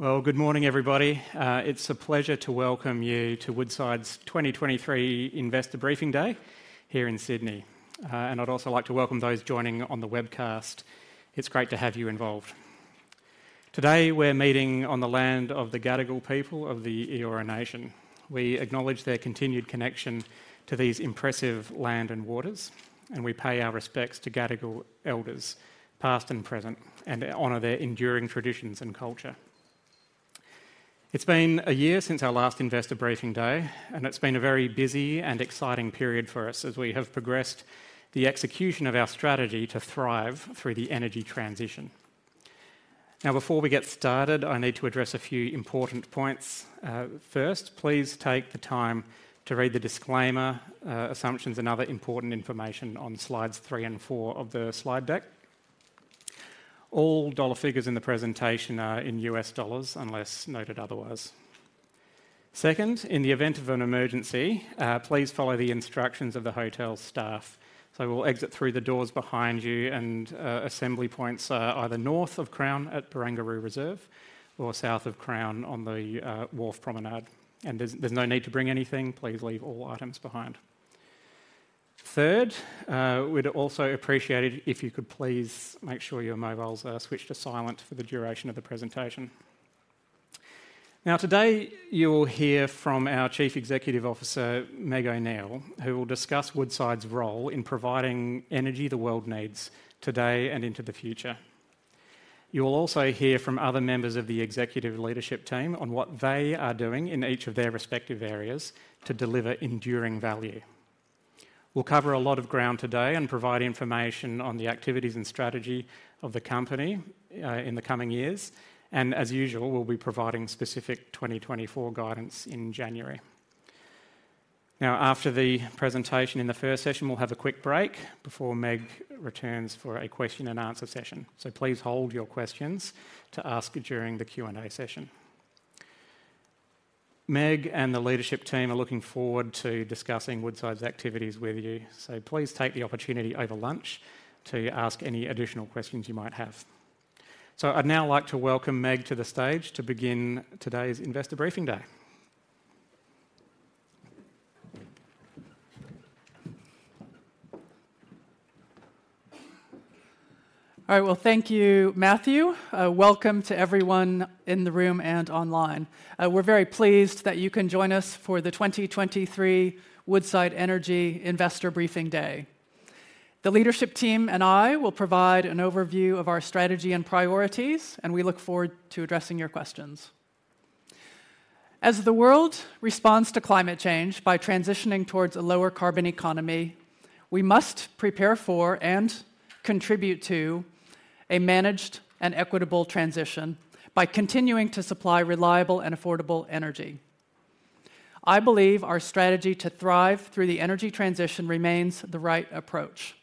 Well, good morning, everybody. It's a pleasure to welcome you to Woodside's 2023 Investor Briefing Day here in Sydney. I'd also like to welcome those joining on the webcast. It's great to have you involved. Today, we're meeting on the land of the Gadigal people of the Eora Nation. We acknowledge their continued connection to these impressive land and waters, and we pay our respects to Gadigal Elders, past and present, and honor their enduring traditions and culture. It's been a year since our last Investor Briefing Day, and it's been a very busy and exciting period for us as we have progressed the execution of our strategy to thrive through the energy transition. Now, before we get started, I need to address a few important points. First, please take the time to read the disclaimer, assumptions, and other important information on slides three and four of the slide deck. All dollar figures in the presentation are in U.S. dollars, unless noted otherwise. Second, in the event of an emergency, please follow the instructions of the hotel staff. We'll exit through the doors behind you, and assembly points are either north of Crown at Barangaroo Reserve or south of Crown on the Wharf Promenade. There's no need to bring anything. Please leave all items behind. Third, we'd also appreciate it if you could please make sure your mobiles are switched to silent for the duration of the presentation. Now, today, you will hear from our Chief Executive Officer, Meg O'Neill, who will discuss Woodside's role in providing energy the world needs today and into the future. You will also hear from other members of the executive leadership team on what they are doing in each of their respective areas to deliver enduring value. We'll cover a lot of ground today and provide information on the activities and strategy of the company in the coming years, and as usual, we'll be providing specific 2024 guidance in January. Now, after the presentation in the first session, we'll have a quick break before Meg returns for a question and answer session. So please hold your questions to ask during the Q&A session. Meg and the leadership team are looking forward to discussing Woodside's activities with you, so please take the opportunity over lunch to ask any additional questions you might have. So I'd now like to welcome Meg to the stage to begin today's Investor Briefing Day. All right. Well, thank you, Matthew. Welcome to everyone in the room and online. We're very pleased that you can join us for the 2023 Woodside Energy Investor Briefing Day. The leadership team and I will provide an overview of our strategy and priorities, and we look forward to addressing your questions. As the world responds to climate change by transitioning towards a lower carbon economy, we must prepare for and contribute to a managed and equitable transition by continuing to supply reliable and affordable energy. I believe our strategy to thrive through the energy transition remains the right approach.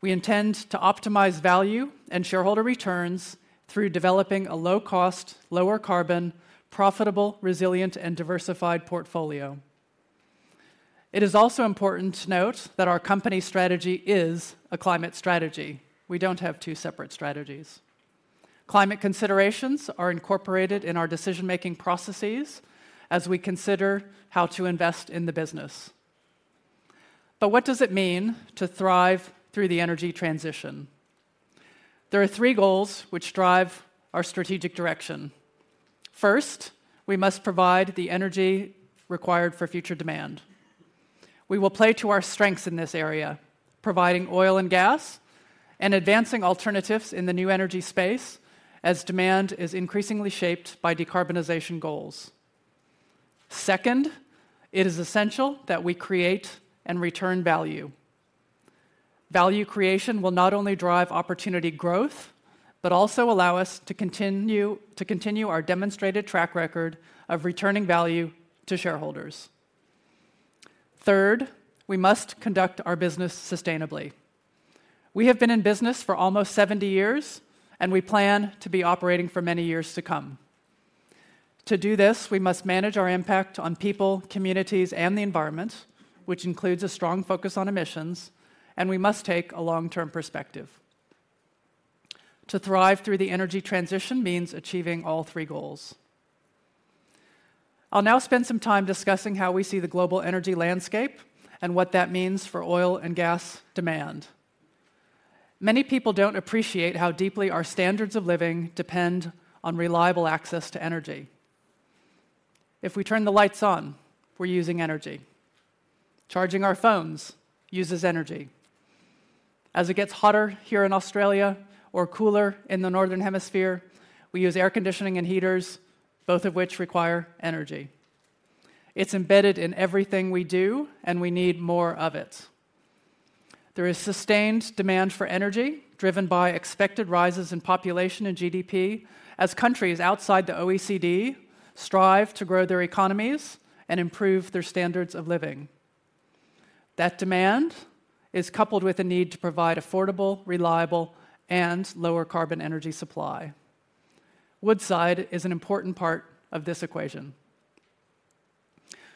We intend to optimize value and shareholder returns through developing a low-cost, lower carbon, profitable, resilient, and diversified portfolio. It is also important to note that our company strategy is a climate strategy. We don't have two separate strategies. Climate considerations are incorporated in our decision-making processes as we consider how to invest in the business. But what does it mean to thrive through the energy transition? There are three goals which drive our strategic direction. First, we must provide the energy required for future demand. We will play to our strengths in this area, providing oil and gas and advancing alternatives in the new energy space as demand is increasingly shaped by decarbonization goals. Second, it is essential that we create and return value. Value creation will not only drive opportunity growth, but also allow us to continue, to continue our demonstrated track record of returning value to shareholders. Third, we must conduct our business sustainably. We have been in business for almost 70 years, and we plan to be operating for many years to come. To do this, we must manage our impact on people, communities, and the environment, which includes a strong focus on emissions, and we must take a long-term perspective. To thrive through the energy transition means achieving all three goals. I'll now spend some time discussing how we see the global energy landscape and what that means for oil and gas demand. Many people don't appreciate how deeply our standards of living depend on reliable access to energy. If we turn the lights on, we're using energy. Charging our phones uses energy. As it gets hotter here in Australia or cooler in the Northern Hemisphere, we use air conditioning and heaters, both of which require energy. It's embedded in everything we do, and we need more of it. There is sustained demand for energy, driven by expected rises in population and GDP, as countries outside the OECD strive to grow their economies and improve their standards of living. That demand is coupled with a need to provide affordable, reliable, and lower carbon energy supply. Woodside is an important part of this equation....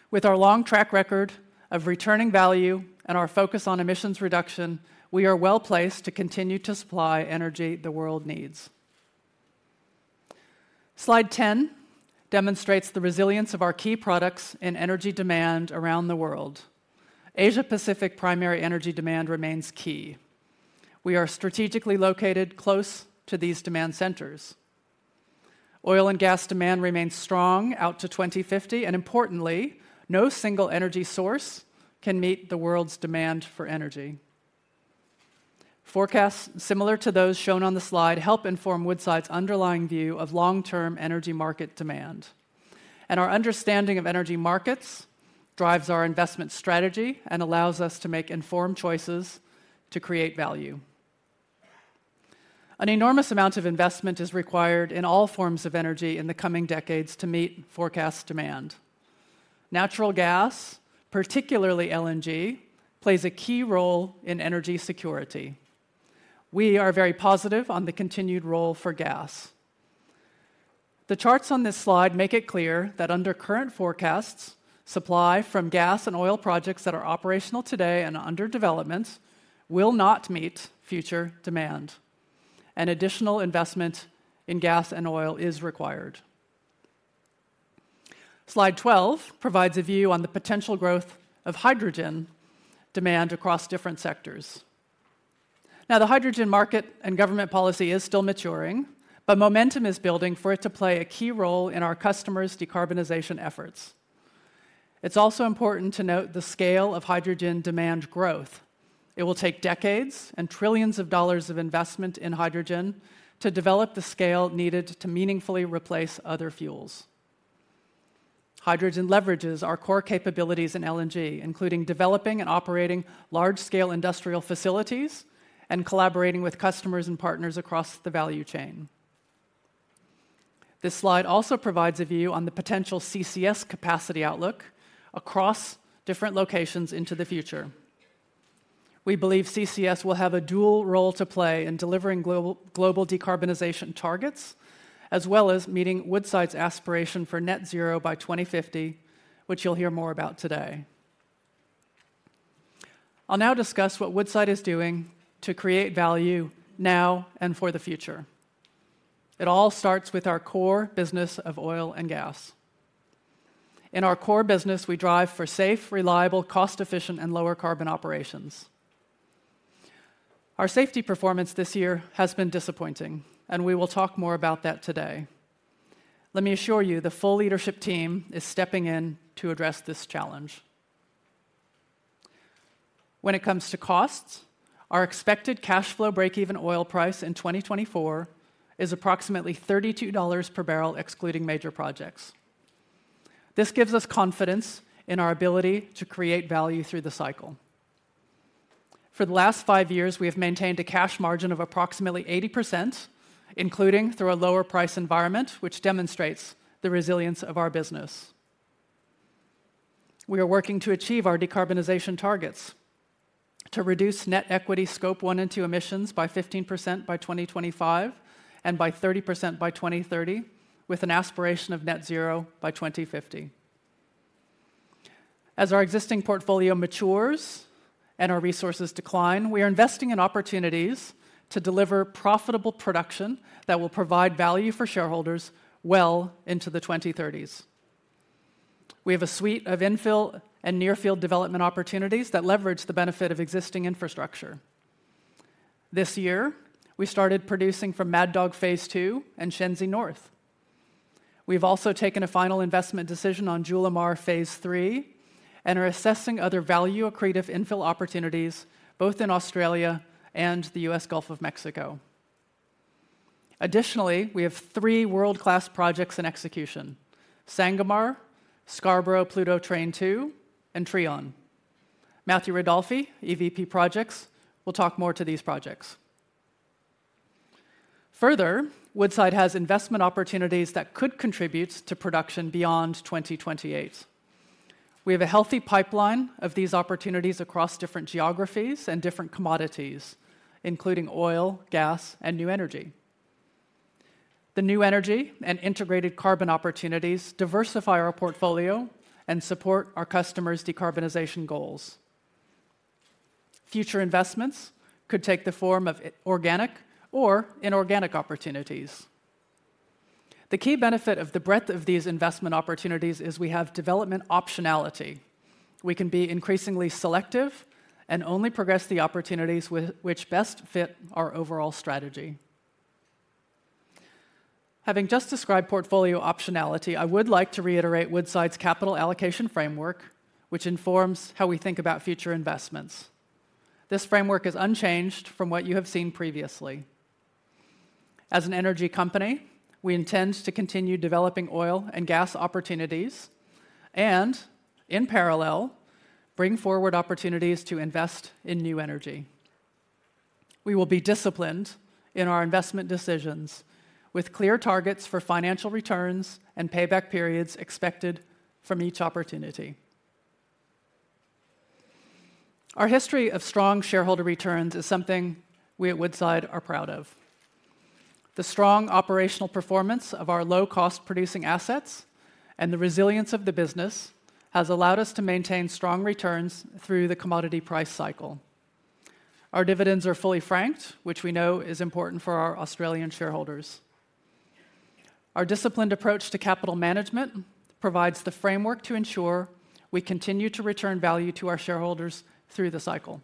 With our long track record of returning value and our focus on emissions reduction, we are well-placed to continue to supply energy the world needs. Slide 10 demonstrates the resilience of our key products in energy demand around the world. Asia-Pacific primary energy demand remains key. We are strategically located close to these demand centers. Oil and gas demand remains strong out to 2050, and importantly, no single energy source can meet the world's demand for energy. Forecasts similar to those shown on the slide help inform Woodside's underlying view of long-term energy market demand. Our understanding of energy markets drives our investment strategy and allows us to make informed choices to create value. An enormous amount of investment is required in all forms of energy in the coming decades to meet forecast demand. Natural gas, particularly LNG, plays a key role in energy security. We are very positive on the continued role for gas. The charts on this slide make it clear that under current forecasts, supply from gas and oil projects that are operational today and under development will not meet future demand, and additional investment in gas and oil is required. Slide 12 provides a view on the potential growth of hydrogen demand across different sectors. Now, the hydrogen market and government policy is still maturing, but momentum is building for it to play a key role in our customers' decarbonization efforts. It's also important to note the scale of hydrogen demand growth. It will take decades and dollar trillions of investment in hydrogen to develop the scale needed to meaningfully replace other fuels. Hydrogen leverages our core capabilities in LNG, including developing and operating large-scale industrial facilities and collaborating with customers and partners across the value chain. This slide also provides a view on the potential CCS capacity outlook across different locations into the future. We believe CCS will have a dual role to play in delivering global decarbonization targets, as well as meeting Woodside's aspiration for net zero by 2050, which you'll hear more about today. I'll now discuss what Woodside is doing to create value now and for the future. It all starts with our core business of oil and gas. In our core business, we drive for safe, reliable, cost-efficient, and lower carbon operations. Our safety performance this year has been disappointing, and we will talk more about that today. Let me assure you, the full leadership team is stepping in to address this challenge. When it comes to costs, our expected cash flow breakeven oil price in 2024 is approximately $32 per barrel, excluding major projects. This gives us confidence in our ability to create value through the cycle. For the last five years, we have maintained a cash margin of approximately 80%, including through a lower price environment, which demonstrates the resilience of our business. We are working to achieve our decarbonization targets to reduce net equity Scope 1 and Scope 2 emissions by 15% by 2025, and by 30% by 2030, with an aspiration of net zero by 2050. As our existing portfolio matures and our resources decline, we are investing in opportunities to deliver profitable production that will provide value for shareholders well into the 2030s. We have a suite of infill and near-field development opportunities that leverage the benefit of existing infrastructure. This year, we started producing from Mad Dog Phase 2 and Shenzi North. We've also taken a final investment decision on Julimar Phase 3, and are assessing other value-accretive infill opportunities, both in Australia and the U.S. Gulf of Mexico. Additionally, we have three world-class projects in execution: Sangomar, Scarborough Pluto Train 2, and Trion. Matthew Ridolfi, EVP Projects, will talk more to these projects. Further, Woodside has investment opportunities that could contribute to production beyond 2028. We have a healthy pipeline of these opportunities across different geographies and different commodities, including oil, gas, and new energy. The new energy and integrated carbon opportunities diversify our portfolio and support our customers' decarbonization goals. Future investments could take the form of organic or inorganic opportunities. The key benefit of the breadth of these investment opportunities is we have development optionality. We can be increasingly selective and only progress the opportunities which best fit our overall strategy. Having just described portfolio optionality, I would like to reiterate Woodside's capital allocation framework, which informs how we think about future investments. This framework is unchanged from what you have seen previously. As an energy company, we intend to continue developing oil and gas opportunities and, in parallel, bring forward opportunities to invest in new energy. We will be disciplined in our investment decisions, with clear targets for financial returns and payback periods expected from each opportunity.... Our history of strong shareholder returns is something we at Woodside are proud of. The strong operational performance of our low-cost producing assets and the resilience of the business has allowed us to maintain strong returns through the commodity price cycle. Our dividends are fully franked, which we know is important for our Australian shareholders. Our disciplined approach to capital management provides the framework to ensure we continue to return value to our shareholders through the cycle.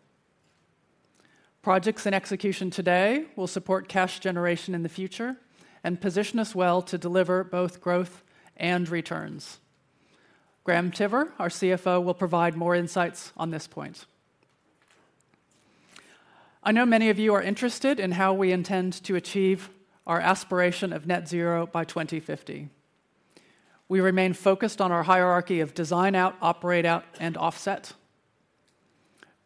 Projects in execution today will support cash generation in the future and position us well to deliver both growth and returns. Graham Tiver, our CFO, will provide more insights on this point. I know many of you are interested in how we intend to achieve our aspiration of net zero by 2050. We remain focused on our hierarchy of design out, operate out, and offset.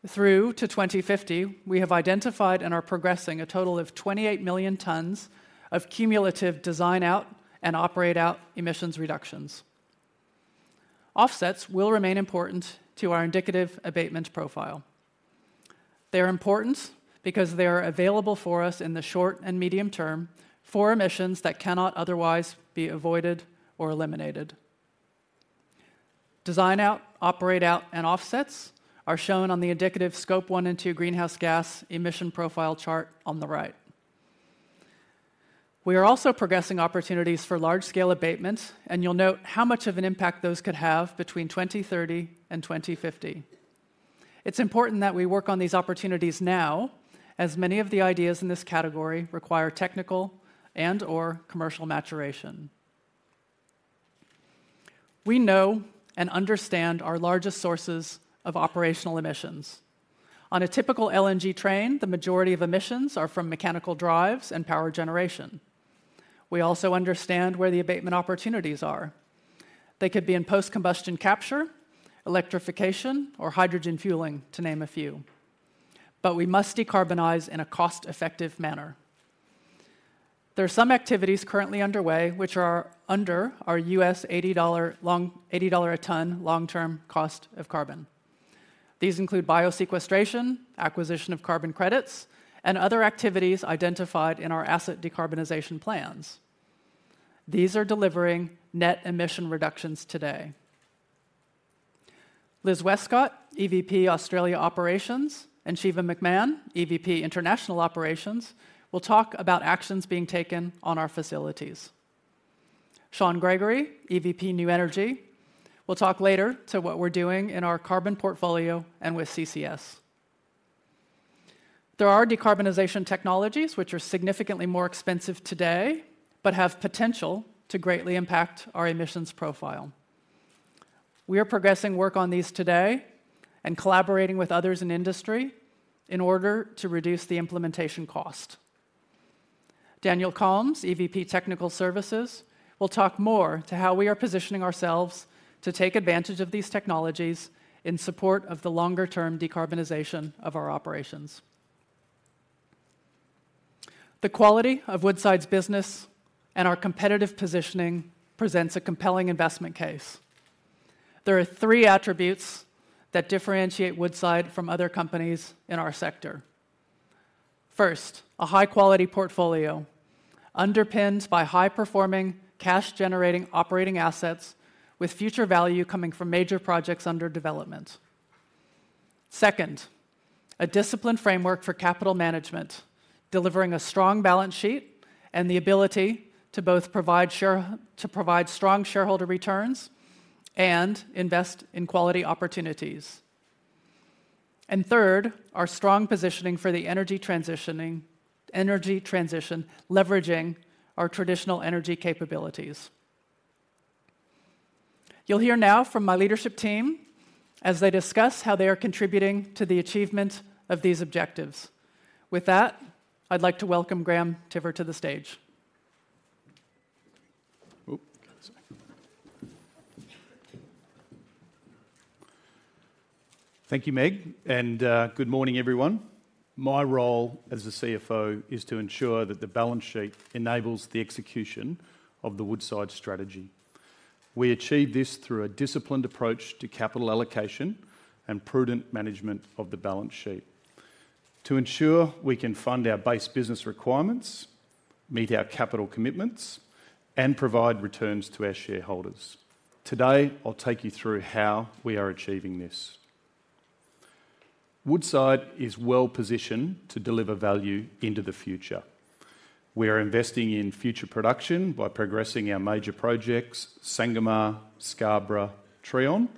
Through to 2050, we have identified and are progressing a total of 28 million tons of cumulative design out and operate out emissions reductions. Offsets will remain important to our indicative abatement profile. They're important because they are available for us in the short and medium term for emissions that cannot otherwise be avoided or eliminated. Design out, operate out, and offsets are shown on the indicative Scope 1 and Scope 2 greenhouse gas emission profile chart on the right. We are also progressing opportunities for large-scale abatement, and you'll note how much of an impact those could have between 2030 and 2050. It's important that we work on these opportunities now, as many of the ideas in this category require technical and/or commercial maturation. We know and understand our largest sources of operational emissions. On a typical LNG train, the majority of emissions are from mechanical drives and power generation. We also understand where the abatement opportunities are. They could be in post-combustion capture, electrification, or hydrogen fueling, to name a few, but we must decarbonize in a cost-effective manner. There are some activities currently underway which are under our U.S. $80 a ton long-term cost of carbon. These include biosequestration, acquisition of carbon credits, and other activities identified in our Asset Decarbonization Plans. These are delivering net emission reductions today. Liz Westcott, EVP Australian Operations, and Shiva McMahon, EVP International Operations, will talk about actions being taken on our facilities. Shaun Gregory, EVP New Energy, will talk later to what we're doing in our carbon portfolio and with CCS. There are decarbonization technologies which are significantly more expensive today, but have potential to greatly impact our emissions profile. We are progressing work on these today and collaborating with others in industry in order to reduce the implementation cost. Daniel Kalms, EVP Technical Services, will talk more to how we are positioning ourselves to take advantage of these technologies in support of the longer-term decarbonization of our operations. The quality of Woodside's business and our competitive positioning presents a compelling investment case. There are three attributes that differentiate Woodside from other companies in our sector. First, a high-quality portfolio underpinned by high-performing, cash-generating operating assets with future value coming from major projects under development. Second, a disciplined framework for capital management, delivering a strong balance sheet and the ability to both provide strong shareholder returns and invest in quality opportunities. And third, our strong positioning for the energy transitioning, energy transition, leveraging our traditional energy capabilities. You'll hear now from my leadership team as they discuss how they are contributing to the achievement of these objectives. With that, I'd like to welcome Graham Tiver to the stage. Oop, go this way. Thank you, Meg, and good morning, everyone. My role as the CFO is to ensure that the balance sheet enables the execution of the Woodside strategy. We achieve this through a disciplined approach to capital allocation and prudent management of the balance sheet to ensure we can fund our base business requirements, meet our capital commitments, and provide returns to our shareholders. Today, I'll take you through how we are achieving this. Woodside is well positioned to deliver value into the future. We are investing in future production by progressing our major projects, Sangomar, Scarborough, Trion,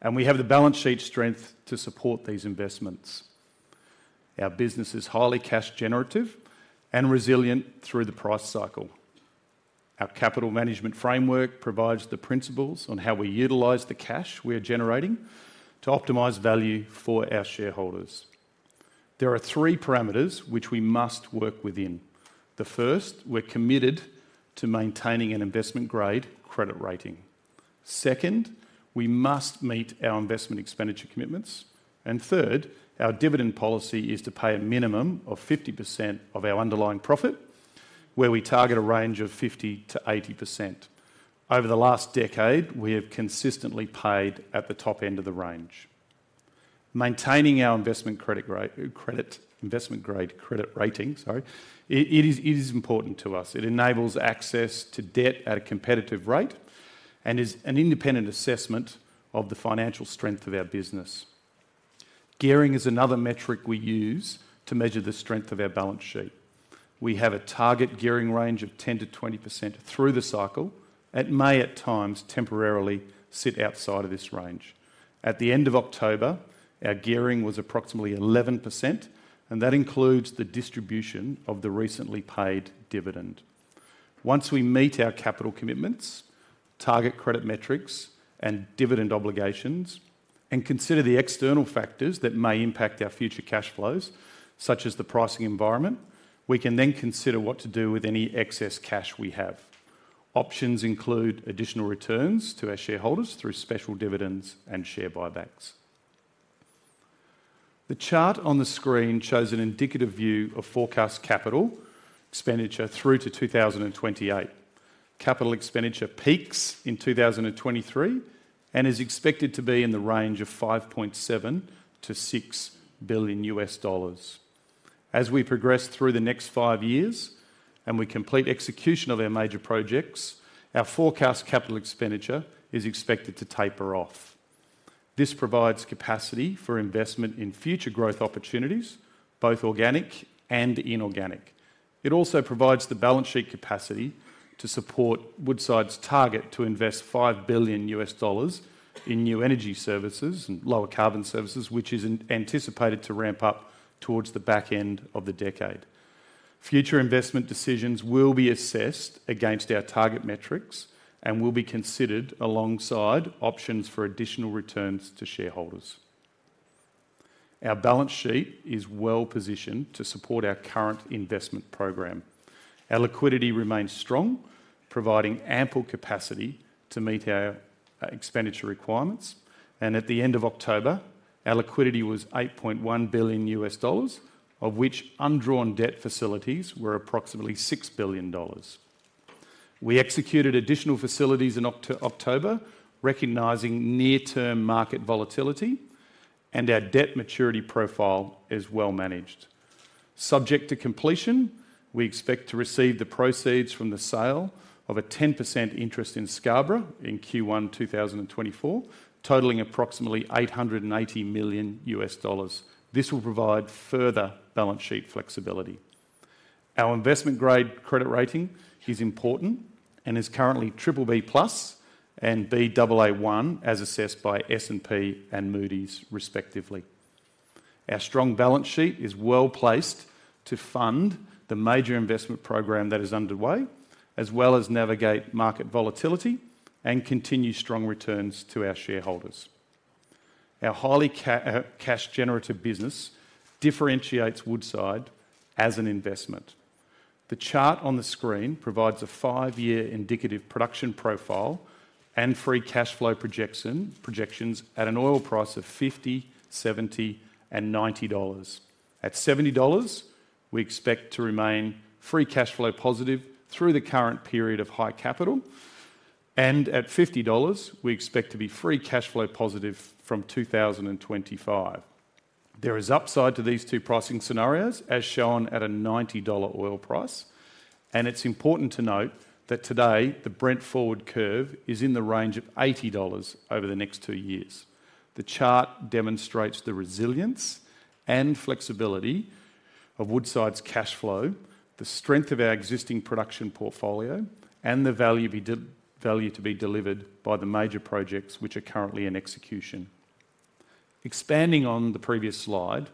and we have the balance sheet strength to support these investments. Our business is highly cash generative and resilient through the price cycle. Our capital management framework provides the principles on how we utilize the cash we are generating to optimize value for our shareholders. There are three parameters which we must work within. The first, we're committed to maintaining an investment-grade credit rating. Second, we must meet our investment expenditure commitments. And third, our dividend policy is to pay a minimum of 50% of our underlying profit, where we target a range of 50%-80%. Over the last decade, we have consistently paid at the top end of the range. Maintaining our investment-grade credit rating, sorry, it is important to us. It enables access to debt at a competitive rate and is an independent assessment of the financial strength of our business. Gearing is another metric we use to measure the strength of our balance sheet. We have a target gearing range of 10%-20% through the cycle. It may, at times, temporarily sit outside of this range. At the end of October, our gearing was approximately 11%, and that includes the distribution of the recently paid dividend. Once we meet our capital commitments, target credit metrics, and dividend obligations, and consider the external factors that may impact our future cash flows, such as the pricing environment, we can then consider what to do with any excess cash we have. Options include additional returns to our shareholders through special dividends and share buybacks. The chart on the screen shows an indicative view of forecast capital expenditure through to 2028. Capital expenditure peaks in 2023 and is expected to be in the range of $5.7 billion-$6 billion. As we progress through the next five years and we complete execution of our major projects, our forecast capital expenditure is expected to taper off. This provides capacity for investment in future growth opportunities, both organic and inorganic. It also provides the balance sheet capacity to support Woodside's target to invest $5 billion in new energy services and lower carbon services, which is anticipated to ramp up towards the back end of the decade. Future investment decisions will be assessed against our target metrics and will be considered alongside options for additional returns to shareholders. Our balance sheet is well-positioned to support our current investment program. Our liquidity remains strong, providing ample capacity to meet our expenditure requirements, and at the end of October, our liquidity was $8.1 billion, of which undrawn debt facilities were approximately $6 billion. We executed additional facilities in October, recognizing near-term market volatility, and our debt maturity profile is well managed. Subject to completion, we expect to receive the proceeds from the sale of a 10% interest in Scarborough in Q1 2024, totalling approximately $880 million. This will provide further balance sheet flexibility. Our investment-grade credit rating is important and is currently BBB+ and Baa1, as assessed by S&P and Moody's respectively. Our strong balance sheet is well-placed to fund the major investment program that is underway, as well as navigate market volatility and continue strong returns to our shareholders. Our highly cash generative business differentiates Woodside as an investment. The chart on the screen provides a five-year indicative production profile and free cash flow projection, projections at an oil price of $50, $70, and $90. At $70, we expect to remain free cash flow positive through the current period of high capital, and at $50, we expect to be free cash flow positive from 2025. There is upside to these two pricing scenarios, as shown at a $90 oil price, and it's important to note that today, the Brent forward curve is in the range of $80 over the next two years. The chart demonstrates the resilience and flexibility of Woodside's cash flow, the strength of our existing production portfolio, and the value to be delivered by the major projects which are currently in execution. Expanding on the previous slide,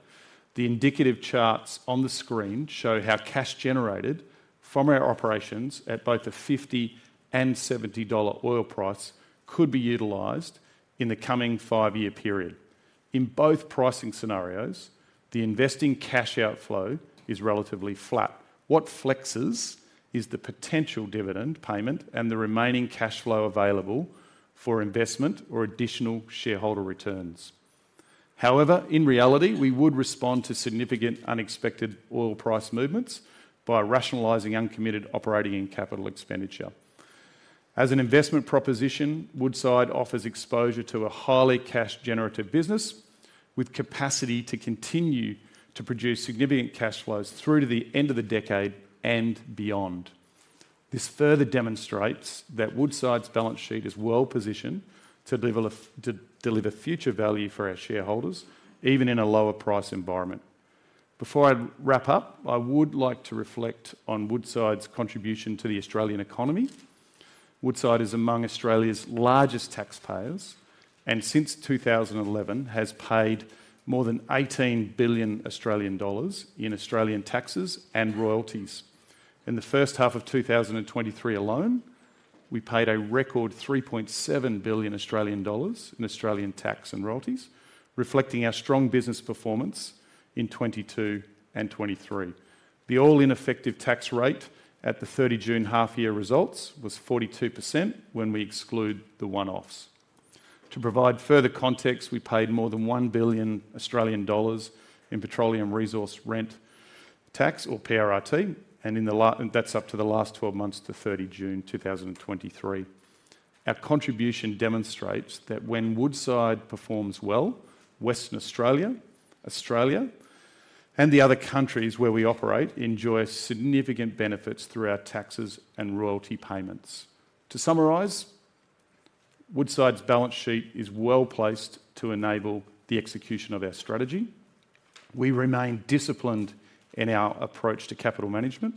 the indicative charts on the screen show how cash generated from our operations at both the $50 and $70 oil price could be utilised in the coming five-year period. In both pricing scenarios, the investing cash outflow is relatively flat. What flexes is the potential dividend payment and the remaining cash flow available for investment or additional shareholder returns. However, in reality, we would respond to significant unexpected oil price movements by rationalising uncommitted operating and capital expenditure. As an investment proposition, Woodside offers exposure to a highly cash-generative business with capacity to continue to produce significant cash flows through to the end of the decade and beyond. This further demonstrates that Woodside's balance sheet is well-positioned to deliver future value for our shareholders, even in a lower price environment. Before I wrap up, I would like to reflect on Woodside's contribution to the Australian economy. Woodside is among Australia's largest taxpayers, and since 2011, has paid more than 18 billion Australian dollars in Australian taxes and royalties. In the first half of 2023 alone, we paid a record 3.7 billion Australian dollars in Australian tax and royalties, reflecting our strong business performance in 2022 and 2023. The all-in effective tax rate at the 30 June half-year results was 42% when we exclude the one-offs.... To provide further context, we paid more than 1 billion Australian dollars in Petroleum Resource Rent Tax, or PRRT, and that's up to the last 12 months to 30 June, 2023. Our contribution demonstrates that when Woodside performs well, Western Australia, Australia, and the other countries where we operate enjoy significant benefits through our taxes and royalty payments. To summarize, Woodside's balance sheet is well-placed to enable the execution of our strategy. We remain disciplined in our approach to capital management,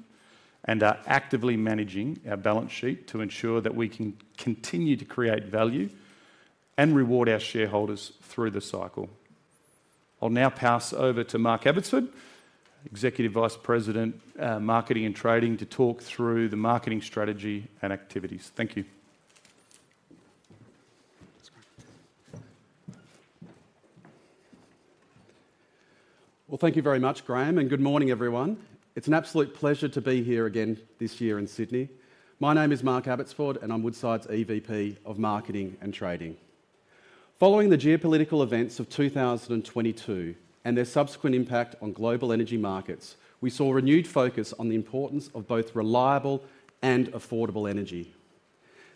and are actively managing our balance sheet to ensure that we can continue to create value and reward our shareholders through the cycle. I'll now pass over to Mark Abbotsford, Executive Vice President, Marketing and Trading, to talk through the marketing strategy and activities. Thank you. Well, thank you very much, Graham, and good morning, everyone. It's an absolute pleasure to be here again this year in Sydney. My name is Mark Abbotsford, and I'm Woodside's EVP of Marketing and Trading. Following the geopolitical events of 2022 and their subsequent impact on global energy markets, we saw a renewed focus on the importance of both reliable and affordable energy.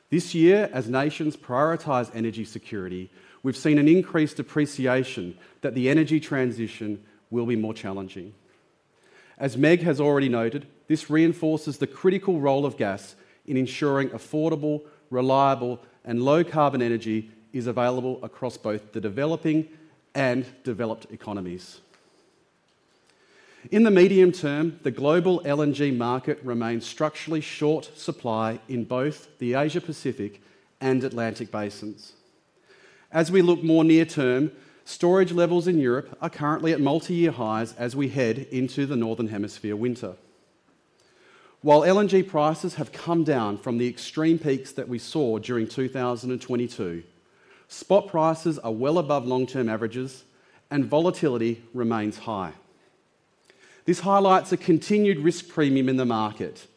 This year, as nations prioritize energy security, we've seen an increased appreciation that the energy transition will be more challenging. As Meg has already noted, this reinforces the critical role of gas in ensuring affordable, reliable, and low-carbon energy is available across both the developing and developed economies. In the medium term, the global LNG market remains structurally short supply in both the Asia Pacific and Atlantic basins. As we look more near-term, storage levels in Europe are currently at multi-year highs as we head into the Northern Hemisphere winter. While LNG prices have come down from the extreme peaks that we saw during 2022, spot prices are well above long-term averages and volatility remains high. This highlights a continued risk premium in the market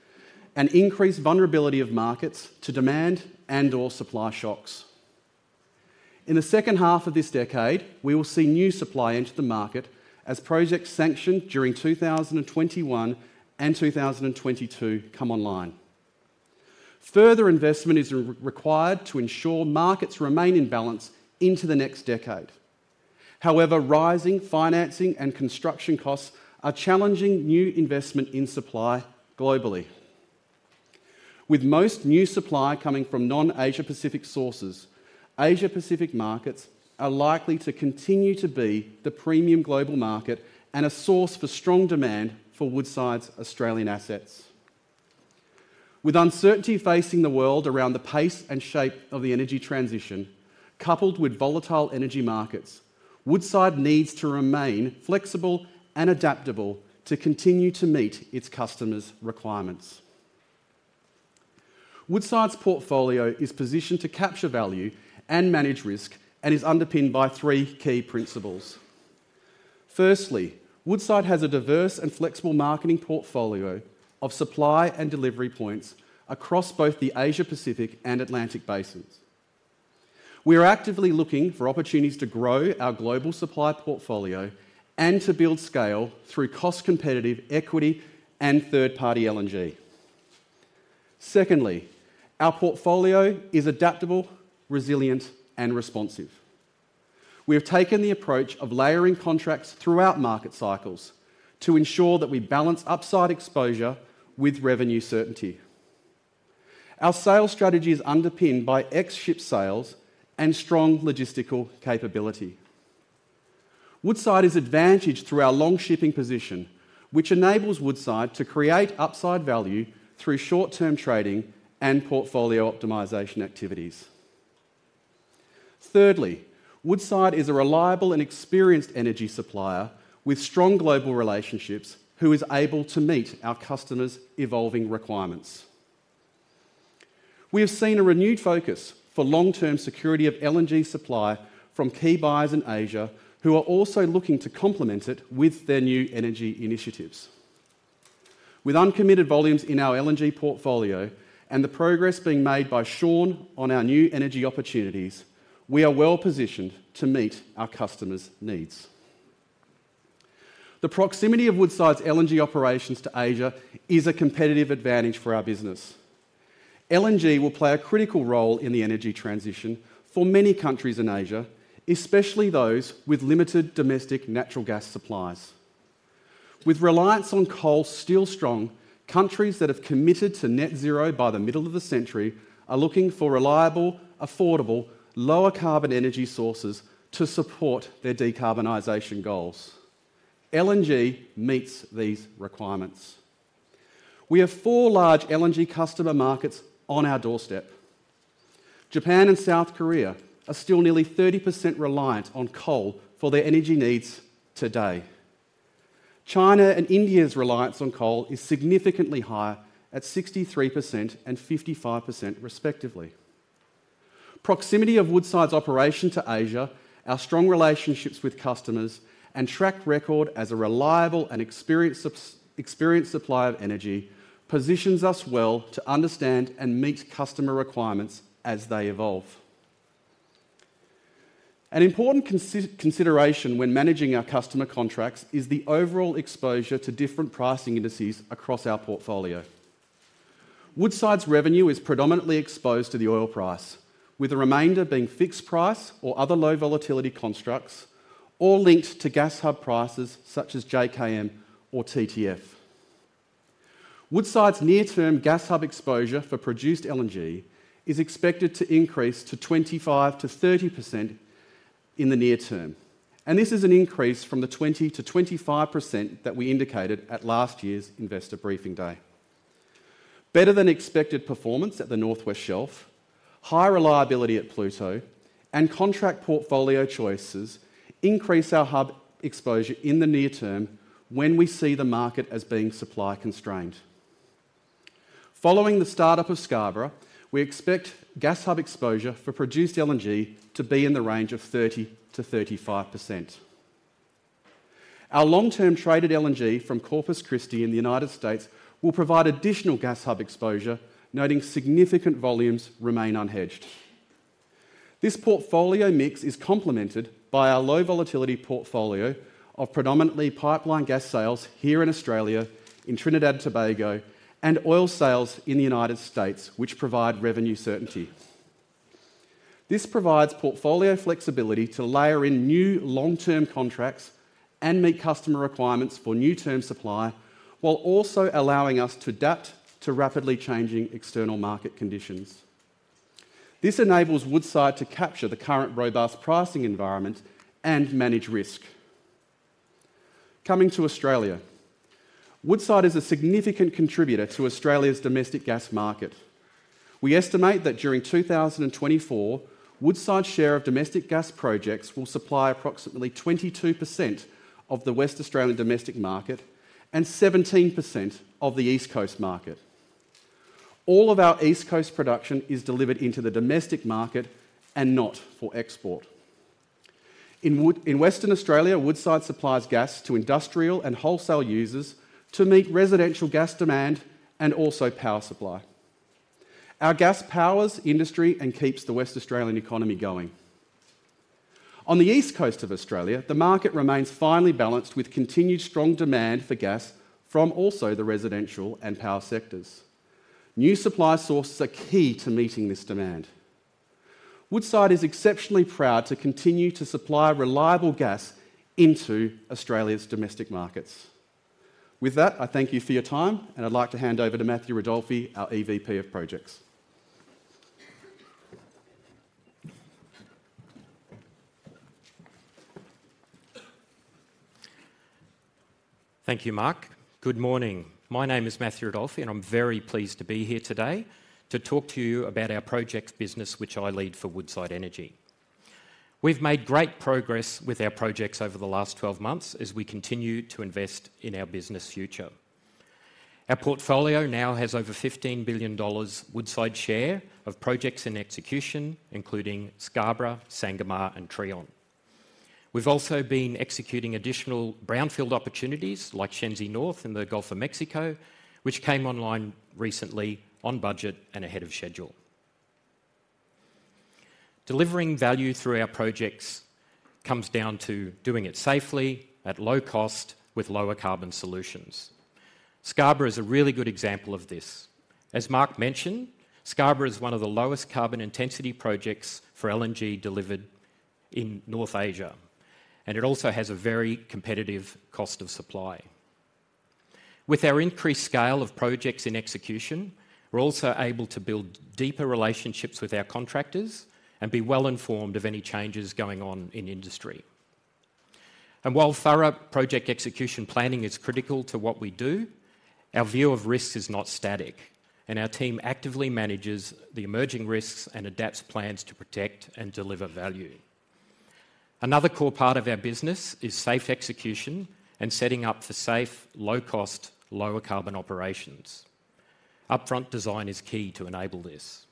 and increased vulnerability of markets to demand and/or supply shocks. In the second half of this decade, we will see new supply into the market as projects sanctioned during 2021 and 2022 come online. Further investment is required to ensure markets remain in balance into the next decade. However, rising financing and construction costs are challenging new investment in supply globally. With most new supply coming from non-Asia Pacific sources, Asia Pacific markets are likely to continue to be the premium global market and a source for strong demand for Woodside's Australian assets. With uncertainty facing the world around the pace and shape of the energy transition, coupled with volatile energy markets, Woodside needs to remain flexible and adaptable to continue to meet its customers' requirements. Woodside's portfolio is positioned to capture value and manage risk, and is underpinned by three key principles. Firstly, Woodside has a diverse and flexible marketing portfolio of supply and delivery points across both the Asia Pacific and Atlantic basins. We are actively looking for opportunities to grow our global supply portfolio and to build scale through cost-competitive equity and third-party LNG. Secondly, our portfolio is adaptable, resilient, and responsive. We have taken the approach of layering contracts throughout market cycles to ensure that we balance upside exposure with revenue certainty. Our sales strategy is underpinned by ex-ship sales and strong logistical capability. Woodside is advantaged through our long shipping position, which enables Woodside to create upside value through short-term trading and portfolio optimization activities. Thirdly, Woodside is a reliable and experienced energy supplier with strong global relationships, who is able to meet our customers' evolving requirements. We have seen a renewed focus for long-term security of LNG supply from key buyers in Asia, who are also looking to complement it with their new energy initiatives. With uncommitted volumes in our LNG portfolio and the progress being made by Shaun on our new energy opportunities, we are well-positioned to meet our customers' needs. The proximity of Woodside's LNG operations to Asia is a competitive advantage for our business. LNG will play a critical role in the energy transition for many countries in Asia, especially those with limited domestic natural gas supplies. With reliance on coal still strong, countries that have committed to net zero by the middle of the century are looking for reliable, affordable, lower-carbon energy sources to support their decarbonization goals. LNG meets these requirements. We have four large LNG customer markets on our doorstep. Japan and South Korea are still nearly 30% reliant on coal for their energy needs today. China and India's reliance on coal is significantly higher, at 63% and 55% respectively. Proximity of Woodside's operation to Asia, our strong relationships with customers, and track record as a reliable and experienced supplier of energy, positions us well to understand and meet customer requirements as they evolve.... An important consideration when managing our customer contracts is the overall exposure to different pricing indices across our portfolio. Woodside's revenue is predominantly exposed to the oil price, with the remainder being fixed price or other low volatility constructs, all linked to gas hub prices such as JKM or TTF. Woodside's near-term gas hub exposure for produced LNG is expected to increase to 25%-30% in the near term, and this is an increase from the 20%-25% that we indicated at last year's investor briefing day. Better than expected performance at the North West Shelf, high reliability at Pluto, and contract portfolio choices increase our hub exposure in the near term when we see the market as being supply constrained. Following the start-up of Scarborough, we expect gas hub exposure for produced LNG to be in the range of 30%-35%. Our long-term traded LNG from Corpus Christi in the United States will provide additional gas hub exposure, noting significant volumes remain unhedged. This portfolio mix is complemented by our low volatility portfolio of predominantly pipeline gas sales here in Australia, in Trinidad and Tobago, and oil sales in the United States, which provide revenue certainty. This provides portfolio flexibility to layer in new long-term contracts and meet customer requirements for new term supply, while also allowing us to adapt to rapidly changing external market conditions. This enables Woodside to capture the current robust pricing environment and manage risk. Coming to Australia, Woodside is a significant contributor to Australia's domestic gas market. We estimate that during 2024, Woodside's share of domestic gas projects will supply approximately 22% of the West Australian domestic market and 17% of the East Coast market. All of our East Coast production is delivered into the domestic market and not for export. In Western Australia, Woodside supplies gas to industrial and wholesale users to meet residential gas demand and also power supply. Our gas powers industry and keeps the West Australian economy going. On the east coast of Australia, the market remains finely balanced, with continued strong demand for gas from also the residential and power sectors. New supply sources are key to meeting this demand. Woodside is exceptionally proud to continue to supply reliable gas into Australia's domestic markets. With that, I thank you for your time, and I'd like to hand over to Matthew Ridolfi, our EVP of Projects. Thank you, Mark. Good morning. My name is Matthew Ridolfi, and I'm very pleased to be here today to talk to you about our projects business, which I lead for Woodside Energy. We've made great progress with our projects over the last 12 months as we continue to invest in our business future. Our portfolio now has over $15 billion Woodside share of projects in execution, including Scarborough, Sangomar, and Trion. We've also been executing additional brownfield opportunities like Shenzi North in the Gulf of Mexico, which came online recently on budget and ahead of schedule. Delivering value through our projects comes down to doing it safely, at low cost, with lower carbon solutions. Scarborough is a really good example of this. As Mark mentioned, Scarborough is one of the lowest carbon intensity projects for LNG delivered in North Asia, and it also has a very competitive cost of supply. With our increased scale of projects in execution, we're also able to build deeper relationships with our contractors and be well informed of any changes going on in industry. While thorough project execution planning is critical to what we do, our view of risk is not static, and our team actively manages the emerging risks and adapts plans to protect and deliver value. Another core part of our business is safe execution and setting up for safe, low cost, lower carbon operations. Upfront design is key to enable this.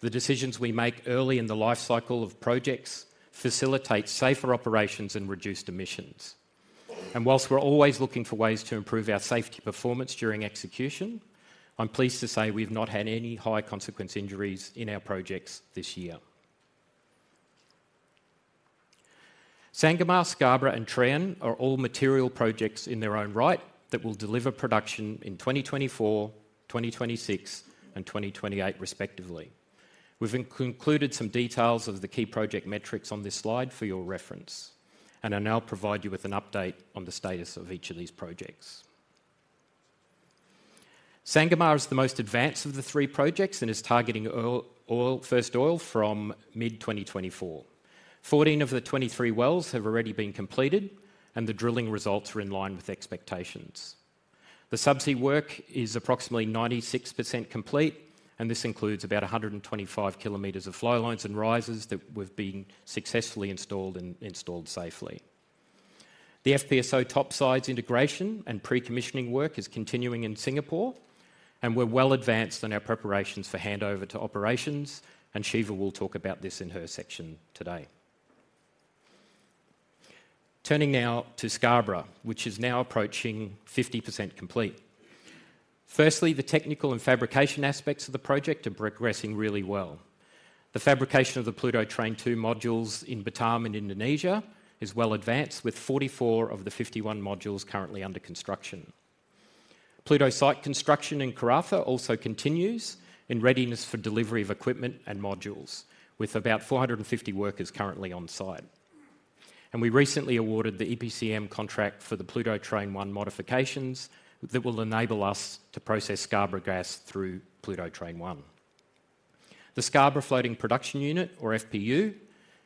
The decisions we make early in the life cycle of projects facilitate safer operations and reduced emissions. While we're always looking for ways to improve our safety performance during execution, I'm pleased to say we've not had any high consequence injuries in our projects this year. Sangomar, Scarborough, and Trion are all material projects in their own right that will deliver production in 2024, 2026, and 2028 respectively. We've included some details of the key project metrics on this slide for your reference, and I'll now provide you with an update on the status of each of these projects. Sangomar is the most advanced of the three projects and is targeting oil, oil, first oil from mid-2024. 14 of the 23 wells have already been completed, and the drilling results are in line with expectations. The subsea work is approximately 96% complete, and this includes about 125 kilometers of flow lines and risers that have been successfully installed and installed safely. The FPSO topsides integration and pre-commissioning work is continuing in Singapore, and we're well advanced in our preparations for handover to operations, and Shiva will talk about this in her section today.... Turning now to Scarborough, which is now approaching 50% complete. Firstly, the technical and fabrication aspects of the project are progressing really well. The fabrication of the Pluto Train 2 modules in Batam, in Indonesia, is well advanced, with 44 of the 51 modules currently under construction. Pluto site construction in Karratha also continues in readiness for delivery of equipment and modules, with about 450 workers currently on site. We recently awarded the EPCM contract for the Pluto Train 1 modifications that will enable us to process Scarborough gas through Pluto Train 1. The Scarborough floating production unit, or FPU,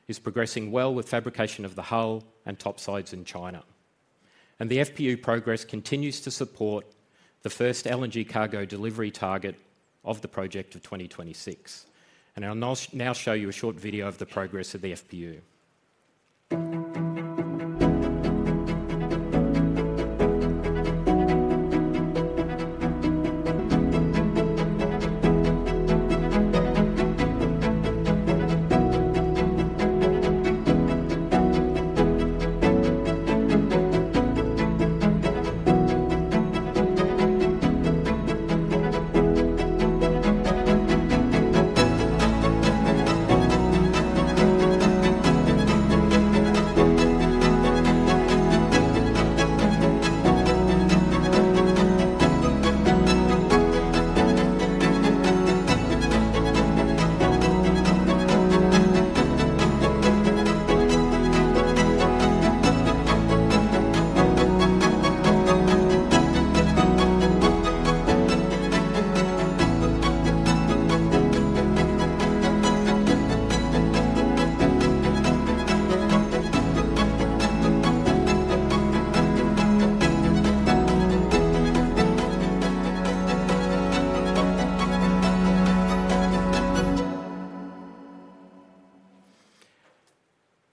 is progressing well with fabrication of the hull and topsides in China. The FPU progress continues to support the first LNG cargo delivery target of the project of 2026. I'll now show you a short video of the progress of the FPU.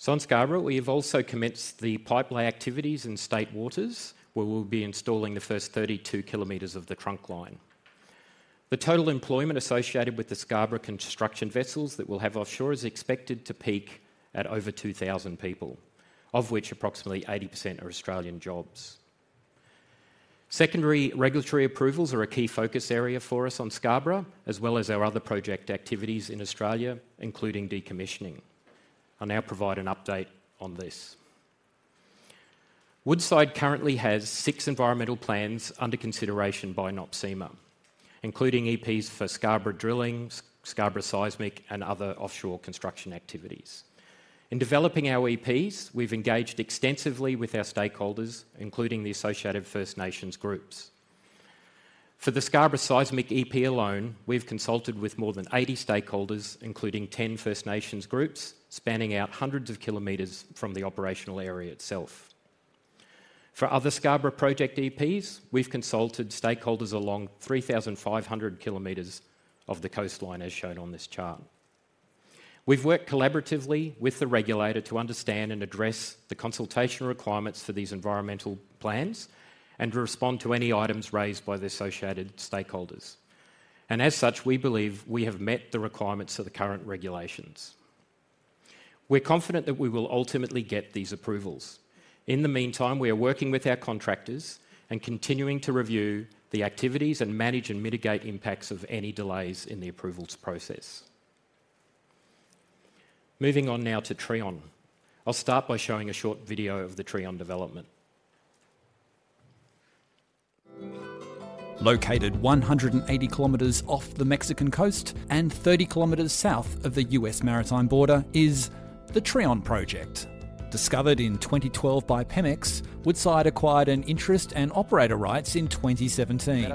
On Scarborough, we have also commenced the pipelay activities in state waters, where we'll be installing the first 32 kilometers of the trunk line. The total employment associated with the Scarborough construction vessels that we'll have offshore is expected to peak at over 2,000 people, of which approximately 80% are Australian jobs. Secondary regulatory approvals are a key focus area for us on Scarborough, as well as our other project activities in Australia, including decommissioning. I'll now provide an update on this. Woodside currently has six environmental plans under consideration by NOPSEMA, including EPs for Scarborough drilling, Scarborough seismic, and other offshore construction activities. In developing our EPs, we've engaged extensively with our stakeholders, including the associated First Nations groups. For the Scarborough Seismic EP alone, we've consulted with more than 80 stakeholders, including 10 First Nations groups, spanning out hundreds of kilometers from the operational area itself. For other Scarborough project EPs, we've consulted stakeholders along 3,500 kilometers of the coastline, as shown on this chart. We've worked collaboratively with the regulator to understand and address the consultation requirements for these environmental plans and to respond to any items raised by the associated stakeholders, and as such, we believe we have met the requirements of the current regulations. We're confident that we will ultimately get these approvals. In the meantime, we are working with our contractors and continuing to review the activities and manage and mitigate impacts of any delays in the approvals process. Moving on now to Trion. I'll start by showing a short video of the Trion development. Located 180 kilometers off the Mexican coast and 30 kilometers south of the U.S. maritime border is the Trion project. Discovered in 2012 by PEMEX, Woodside acquired an interest and operator rights in 2017.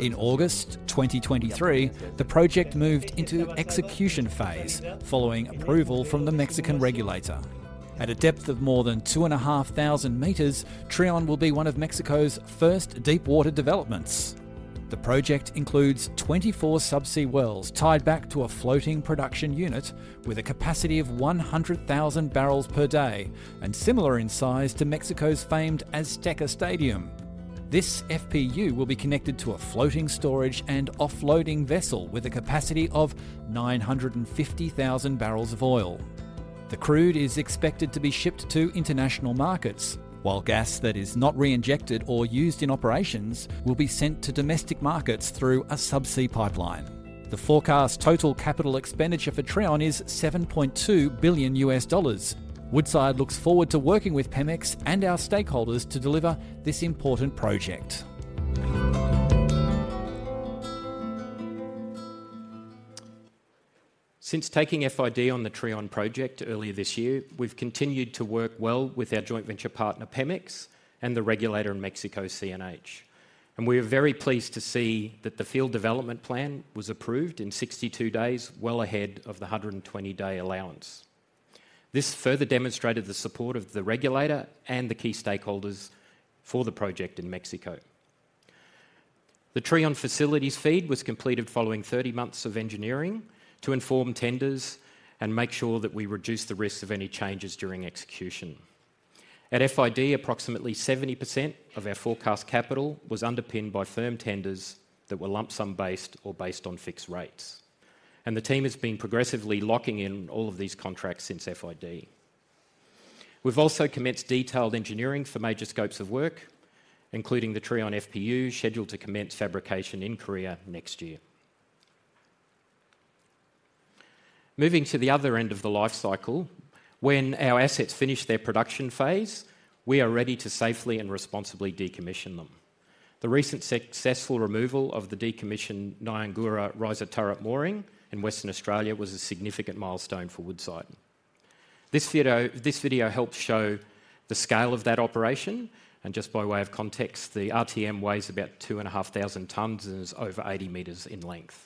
In August 2023, the project moved into execution phase, following approval from the Mexican regulator. At a depth of more than 2,500 meters, Trion will be one of Mexico's first deepwater developments. The project includes 24 subsea wells tied back to a floating production unit with a capacity of 100,000 barrels per day, and similar in size to Mexico's famed Azteca Stadium. This FPU will be connected to a floating storage and offloading vessel with a capacity of 950,000 barrels of oil. The crude is expected to be shipped to international markets, while gas that is not reinjected or used in operations will be sent to domestic markets through a subsea pipeline. The forecast total capital expenditure for Trion is $7.2 billion. Woodside looks forward to working with PEMEX and our stakeholders to deliver this important project. Since taking FID on the Trion project earlier this year, we've continued to work well with our joint venture partner, PEMEX, and the regulator in Mexico, CNH. We are very pleased to see that the field development plan was approved in 62 days, well ahead of the 120-day allowance. This further demonstrated the support of the regulator and the key stakeholders for the project in Mexico. The Trion FEED was completed following 30 months of engineering to inform tenders and make sure that we reduce the risk of any changes during execution. At FID, approximately 70% of our forecast capital was underpinned by firm tenders that were lump sum based or based on fixed rates... and the team has been progressively locking in all of these contracts since FID. We've also commenced detailed engineering for major scopes of work, including the Trion FPU, scheduled to commence fabrication in Korea next year. Moving to the other end of the life cycle, when our assets finish their production phase, we are ready to safely and responsibly decommission them. The recent successful removal of the decommissioned Nganhurra riser turret mooring in Western Australia was a significant milestone for Woodside. This video helps show the scale of that operation, and just by way of context, the RTM weighs about 2,500 tons and is over 80 meters in length.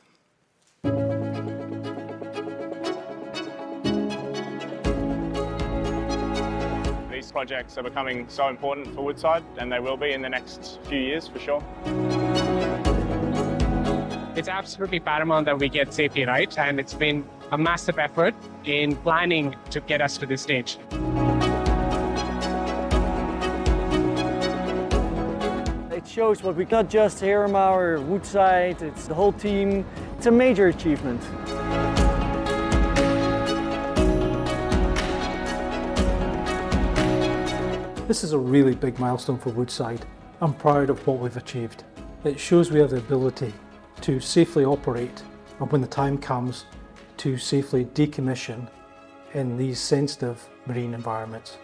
These projects are becoming so important for Woodside, and they will be in the next few years for sure. It's absolutely paramount that we get safety right, and it's been a massive effort in planning to get us to this stage. It shows what we got just here in our Woodside. It's the whole team. It's a major achievement. This is a really big milestone for Woodside. I'm proud of what we've achieved. It shows we have the ability to safely operate, and when the time comes, to safely decommission in these sensitive marine environments.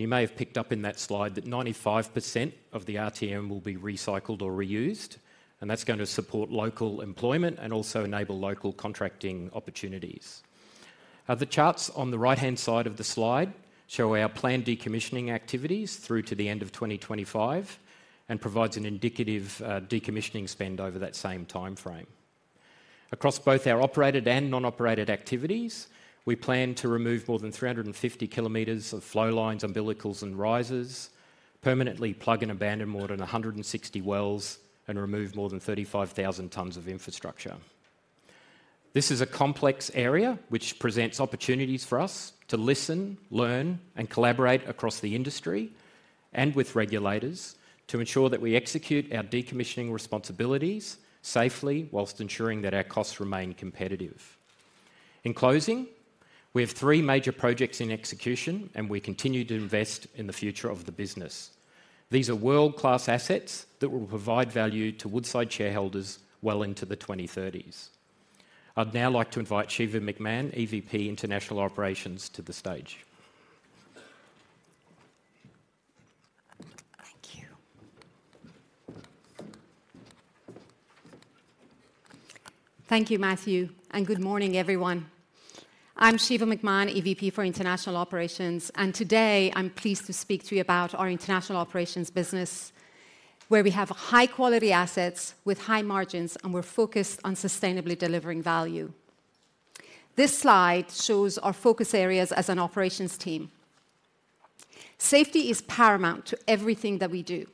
You may have picked up in that slide that 95% of the RTM will be recycled or reused, and that's going to support local employment and also enable local contracting opportunities. The charts on the right-hand side of the slide show our planned decommissioning activities through to the end of 2025 and provides an indicative decommissioning spend over that same timeframe. Across both our operated and non-operated activities, we plan to remove more than 350 kilometers of flow lines, umbilicals, and risers, permanently plug and abandon more than 160 wells, and remove more than 35,000 tons of infrastructure. This is a complex area, which presents opportunities for us to listen, learn, and collaborate across the industry and with regulators to ensure that we execute our decommissioning responsibilities safely, while ensuring that our costs remain competitive. In closing, we have three major projects in execution, and we continue to invest in the future of the business. These are world-class assets that will provide value to Woodside shareholders well into the twenty-thirties. I'd now like to invite Shiva McMahon, EVP International Operations, to the stage. Thank you. Thank you, Matthew, and good morning, everyone. I'm Shiva McMahon, EVP for International Operations, and today, I'm pleased to speak to you about our international operations business, where we have high-quality assets with high margins, and we're focused on sustainably delivering value. This slide shows our focus areas as an operations team. Safety is paramount to everything that we do.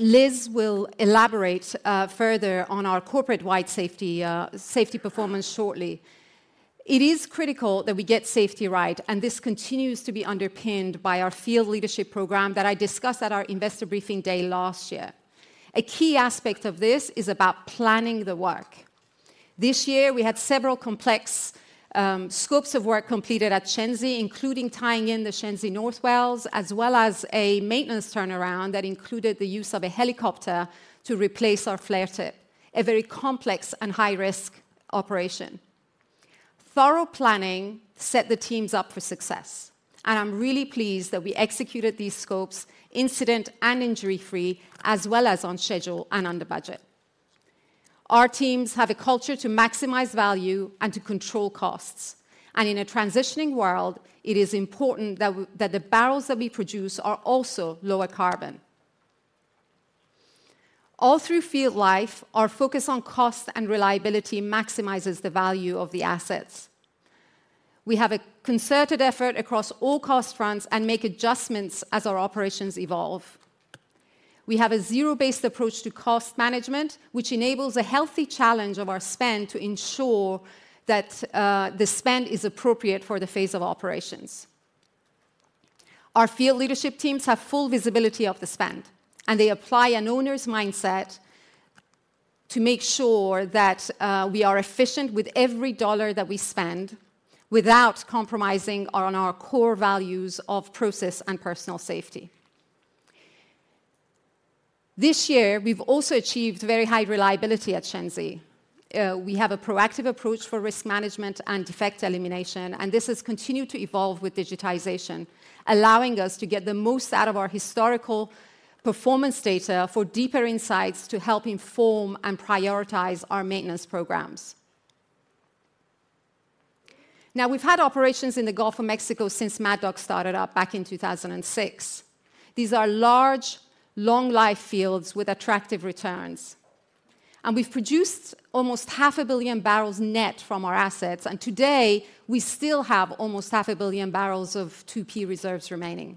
Liz will elaborate, further on our corporate-wide safety performance shortly. It is critical that we get safety right, and this continues to be underpinned by our field leadership program that I discussed at our investor briefing day last year. A key aspect of this is about planning the work. This year, we had several complex scopes of work completed at Shenzi, including tying in the Shenzi North wells, as well as a maintenance turnaround that included the use of a helicopter to replace our flare tip, a very complex and high-risk operation. Thorough planning set the teams up for success, and I'm really pleased that we executed these scopes incident- and injury-free, as well as on schedule and under budget. Our teams have a culture to maximize value and to control costs, and in a transitioning world, it is important that that the barrels that we produce are also lower carbon. All through field life, our focus on cost and reliability maximizes the value of the assets. We have a concerted effort across all cost fronts and make adjustments as our operations evolve. We have a zero-based approach to cost management, which enables a healthy challenge of our spend to ensure that, the spend is appropriate for the phase of operations. Our field leadership teams have full visibility of the spend, and they apply an owner's mindset to make sure that, we are efficient with every dollar that we spend without compromising on our core values of process and personal safety. This year, we've also achieved very high reliability at Shenzi. We have a proactive approach for risk management and defect elimination, and this has continued to evolve with digitization, allowing us to get the most out of our historical performance data for deeper insights to help inform and prioritize our maintenance programs. Now, we've had operations in the Gulf of Mexico since Mad Dog started up back in 2006. These are large, long-life fields with attractive returns, and we've produced almost 500 million barrels net from our assets, and today, we still have almost 500 million barrels of 2P reserves remaining.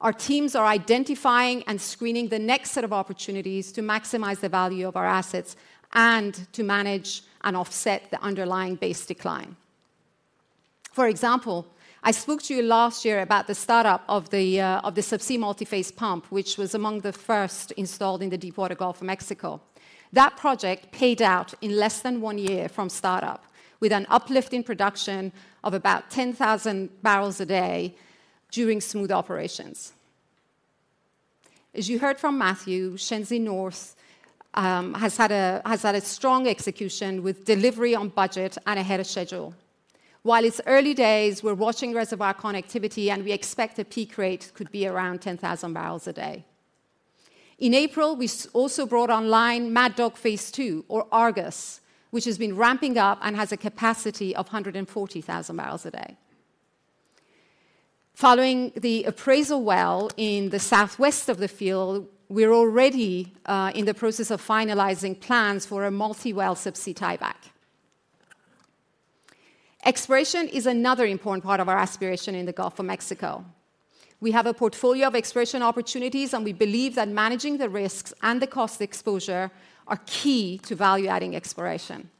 Our teams are identifying and screening the next set of opportunities to maximize the value of our assets and to manage and offset the underlying base decline. For example, I spoke to you last year about the startup of the subsea multiphase pump, which was among the first installed in the deepwater Gulf of Mexico. That project paid out in less than one year from startup, with an uplift in production of about 10,000 barrels a day during smooth operations. As you heard from Matthew, Shenzi North has had a strong execution with delivery on budget and ahead of schedule. While it's early days, we're watching reservoir connectivity, and we expect the peak rate could be around 10,000 barrels a day. In April, we also brought online Mad Dog Phase 2 or Argus, which has been ramping up and has a capacity of 140,000 barrels a day. Following the appraisal well in the southwest of the field, we're already in the process of finalizing plans for a multi-well subsea tieback. Exploration is another important part of our aspiration in the Gulf of Mexico. We have a portfolio of exploration opportunities, and we believe that managing the risks and the cost exposure are key to value-adding exploration.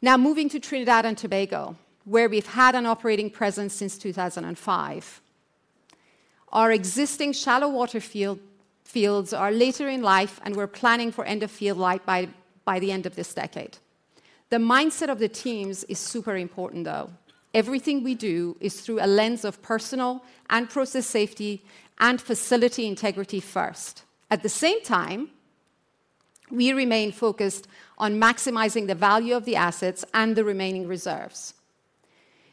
Now, moving to Trinidad and Tobago, where we've had an operating presence since 2005. Our existing shallow water fields are later in life, and we're planning for end of field life by the end of this decade. The mindset of the teams is super important, though. Everything we do is through a lens of personal and process safety and facility integrity first. At the same time, we remain focused on maximizing the value of the assets and the remaining reserves.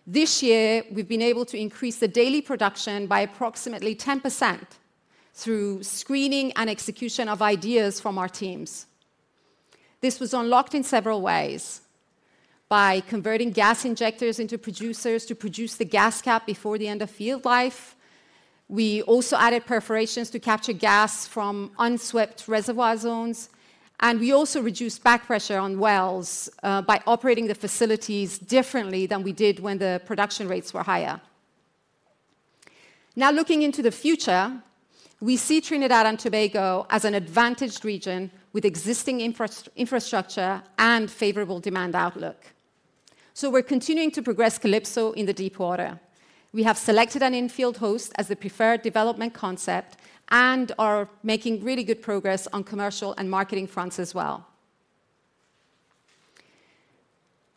This year, we've been able to increase the daily production by approximately 10% through screening and execution of ideas from our teams. This was unlocked in several ways: by converting gas injectors into producers to produce the gas cap before the end of field life, we also added perforations to capture gas from unswept reservoir zones, and we also reduced back pressure on wells by operating the facilities differently than we did when the production rates were higher. Now, looking into the future, we see Trinidad and Tobago as an advantaged region with existing infrastructure and favorable demand outlook. So we're continuing to progress Calypso in the deepwater. We have selected an infield host as the preferred development concept and are making really good progress on commercial and marketing fronts as well.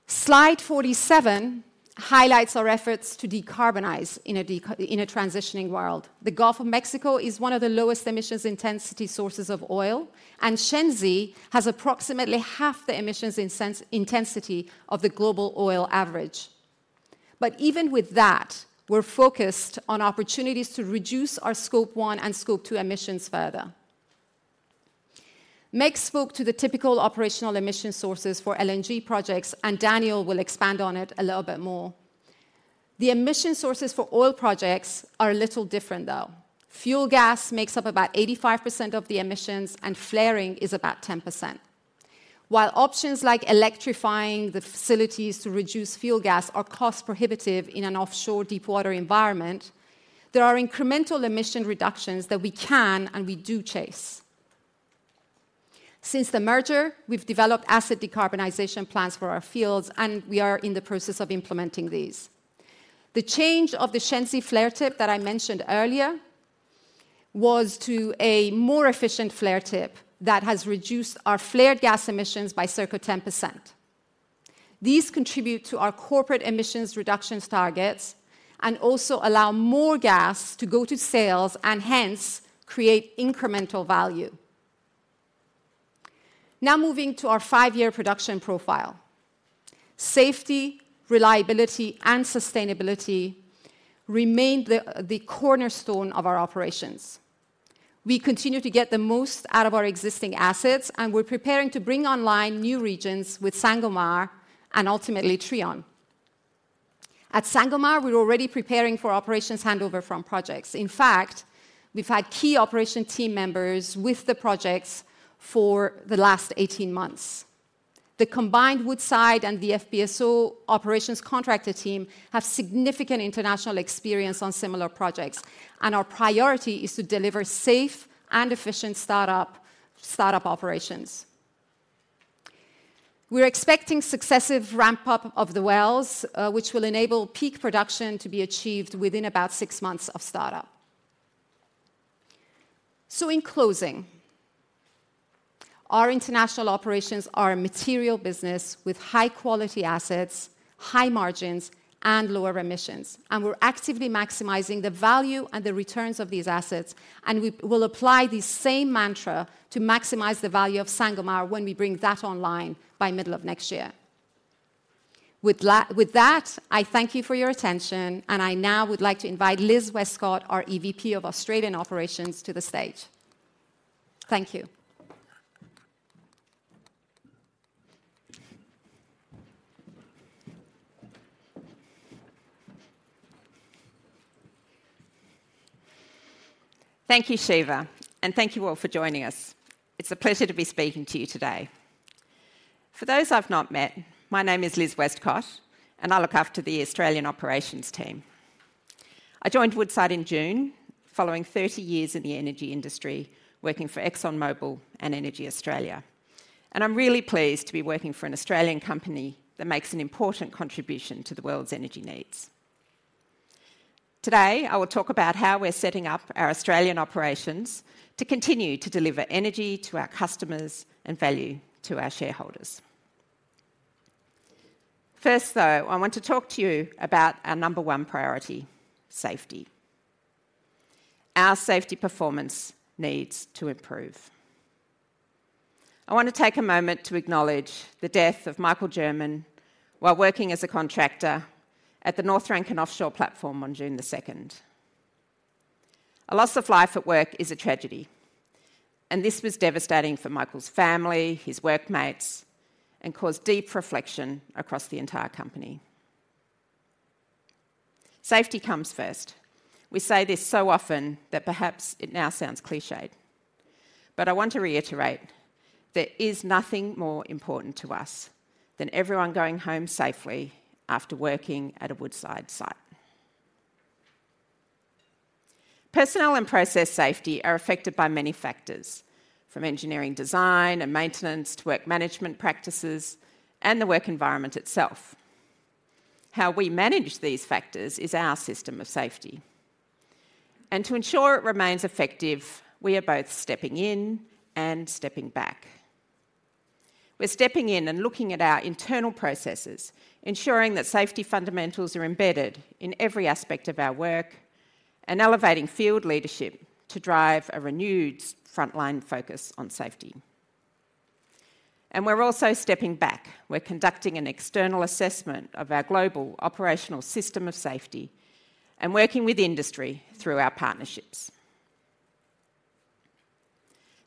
Slide 47 highlights our efforts to decarbonize in a transitioning world. The Gulf of Mexico is one of the lowest emissions intensity sources of oil, and Shenzi has approximately half the emissions intensity of the global oil average. But even with that, we're focused on opportunities to reduce our Scope 1 and Scope 2 emissions further. Meg spoke to the typical operational emission sources for LNG projects, and Daniel will expand on it a little bit more. The emission sources for oil projects are a little different, though. Fuel gas makes up about 85% of the emissions, and flaring is about 10%. While options like electrifying the facilities to reduce fuel gas are cost prohibitive in an offshore deepwater environment, there are incremental emission reductions that we can and we do chase. Since the merger, we've developed asset decarbonization plans for our fields, and we are in the process of implementing these. The change of the Shenzi flare tip that I mentioned earlier was to a more efficient flare tip that has reduced our flared gas emissions by circa 10%. These contribute to our corporate emissions reductions targets and also allow more gas to go to sales and hence create incremental value. Now, moving to our five-year production profile. Safety, reliability, and sustainability remain the cornerstone of our operations. We continue to get the most out of our existing assets, and we're preparing to bring online new regions with Sangomar and ultimately Trion. At Sangomar, we're already preparing for operations handover from projects. In fact, we've had key operation team members with the projects for the last 18 months. The combined Woodside and the FPSO operations contractor team have significant international experience on similar projects, and our priority is to deliver safe and efficient startup, startup operations. We're expecting successive ramp-up of the wells, which will enable peak production to be achieved within about six months of startup. So in closing, our international operations are a material business with high-quality assets, high margins, and lower emissions. We're actively maximizing the value and the returns of these assets, and we will apply the same mantra to maximize the value of Sangomar when we bring that online by middle of next year. With that, I thank you for your attention, and I now would like to invite Liz Westcott, our EVP of Australian Operations, to the stage. Thank you. Thank you, Shiva, and thank you all for joining us. It's a pleasure to be speaking to you today. For those I've not met, my name is Liz Westcott, and I look after the Australian operations team. I joined Woodside in June, following 30 years in the energy industry, working for ExxonMobil and EnergyAustralia. I'm really pleased to be working for an Australian company that makes an important contribution to the world's energy needs. Today, I will talk about how we're setting up our Australian operations to continue to deliver energy to our customers and value to our shareholders. First, though, I want to talk to you about our number one priority, safety. Our safety performance needs to improve. I want to take a moment to acknowledge the death of Michael Jurman while working as a contractor at the North Rankin offshore platform on June the second. A loss of life at work is a tragedy, and this was devastating for Michael's family, his workmates, and caused deep reflection across the entire company. Safety comes first. We say this so often that perhaps it now sounds clichéd, but I want to reiterate, there is nothing more important to us than everyone going home safely after working at a Woodside site. Personnel and process safety are affected by many factors, from engineering design and maintenance, to work management practices and the work environment itself. How we manage these factors is our system of safety, and to ensure it remains effective, we are both stepping in and stepping back. We're stepping in and looking at our internal processes, ensuring that safety fundamentals are embedded in every aspect of our work, and elevating field leadership to drive a renewed frontline focus on safety. And we're also stepping back. We're conducting an external assessment of our global operational system of safety and working with industry through our partnerships.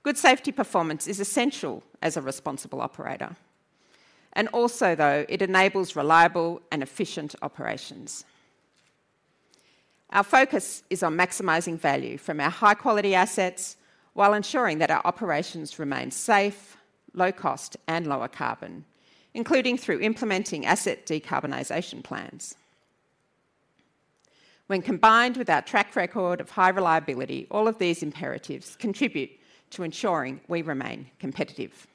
Good safety performance is essential as a responsible operator, and also, though, it enables reliable and efficient operations. Our focus is on maximizing value from our high-quality assets while ensuring that our operations remain safe, low cost, and lower carbon, including through implementing Asset Decarbonization Plans. When combined with our track record of high reliability, all of these imperatives contribute to ensuring we remain competitive.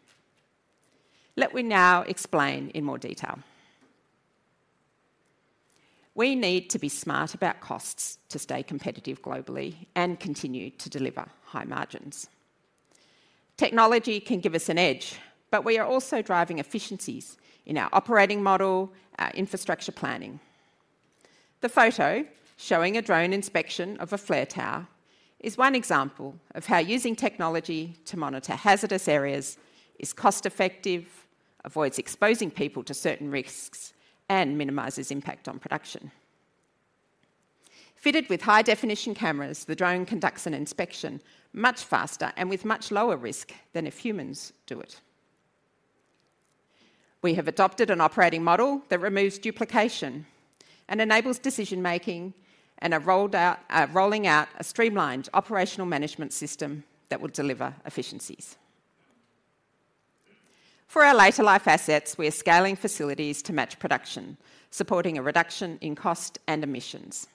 Let me now explain in more detail. We need to be smart about costs to stay competitive globally and continue to deliver high margins. Technology can give us an edge, but we are also driving efficiencies in our operating model, our infrastructure planning. The photo showing a drone inspection of a flare tower is one example of how using technology to monitor hazardous areas is cost-effective, avoids exposing people to certain risks, and minimizes impact on production. Fitted with high-definition cameras, the drone conducts an inspection much faster and with much lower risk than if humans do it. We have adopted an operating model that removes duplication and enables decision-making, and are rolling out a streamlined operational management system that will deliver efficiencies. For our later life assets, we are scaling facilities to match production, supporting a reduction in cost and emissions.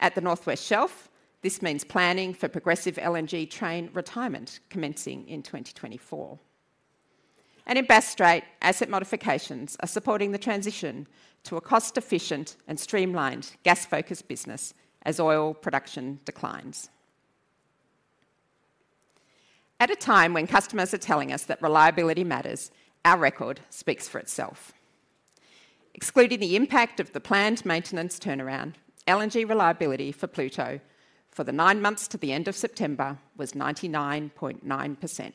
At the North West Shelf, this means planning for progressive LNG train retirement, commencing in 2024. In Bass Strait, asset modifications are supporting the transition to a cost-efficient and streamlined gas-focused business as oil production declines. At a time when customers are telling us that reliability matters, our record speaks for itself. Excluding the impact of the planned maintenance turnaround, LNG reliability for Pluto for the 9 months to the end of September was 99.9%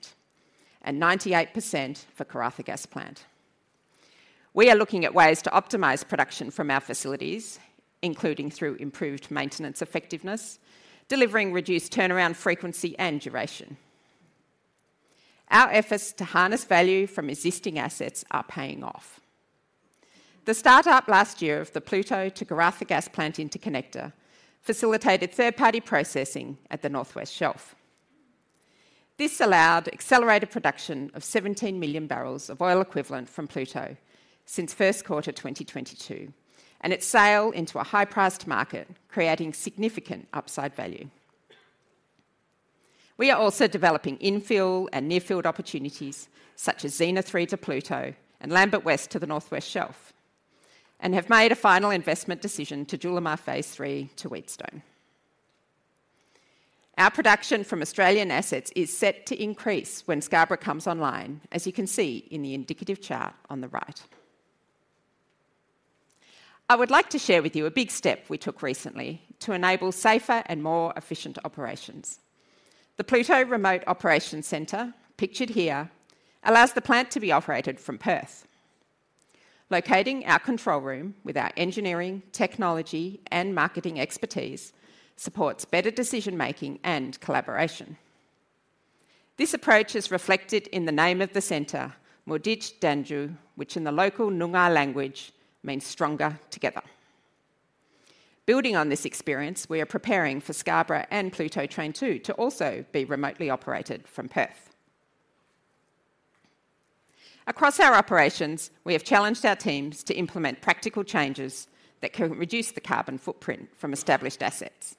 and 98% for Karratha Gas Plant. We are looking at ways to optimize production from our facilities, including through improved maintenance effectiveness, delivering reduced turnaround frequency and duration. Our efforts to harness value from existing assets are paying off. The start-up last year of the Pluto to Karratha Gas Plant Interconnector facilitated third-party processing at the North West Shelf. This allowed accelerated production of 17 million barrels of oil equivalent from Pluto since first quarter 2022, and its sale into a high-priced market, creating significant upside value. We are also developing infill and near-field opportunities such as Xena-03 to Pluto and Lambert West to the North West Shelf, and have made a final investment decision to Julimar Phase 3 to Wheatstone. Our production from Australian assets is set to increase when Scarborough comes online, as you can see in the indicative chart on the right. I would like to share with you a big step we took recently to enable safer and more efficient operations. The Pluto Remote Operations Centre, pictured here, allows the plant to be operated from Perth. Locating our control room with our engineering, technology, and marketing expertise supports better decision-making and collaboration. This approach is reflected in the name of the center, Moorditj Danjoo, which in the local Noongar language means stronger together. Building on this experience, we are preparing for Scarborough and Pluto Train 2 to also be remotely operated from Perth. Across our operations, we have challenged our teams to implement practical changes that can reduce the carbon footprint from established assets.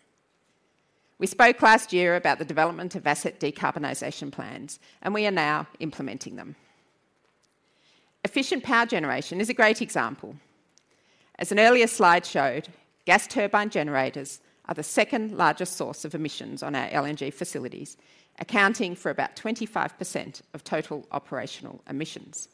We spoke last year about the development of Asset Decarbonization Plans, and we are now implementing them. Efficient power generation is a great example. As an earlier slide showed, gas turbine generators are the second-largest source of emissions on our LNG facilities, accounting for about 25% of total operational emissions.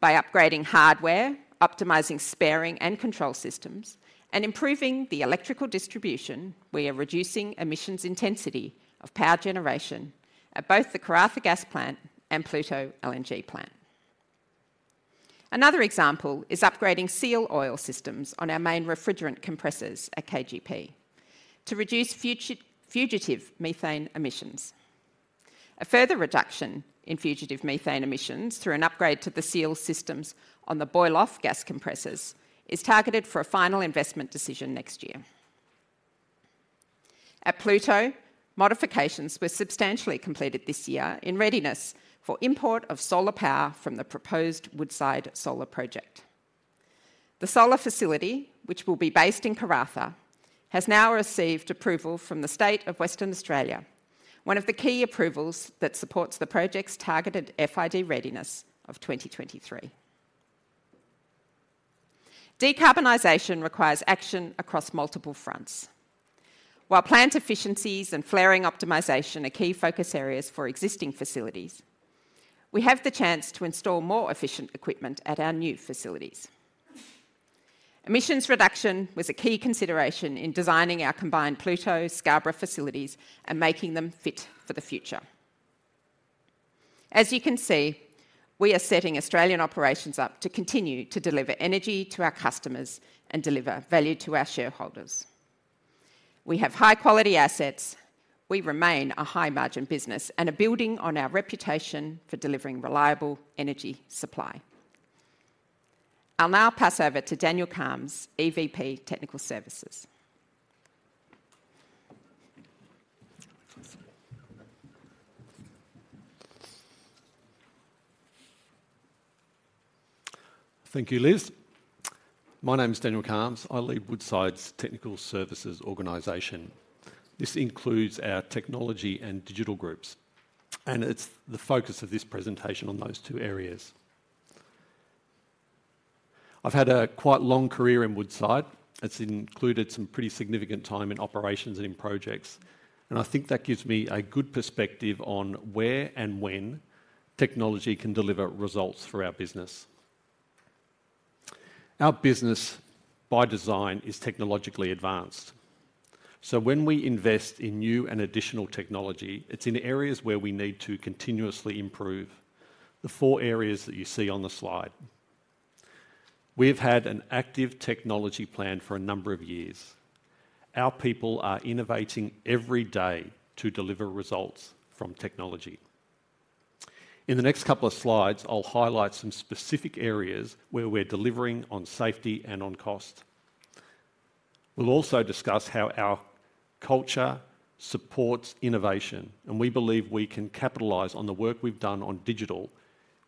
By upgrading hardware, optimizing sparing and control systems, and improving the electrical distribution, we are reducing emissions intensity of power generation at both the Karratha Gas Plant and Pluto LNG Plant. Another example is upgrading seal oil systems on our main refrigerant compressors at KGP to reduce fugitive methane emissions. A further reduction in fugitive methane emissions through an upgrade to the seal systems on the boil-off gas compressors is targeted for a final investment decision next year. At Pluto, modifications were substantially completed this year in readiness for import of solar power from the proposed Woodside Solar Project. The solar facility, which will be based in Karratha, has now received approval from the State of Western Australia, one of the key approvals that supports the project's targeted FID readiness of 2023. Decarbonization requires action across multiple fronts. While plant efficiencies and flaring optimization are key focus areas for existing facilities, we have the chance to install more efficient equipment at our new facilities. Emissions reduction was a key consideration in designing our combined Pluto-Scarborough facilities and making them fit for the future. As you can see, we are setting Australian operations up to continue to deliver energy to our customers and deliver value to our shareholders. We have high-quality assets, we remain a high-margin business, and are building on our reputation for delivering reliable energy supply. I'll now pass over to Daniel Kalms, EVP Technical Services. Thank you, Liz. My name is Daniel Kalms. I lead Woodside's Technical Services organization. This includes our technology and digital groups, and it's the focus of this presentation on those two areas. I've had a quite long career in Woodside. It's included some pretty significant time in operations and in projects, and I think that gives me a good perspective on where and when technology can deliver results for our business. Our business, by design, is technologically advanced, so when we invest in new and additional technology, it's in areas where we need to continuously improve the four areas that you see on the slide. We've had an active technology plan for a number of years. Our people are innovating every day to deliver results from technology. In the next couple of slides, I'll highlight some specific areas where we're delivering on safety and on cost. We'll also discuss how our culture supports innovation, and we believe we can capitalize on the work we've done on digital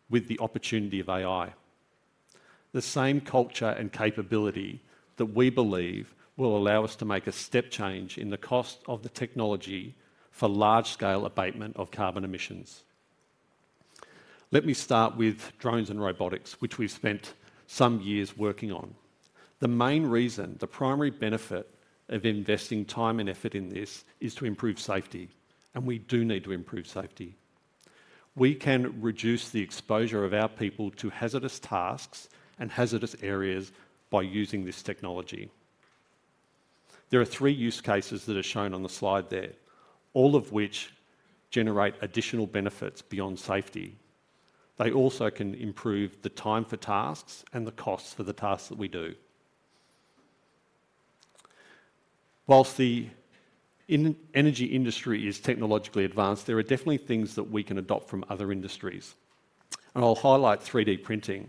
with the opportunity of AI. The same culture and capability that we believe will allow us to make a step change in the cost of the technology for large-scale abatement of carbon emissions. Let me start with drones and robotics, which we've spent some years working on. The main reason, the primary benefit of investing time and effort in this, is to improve safety, and we do need to improve safety. We can reduce the exposure of our people to hazardous tasks and hazardous areas by using this technology. There are three use cases that are shown on the slide there, all of which generate additional benefits beyond safety. They also can improve the time for tasks and the costs for the tasks that we do. While the oil and energy industry is technologically advanced, there are definitely things that we can adopt from other industries, and I'll highlight 3D printing.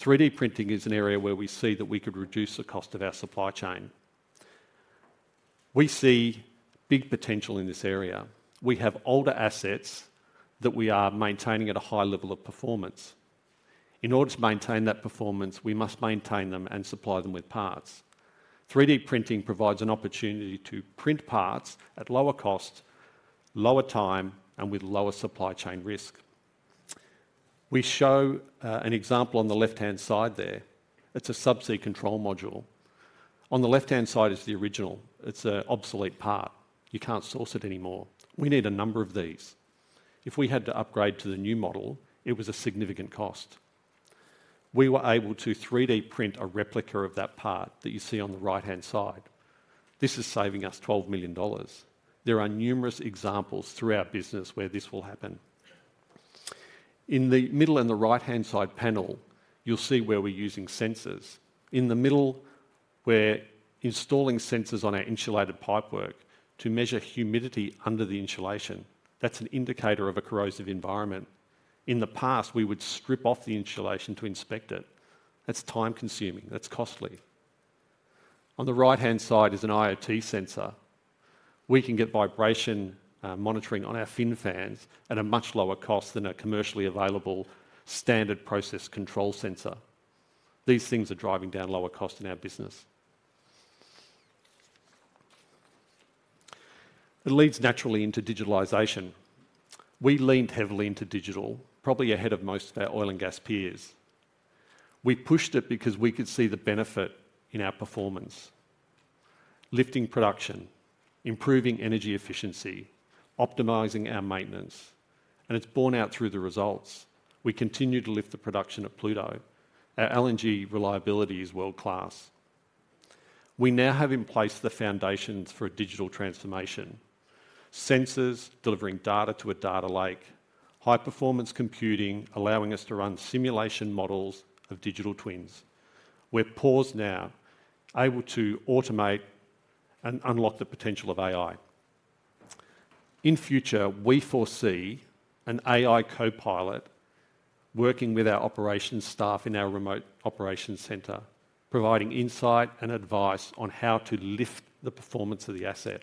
3D printing is an area where we see that we could reduce the cost of our supply chain. We see big potential in this area. We have older assets that we are maintaining at a high level of performance. In order to maintain that performance, we must maintain them and supply them with parts. 3D printing provides an opportunity to print parts at lower cost, lower time, and with lower supply chain risk. We show an example on the left-hand side there. It's a subsea control module. On the left-hand side is the original. It's an obsolete part. You can't source it anymore. We need a number of these. If we had to upgrade to the new model, it was a significant cost. We were able to 3D print a replica of that part that you see on the right-hand side. This is saving us $12 million. There are numerous examples through our business where this will happen. In the middle and the right-hand side panel, you'll see where we're using sensors. In the middle, we're installing sensors on our insulated pipework to measure humidity under the insulation. That's an indicator of a corrosive environment. In the past, we would strip off the insulation to inspect it. That's time-consuming, that's costly. On the right-hand side is an IoT sensor. We can get vibration monitoring on our fin fans at a much lower cost than a commercially available standard process control sensor. These things are driving down lower cost in our business. It leads naturally into digitalization. We leaned heavily into digital, probably ahead of most of our oil and gas peers. We pushed it because we could see the benefit in our performance: lifting production, improving energy efficiency, optimizing our maintenance, and it's borne out through the results. We continue to lift the production of Pluto. Our LNG reliability is world-class. We now have in place the foundations for a digital transformation. Sensors delivering data to a data lake, high-performance computing allowing us to run simulation models of digital twins. We're poised now, able to automate and unlock the potential of AI. In future, we foresee an AI co-pilot working with our operations staff in our remote operations center, providing insight and advice on how to lift the performance of the asset.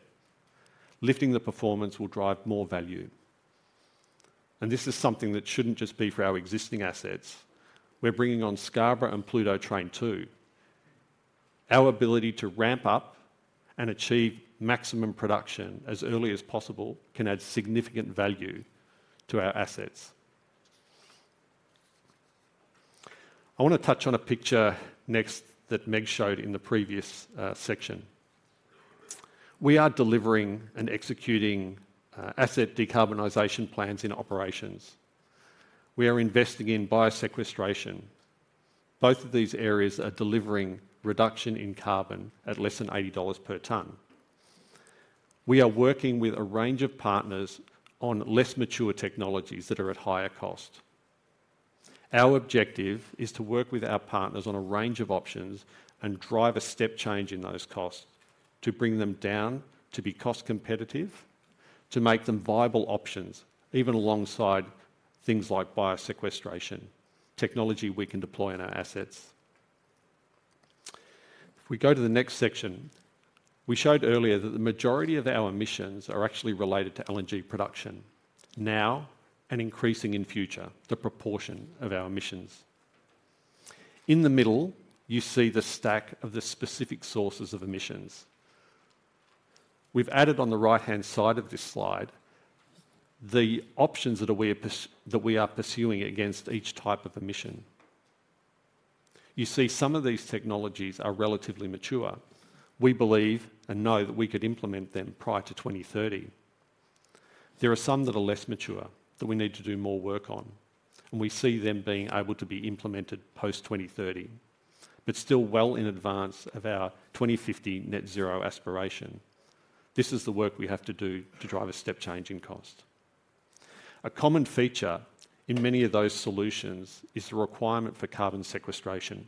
Lifting the performance will drive more value, and this is something that shouldn't just be for our existing assets. We're bringing on Scarborough and Pluto Train 2. Our ability to ramp up and achieve maximum production as early as possible can add significant value to our assets. I want to touch on a picture next that Meg showed in the previous, section. We are delivering and executing, asset decarbonization plans in operations. We are investing in biosequestration. Both of these areas are delivering reduction in carbon at less than $80 per ton. We are working with a range of partners on less mature technologies that are at higher cost. Our objective is to work with our partners on a range of options and drive a step change in those costs to bring them down, to be cost competitive, to make them viable options, even alongside things like biosequestration, technology we can deploy on our assets. If we go to the next section, we showed earlier that the majority of our emissions are actually related to LNG production, now and increasing in future, the proportion of our emissions. In the middle, you see the stack of the specific sources of emissions. We've added on the right-hand side of this slide, the options that we are pursuing against each type of emission. You see, some of these technologies are relatively mature. We believe and know that we could implement them prior to 2030. There are some that are less mature, that we need to do more work on, and we see them being able to be implemented post-2030, but still well in advance of our 2050 net zero aspiration. This is the work we have to do to drive a step change in cost. A common feature in many of those solutions is the requirement for carbon sequestration.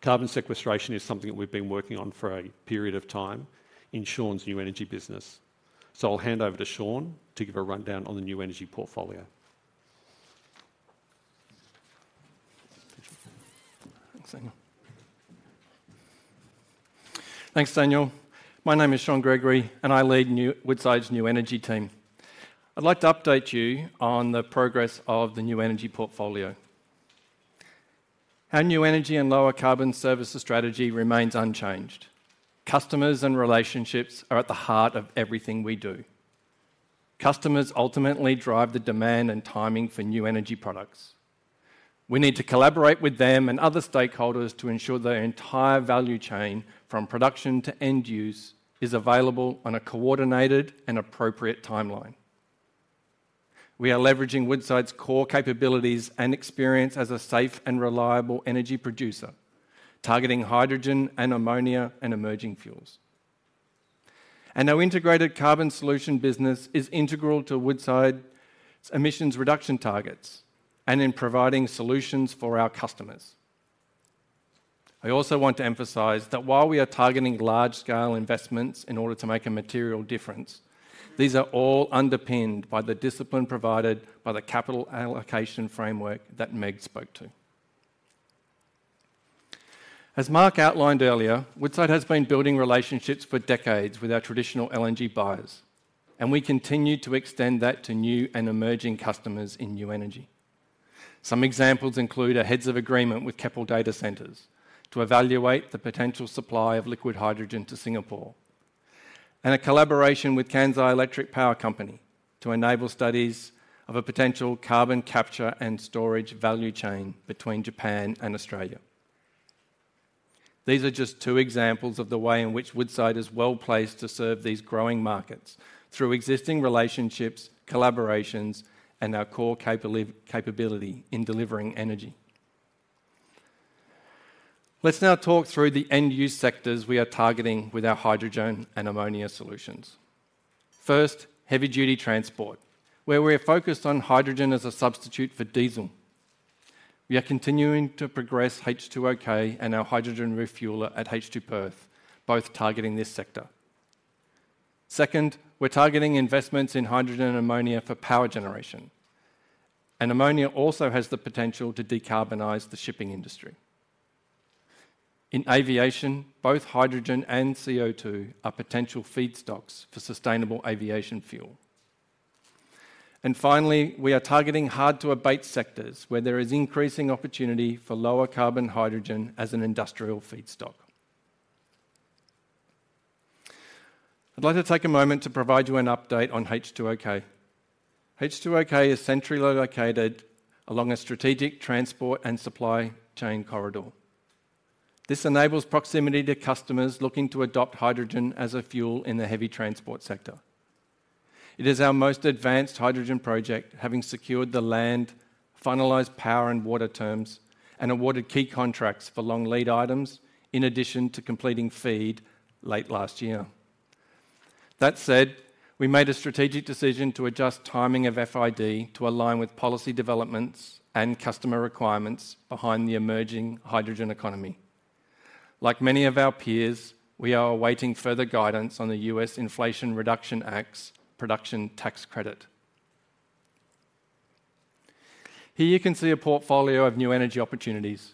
Carbon sequestration is something that we've been working on for a period of time in Shaun's new energy business. I'll hand over to Shaun to give a rundown on the new energy portfolio. Thanks, Daniel. Thanks, Daniel. My name is Shaun Gregory, and I lead Woodside's new energy team. I'd like to update you on the progress of the new energy portfolio. Our new energy and lower carbon services strategy remains unchanged. Customers and relationships are at the heart of everything we do. Customers ultimately drive the demand and timing for new energy products. We need to collaborate with them and other stakeholders to ensure their entire value chain, from production to end use, is available on a coordinated and appropriate timeline. We are leveraging Woodside's core capabilities and experience as a safe and reliable energy producer, targeting hydrogen and ammonia and emerging fuels. And our integrated carbon solution business is integral to Woodside's emissions reduction targets and in providing solutions for our customers. I also want to emphasize that while we are targeting large-scale investments in order to make a material difference, these are all underpinned by the discipline provided by the capital allocation framework that Meg spoke to. As Mark outlined earlier, Woodside has been building relationships for decades with our traditional LNG buyers, and we continue to extend that to new and emerging customers in new energy. Some examples include a heads of agreement with Keppel Data Centres to evaluate the potential supply of liquid hydrogen to Singapore, and a collaboration with Kansai Electric Power Company to enable studies of a potential carbon capture and storage value chain between Japan and Australia. These are just two examples of the way in which Woodside is well-placed to serve these growing markets through existing relationships, collaborations, and our core capability in delivering energy... Let's now talk through the end-use sectors we are targeting with our hydrogen and ammonia solutions. First, heavy-duty transport, where we are focused on hydrogen as a substitute for diesel. We are continuing to progress H2OK and our hydrogen refueler at H2Perth, both targeting this sector. Second, we're targeting investments in hydrogen and ammonia for power generation, and ammonia also has the potential to decarbonize the shipping industry. In aviation, both hydrogen and CO2 are potential feedstocks for sustainable aviation fuel. Finally, we are targeting hard-to-abate sectors, where there is increasing opportunity for lower carbon hydrogen as an industrial feedstock. I'd like to take a moment to provide you an update on H2OK. H2OK is centrally located along a strategic transport and supply chain corridor. This enables proximity to customers looking to adopt hydrogen as a fuel in the heavy transport sector. It is our most advanced hydrogen project, having secured the land, finalized power and water terms, and awarded key contracts for long lead items, in addition to completing FEED late last year. That said, we made a strategic decision to adjust timing of FID to align with policy developments and customer requirements behind the emerging hydrogen economy. Like many of our peers, we are awaiting further guidance on the U.S. Inflation Reduction Act's production tax credit. Here you can see a portfolio of new energy opportunities.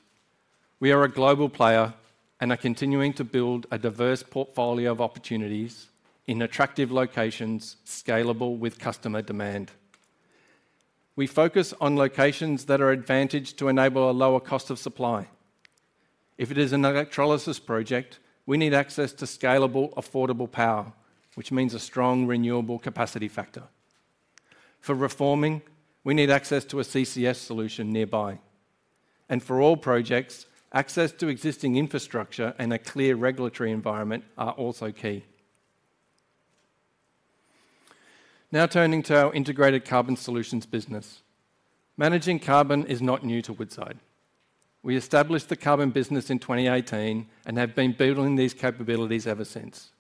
We are a global player and are continuing to build a diverse portfolio of opportunities in attractive locations, scalable with customer demand. We focus on locations that are advantaged to enable a lower cost of supply. If it is an electrolysis project, we need access to scalable, affordable power, which means a strong renewable capacity factor. For reforming, we need access to a CCS solution nearby, and for all projects, access to existing infrastructure and a clear regulatory environment are also key. Now, turning to our integrated carbon solutions business. Managing carbon is not new to Woodside. We established the carbon business in 2018 and have been building these capabilities ever since.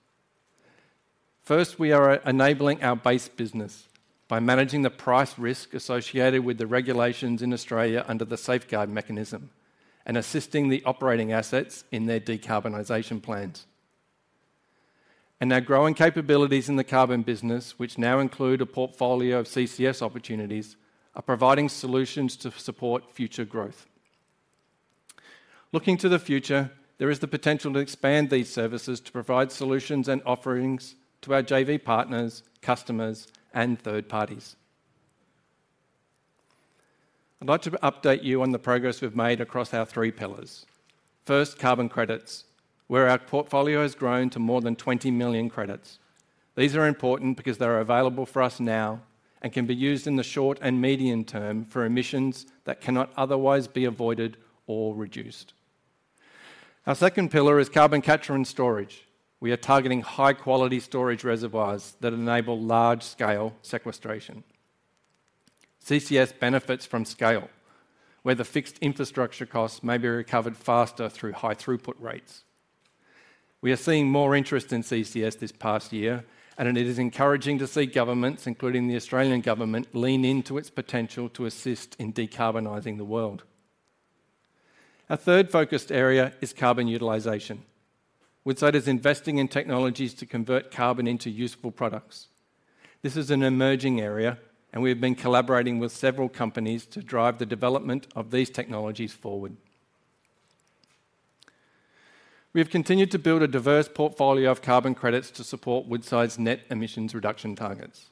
First, we are enabling our base business by managing the price risk associated with the regulations in Australia under the Safeguard Mechanism and assisting the operating assets in their decarbonization plans. Our growing capabilities in the carbon business, which now include a portfolio of CCS opportunities, are providing solutions to support future growth. Looking to the future, there is the potential to expand these services to provide solutions and offerings to our JV partners, customers, and third parties. I'd like to update you on the progress we've made across our three pillars. First, carbon credits, where our portfolio has grown to more than 20 million credits. These are important because they are available for us now and can be used in the short and medium term for emissions that cannot otherwise be avoided or reduced. Our second pillar is carbon capture and storage. We are targeting high-quality storage reservoirs that enable large-scale sequestration. CCS benefits from scale, where the fixed infrastructure costs may be recovered faster through high throughput rates. We are seeing more interest in CCS this past year, and it is encouraging to see governments, including the Australian government, lean into its potential to assist in decarbonizing the world. Our third focused area is carbon utilization. Woodside is investing in technologies to convert carbon into useful products. This is an emerging area, and we have been collaborating with several companies to drive the development of these technologies forward. We have continued to build a diverse portfolio of carbon credits to support Woodside's net emissions reduction targets.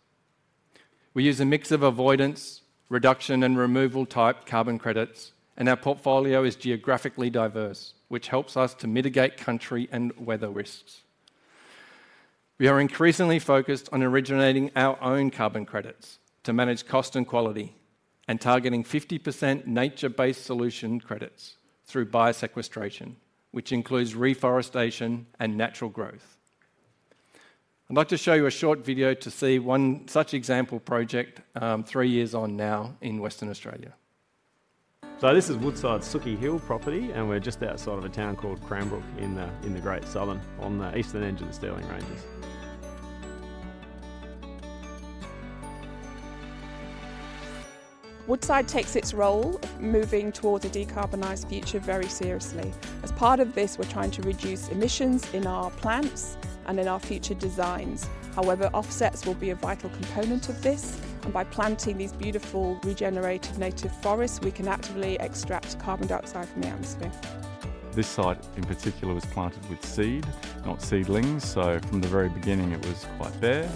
We use a mix of avoidance, reduction, and removal-type carbon credits, and our portfolio is geographically diverse, which helps us to mitigate country and weather risks. We are increasingly focused on originating our own carbon credits to manage cost and quality and targeting 50% nature-based solution credits through bio-sequestration, which includes reforestation and natural growth. I'd like to show you a short video to see one such example project, three years on now in Western Australia. This is Woodside's Sukey Hill property, and we're just outside of a town called Cranbrook in the Great Southern on the eastern edge of the Stirling Ranges. Woodside takes its role of moving towards a decarbonized future very seriously. As part of this, we're trying to reduce emissions in our plants and in our future designs. However, offsets will be a vital component of this, and by planting these beautiful regenerated native forests, we can actively extract carbon dioxide from the atmosphere. This site, in particular, was planted with seed, not seedlings, so from the very beginning, it was quite bare.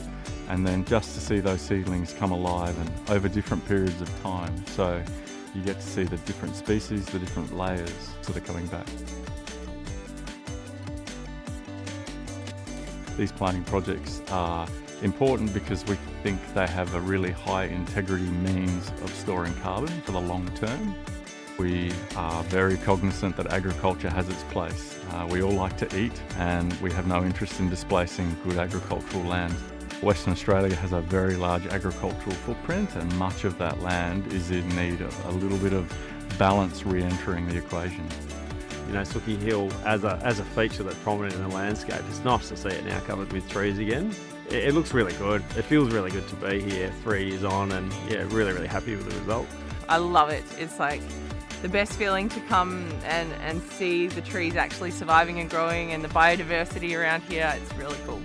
And then just to see those seedlings come alive and over different periods of time, so you get to see the different species, the different layers that are coming back. These planting projects are important because we think they have a really high-integrity means of storing carbon for the long term. We are very cognizant that agriculture has its place. We all like to eat, and we have no interest in displacing good agricultural land. Western Australia has a very large agricultural footprint, and much of that land is in need of a little bit of balance reentering the equation. You know, Sukey Hill as a, as a feature that's prominent in the landscape, it's nice to see it now covered with trees again. It, it looks really good. It feels really good to be here three years on, and yeah, really, really happy with the result. I love it. It's like the best feeling to come and see the trees actually surviving and growing, and the biodiversity around here, it's really cool.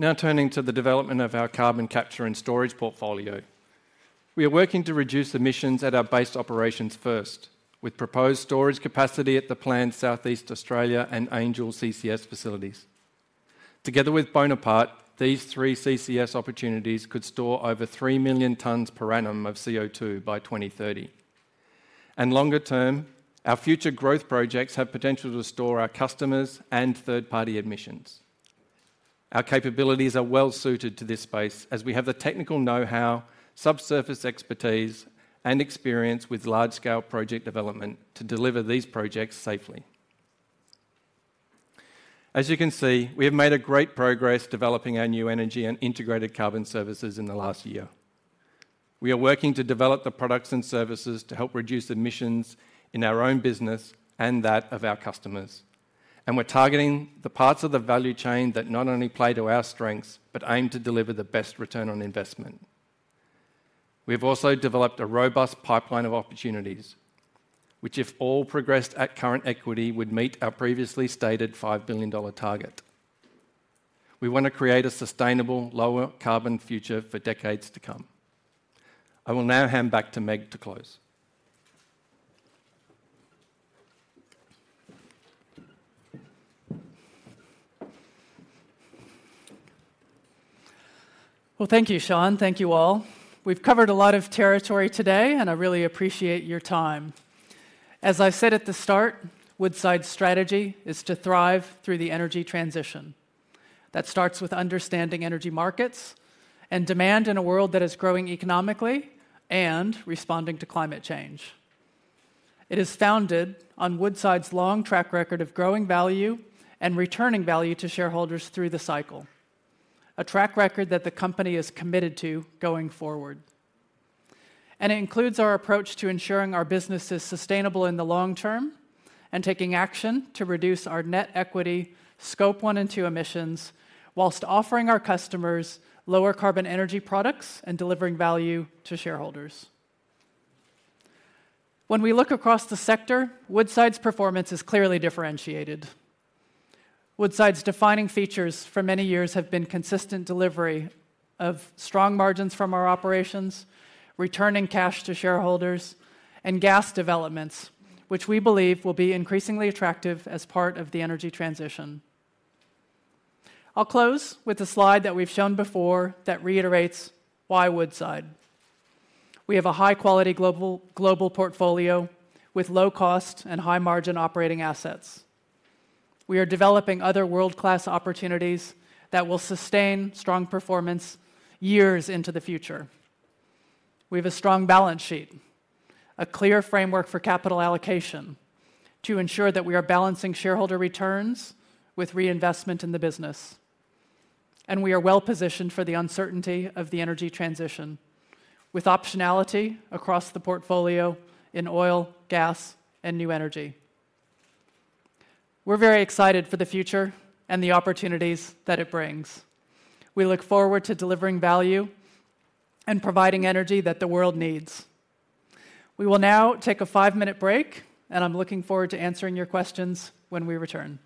Now turning to the development of our carbon capture and storage portfolio. We are working to reduce emissions at our base operations first, with proposed storage capacity at the planned South East Australia and Angel CCS facilities. Together with Bonaparte, these three CCS opportunities could store over 3 million tons per annum of CO2 by 2030. And longer term, our future growth projects have potential to store our customers' and third-party emissions. Our capabilities are well suited to this space, as we have the technical know-how, subsurface expertise, and experience with large-scale project development to deliver these projects safely. As you can see, we have made a great progress developing our new energy and integrated carbon services in the last year. We are working to develop the products and services to help reduce emissions in our own business and that of our customers. We're targeting the parts of the value chain that not only play to our strengths, but aim to deliver the best return on investment. We've also developed a robust pipeline of opportunities, which, if all progressed at current equity, would meet our previously stated $5 billion target. We want to create a sustainable, lower carbon future for decades to come. I will now hand back to Meg to close. Well, thank you, Shaun. Thank you all. We've covered a lot of territory today, and I really appreciate your time. As I said at the start, Woodside's strategy is to thrive through the energy transition. That starts with understanding energy markets and demand in a world that is growing economically and responding to climate change. It is founded on Woodside's long track record of growing value and returning value to shareholders through the cycle, a track record that the company is committed to going forward. And it includes our approach to ensuring our business is sustainable in the long term and taking action to reduce our net equity, Scope 1 and Scope 2 emissions, while offering our customers lower carbon energy products and delivering value to shareholders. When we look across the sector, Woodside's performance is clearly differentiated. Woodside's defining features for many years have been consistent delivery of strong margins from our operations, returning cash to shareholders, and gas developments, which we believe will be increasingly attractive as part of the energy transition. I'll close with a slide that we've shown before that reiterates why Woodside. We have a high-quality global, global portfolio with low cost and high-margin operating assets. We are developing other world-class opportunities that will sustain strong performance years into the future. We have a strong balance sheet, a clear framework for capital allocation to ensure that we are balancing shareholder returns with reinvestment in the business. We are well-positioned for the uncertainty of the energy transition, with optionality across the portfolio in oil, gas, and new energy. We're very excited for the future and the opportunities that it brings. We look forward to delivering value and providing energy that the world needs. We will now take a five-minute break, and I'm looking forward to answering your questions when we return.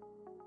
Thank you.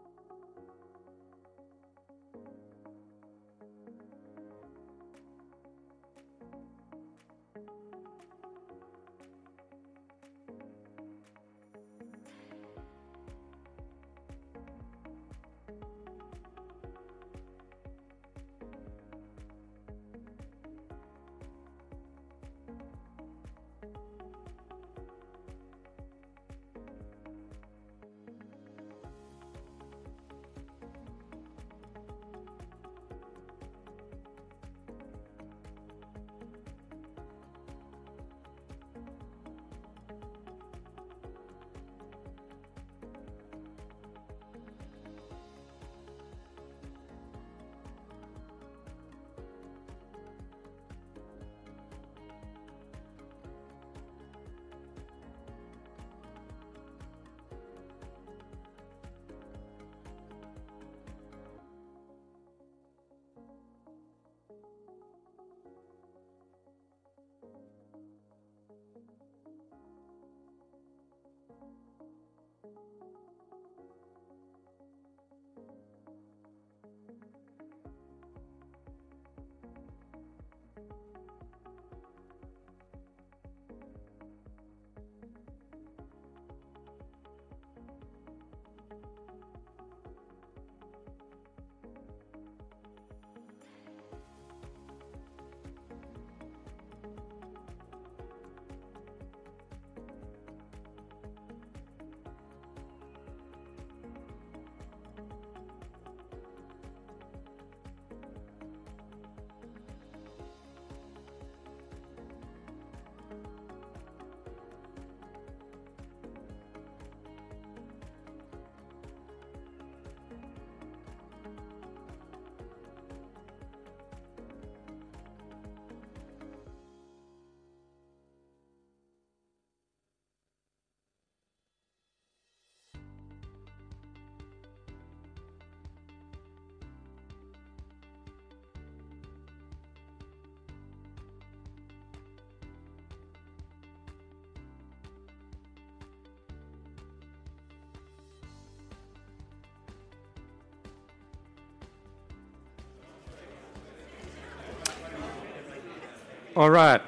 All right,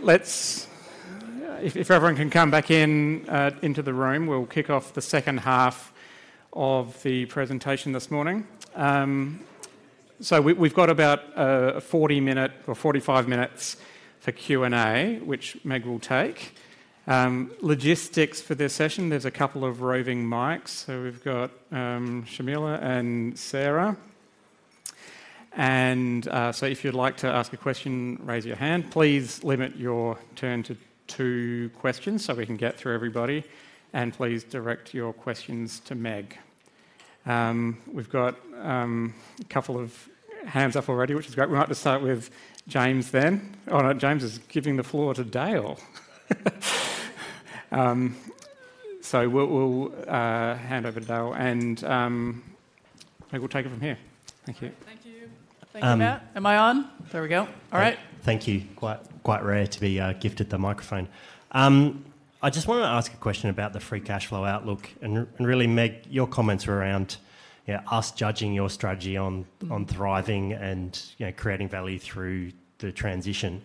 let's... If everyone can come back in into the room, we'll kick off the second half of the presentation this morning. So we've got about 40 minutes or 45 minutes for Q&A, which Meg will take. Logistics for this session, there's a couple of roving mics. So we've got Sharmila and Sarah. And so if you'd like to ask a question, raise your hand. Please limit your turn to two questions so we can get through everybody, and please direct your questions to Meg. We've got a couple of hands up already, which is great. We'd like to start with James then. Oh, no, James is giving the floor to Dale. So we'll hand over to Dale, and Meg will take it from here. Thank you. Thank you. Um-. Thank you, Dale. Am I on? There we go. All right. Thank you. Quite, quite rare to be gifted the microphone. I just wanted to ask a question about the free cash flow outlook, and really, Meg, your comments were around, yeah, us judging your strategy on. Mm. On thriving and, you know, creating value through the transition.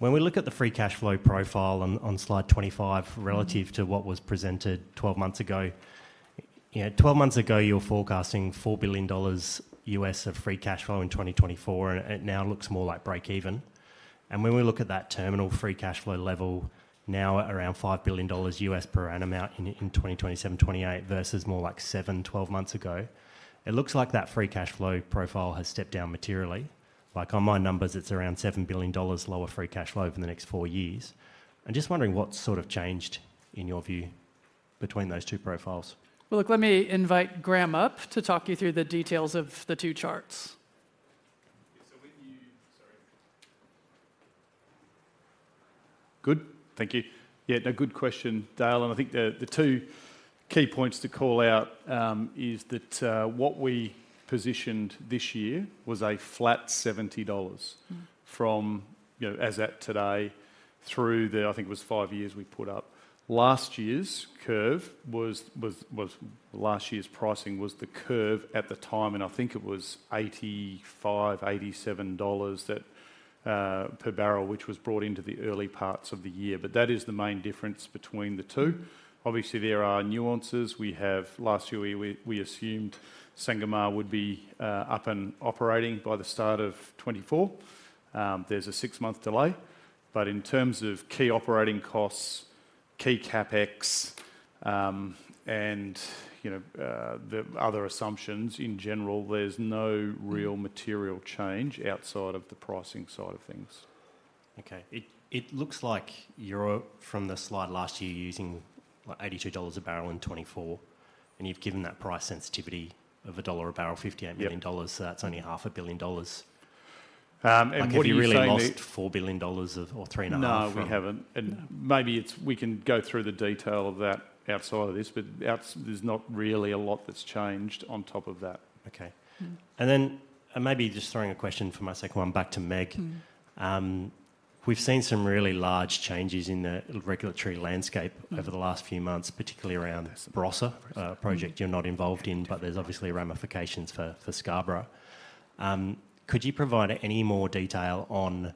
When we look at the free cash flow profile on, on slide 25 relative to what was presented 12 months ago, you know, 12 months ago, you were forecasting $4 billion of free cash flow in 2024, and it now looks more like break even. And when we look at that terminal free cash flow level now at around $5 billion per annum out in, in 2027-2028 versus more like seven to 12 months ago, it looks like that free cash flow profile has stepped down materially. Like, on my numbers, it's around $7 billion lower free cash flow over the next four years. I'm just wondering what's sort of changed, in your view, between those two profiles? Well, look, let me invite Graham up to talk you through the details of the two charts. Good. Thank you. Yeah, no, good question, Dale, and I think the two key points to call out is that what we positioned this year was a flat $70. Mm. From, you know, as at today through the, I think it was five years we put up. Last year's curve was last year's pricing was the curve at the time, and I think it was $85-$87 per barrel, which was brought into the early parts of the year. But that is the main difference between the two. Obviously, there are nuances. We have Last year, we assumed Sangomar would be up and operating by the start of 2024. There's a six month delay. But in terms of key operating costs, key CapEx, and, you know, the other assumptions, in general, there's no real material change outside of the pricing side of things. Okay. It looks like you're, from the slide last year, using, what? $82 a barrel in 2024, and you've given that price sensitivity of $1 a barrel, $58 million. Yep. So that's only $500 million. What are you saying, Meg? Like, have you really lost $4 billion or $3.5 billion from. No, we haven't. No. Maybe it's, we can go through the detail of that outside of this, but out, there's not really a lot that's changed on top of that. Okay. Mm. And then, maybe just throwing a question for my second one back to Meg. Mm. We've seen some really large changes in the regulatory landscape over the last few months, particularly around the Barossa project you're not involved in, but there's obviously ramifications for Scarborough. Could you provide any more detail on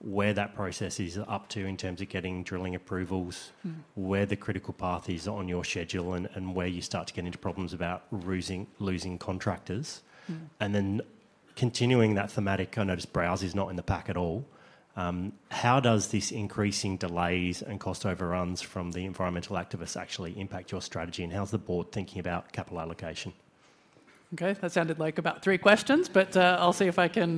where that process is up to in terms of getting drilling approvals, where the critical path is on your schedule, and where you start to get into problems about losing contractors? Mm. Continuing that thematic, I noticed Browse is not in the pack at all. How does this increasing delays and cost overruns from the environmental activists actually impact your strategy, and how's the board thinking about capital allocation? Okay, that sounded like about three questions, but I'll see if I can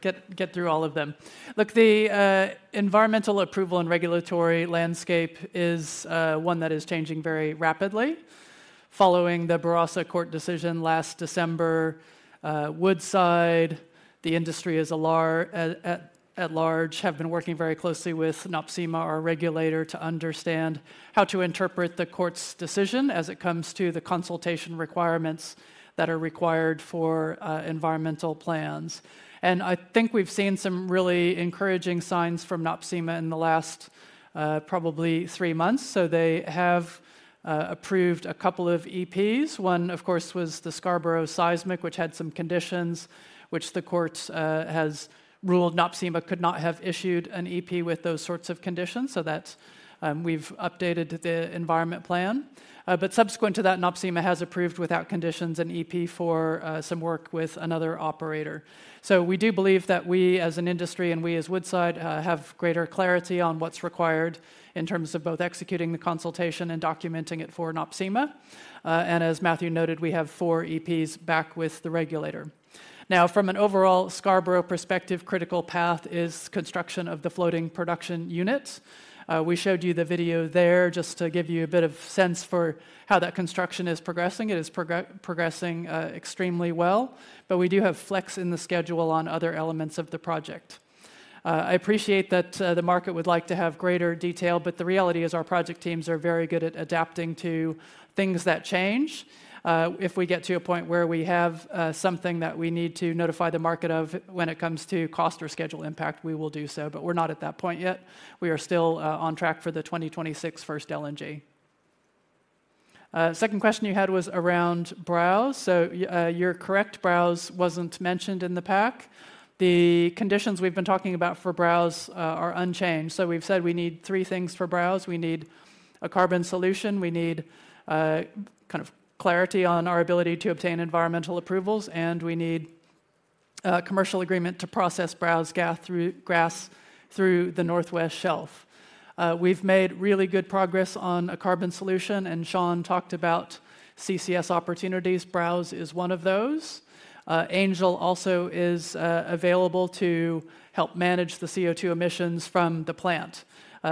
get through all of them. Look, the environmental approval and regulatory landscape is one that is changing very rapidly. Following the Barossa court decision last December, Woodside, the industry at large, have been working very closely with NOPSEMA, our regulator, to understand how to interpret the court's decision as it comes to the consultation requirements that are required for environmental plans. And I think we've seen some really encouraging signs from NOPSEMA in the last probably three months. So they have approved a couple of EPs. One, of course, was the Scarborough Seismic, which had some conditions which the courts has ruled NOPSEMA could not have issued an EP with those sorts of conditions, so that's, we've updated the environment plan. But subsequent to that, NOPSEMA has approved without conditions an EP for some work with another operator. So we do believe that we, as an industry, and we, as Woodside, have greater clarity on what's required in terms of both executing the consultation and documenting it for NOPSEMA. And as Matthew noted, we have four EPs back with the regulator. Now, from an overall Scarborough perspective, critical path is construction of the floating production unit. We showed you the video there just to give you a bit of sense for how that construction is progressing. It is progressing extremely well, but we do have flex in the schedule on other elements of the project. I appreciate that the market would like to have greater detail, but the reality is, our project teams are very good at adapting to things that change. If we get to a point where we have something that we need to notify the market of when it comes to cost or schedule impact, we will do so, but we're not at that point yet. We are still on track for the 2026 first LNG. Second question you had was around Browse. So you're correct, Browse wasn't mentioned in the pack. The conditions we've been talking about for Browse are unchanged. So we've said we need three things for Browse: We need a carbon solution, we need kind of clarity on our ability to obtain environmental approvals, and we need a commercial agreement to process Browse gas through the North West Shelf. We've made really good progress on a carbon solution, and Shaun talked about CCS opportunities. Browse is one of those. Angel also is available to help manage the CO2 emissions from the plant.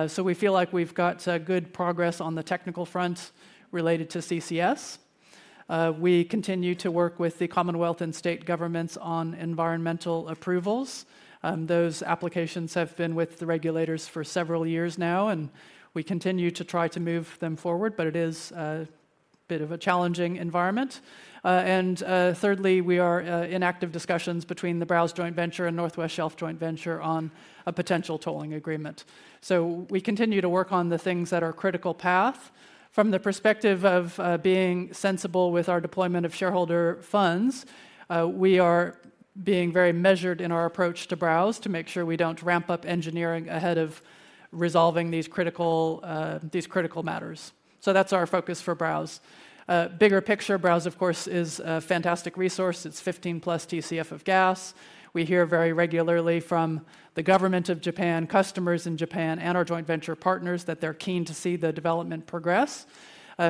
So we feel like we've got good progress on the technical front related to CCS. We continue to work with the Commonwealth and state governments on environmental approvals. Those applications have been with the regulators for several years now, and we continue to try to move them forward, but it is a bit of a challenging environment. And, thirdly, we are in active discussions between the Browse Joint Venture and North West Shelf Joint Venture on a potential tolling agreement. So we continue to work on the things that are critical path. From the perspective of, being sensible with our deployment of shareholder funds, we are being very measured in our approach to Browse to make sure we don't ramp up engineering ahead of resolving these critical, these critical matters. So that's our focus for Browse. Bigger picture, Browse, of course, is a fantastic resource. It's 15 plus Tcf of gas. We hear very regularly from the government of Japan, customers in Japan, and our joint venture partners, that they're keen to see the development progress.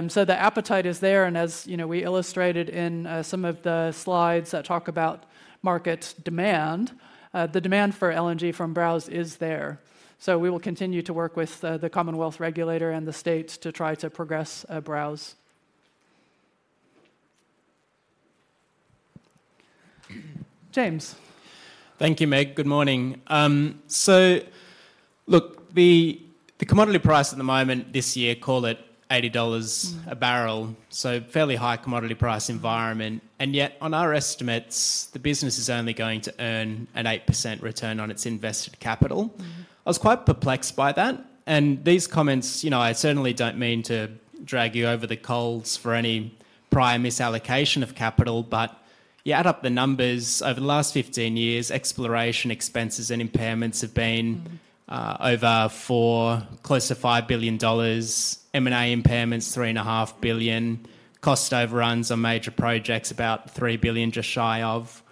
So the appetite is there, and as, you know, we illustrated in, some of the slides that talk about market demand, the demand for LNG from Browse is there. So we will continue to work with, the Commonwealth regulator and the states to try to progress, Browse. James. Thank you, Meg. Good morning. So look, the commodity price at the moment this year, call it $80. Mm. A barrel, so fairly high commodity price environment, and yet on our estimates, the business is only going to earn an 8% return on its invested capital. Mm-hmm. I was quite perplexed by that, and these comments, you know, I certainly don't mean to drag you over the coals for any prior misallocation of capital, but you add up the numbers, over the last 15 years, exploration expenses and impairments have been. Mm. Over $4 billion, close to $5 billion, M&A impairments, $3.5 billion, cost overruns on major projects, about $3 billion, just shy of.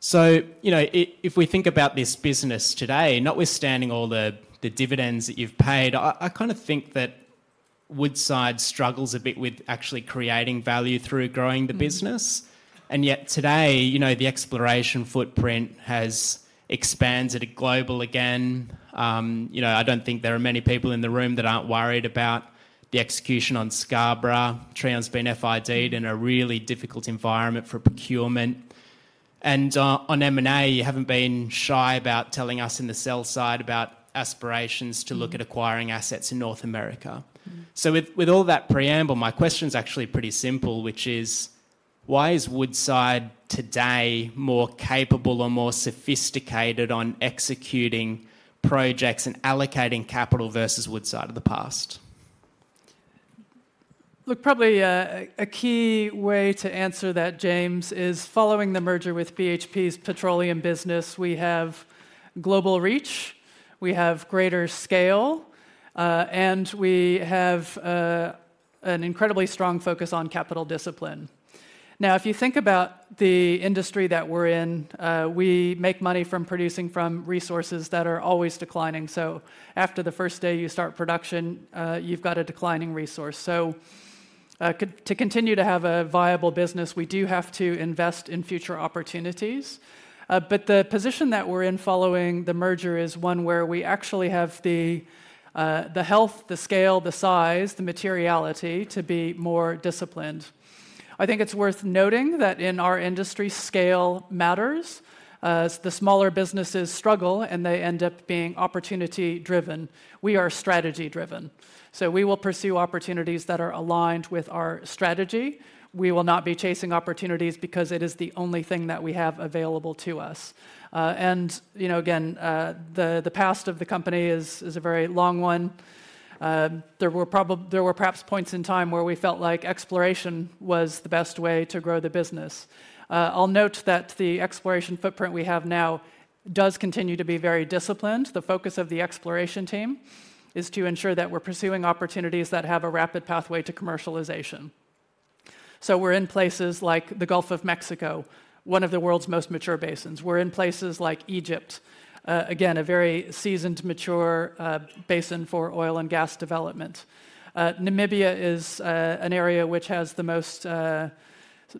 So, you know, if we think about this business today, notwithstanding all the dividends that you've paid, I kind of think that Woodside struggles a bit with actually creating value through growing the business. Mm. Yet today, you know, the exploration footprint has expanded globally again. You know, I don't think there are many people in the room that aren't worried about the execution on Scarborough. Trion's been FID'd in a really difficult environment for procurement. And on M&A, you haven't been shy about telling us in the sell-side about aspirations. Mm. To look at acquiring assets in North America. Mm. So with all that preamble, my question is actually pretty simple, which is: Why is Woodside today more capable or more sophisticated on executing projects and allocating capital versus Woodside of the past? Look, probably a key way to answer that, James, is following the merger with BHP's petroleum business, we have global reach, we have greater scale, and we have an incredibly strong focus on capital discipline. Now, if you think about the industry that we're in, we make money from producing from resources that are always declining. So after the first day you start production, you've got a declining resource. So, to continue to have a viable business, we do have to invest in future opportunities. But the position that we're in following the merger is one where we actually have the, the health, the scale, the size, the materiality to be more disciplined. I think it's worth noting that in our industry, scale matters. As the smaller businesses struggle, and they end up being opportunity-driven. We are strategy-driven. So we will pursue opportunities that are aligned with our strategy. We will not be chasing opportunities because it is the only thing that we have available to us. And, you know, again, the past of the company is a very long one. There were perhaps points in time where we felt like exploration was the best way to grow the business. I'll note that the exploration footprint we have now does continue to be very disciplined. The focus of the exploration team is to ensure that we're pursuing opportunities that have a rapid pathway to commercialization. So we're in places like the Gulf of Mexico, one of the world's most mature basins. We're in places like Egypt, again, a very seasoned, mature basin for oil and gas development. Namibia is an area which has the most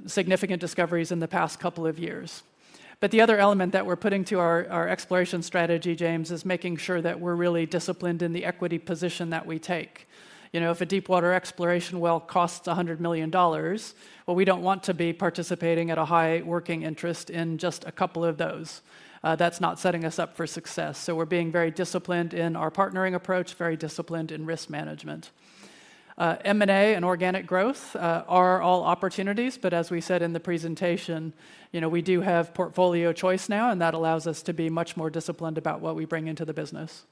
significant discoveries in the past couple of years. But the other element that we're putting to our exploration strategy, James, is making sure that we're really disciplined in the equity position that we take. You know, if a deepwater exploration well costs $100 million, well, we don't want to be participating at a high working interest in just a couple of those. That's not setting us up for success. So we're being very disciplined in our partnering approach, very disciplined in risk management. M&A and organic growth are all opportunities, but as we said in the presentation, you know, we do have portfolio choice now, and that allows us to be much more disciplined about what we bring into the business.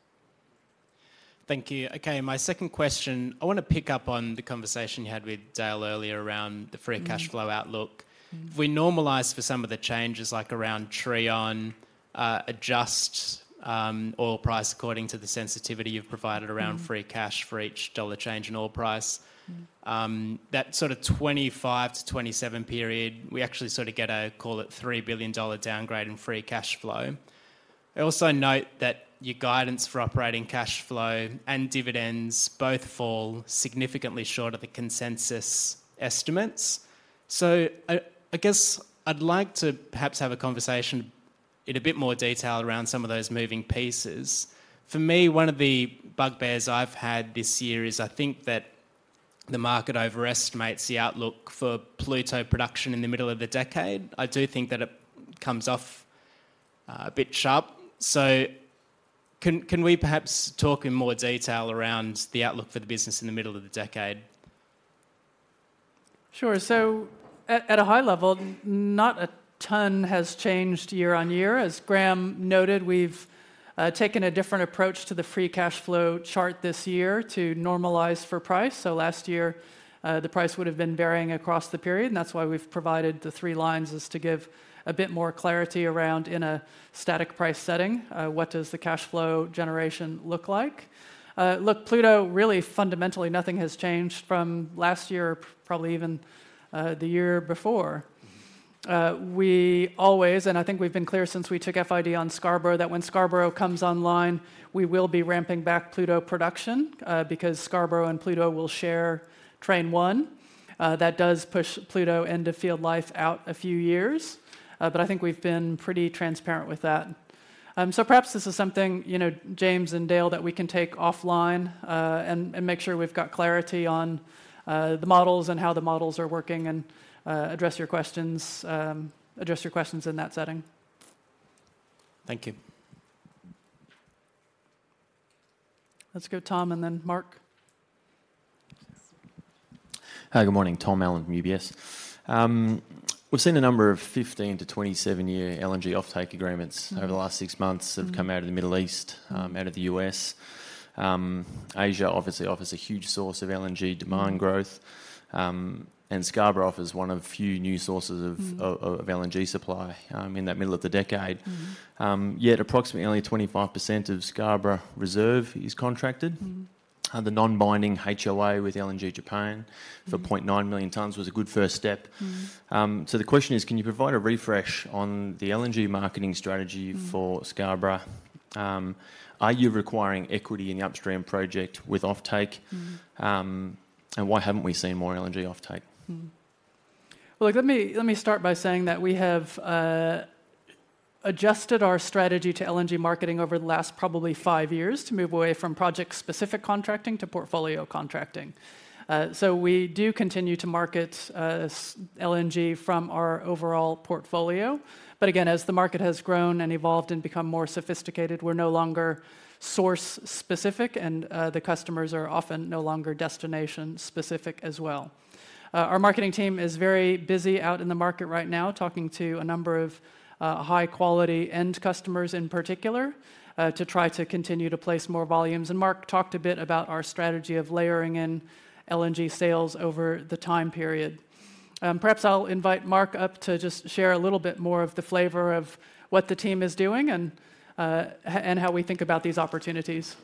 Thank you. Okay, my second question, I wanna pick up on the conversation you had with Dale earlier around the. Mm. Free cash flow outlook. Mm. If we normalize for some of the changes, like around Trion, adjust oil price according to the sensitivity you've provided. Mm. Around free cash for each dollar change in oil price. Mm. That sort of 25-27 period, we actually sort of get a, call it, $3 billion downgrade in free cash flow. I also note that your guidance for operating cash flow and dividends both fall significantly short of the consensus estimates. So I guess I'd like to perhaps have a conversation in a bit more detail around some of those moving pieces. For me, one of the bugbears I've had this year is I think that the market overestimates the outlook for Pluto production in the middle of the decade. I do think that it comes off a bit sharp. So can we perhaps talk in more detail around the outlook for the business in the middle of the decade? Sure. So at a high level, not a ton has changed year-over-year. As Graham noted, we've taken a different approach to the free cash flow chart this year to normalize for price. So last year, the price would have been varying across the period, and that's why we've provided the three lines, is to give a bit more clarity around in a static price setting, what does the cash flow generation look like? Look, Pluto, really fundamentally, nothing has changed from last year, probably even the year before. We always, and I think we've been clear since we took FID on Scarborough, that when Scarborough comes online, we will be ramping back Pluto production, because Scarborough and Pluto will share Train 1. That does push Pluto end of field life out a few years, but I think we've been pretty transparent with that. So perhaps this is something, you know, James and Dale, that we can take offline, and make sure we've got clarity on the models and how the models are working, and address your questions, address your questions in that setting. Thank you. Let's go Tom, and then Mark. Hi, good morning. Tom Allen from UBS. We've seen a number of 15-27 year LNG offtake agreements. Mm.... over the last six months have come out of the Middle East, out of the U.S., Asia obviously offers a huge source of LNG demand growth-. Mm.... and Scarborough offers one of few new sources of-. Mm.... of LNG supply in that middle of the decade. Mm-hmm. Yet approximately only 25% of Scarborough reserve is contracted. Mm. The non-binding HoA with LNG Japan-. Mm,... for 0.9 million tons was a good first step. Mm. So the question is, can you provide a refresh on the LNG marketing strategy? Mm.... for Scarborough? Are you requiring equity in the upstream project with offtake? Mm. Why haven't we seen more LNG offtake? Well, look, let me, let me start by saying that we have adjusted our strategy to LNG marketing over the last probably five years to move away from project-specific contracting to portfolio contracting. So we do continue to market LNG from our overall portfolio, but again, as the market has grown and evolved and become more sophisticated, we're no longer source-specific, and the customers are often no longer destination-specific as well. Our marketing team is very busy out in the market right now, talking to a number of high-quality end customers in particular to try to continue to place more volumes, and Mark talked a bit about our strategy of layering in LNG sales over the time period. Perhaps I'll invite Mark up to just share a little bit more of the flavor of what the team is doing and how we think about these opportunities.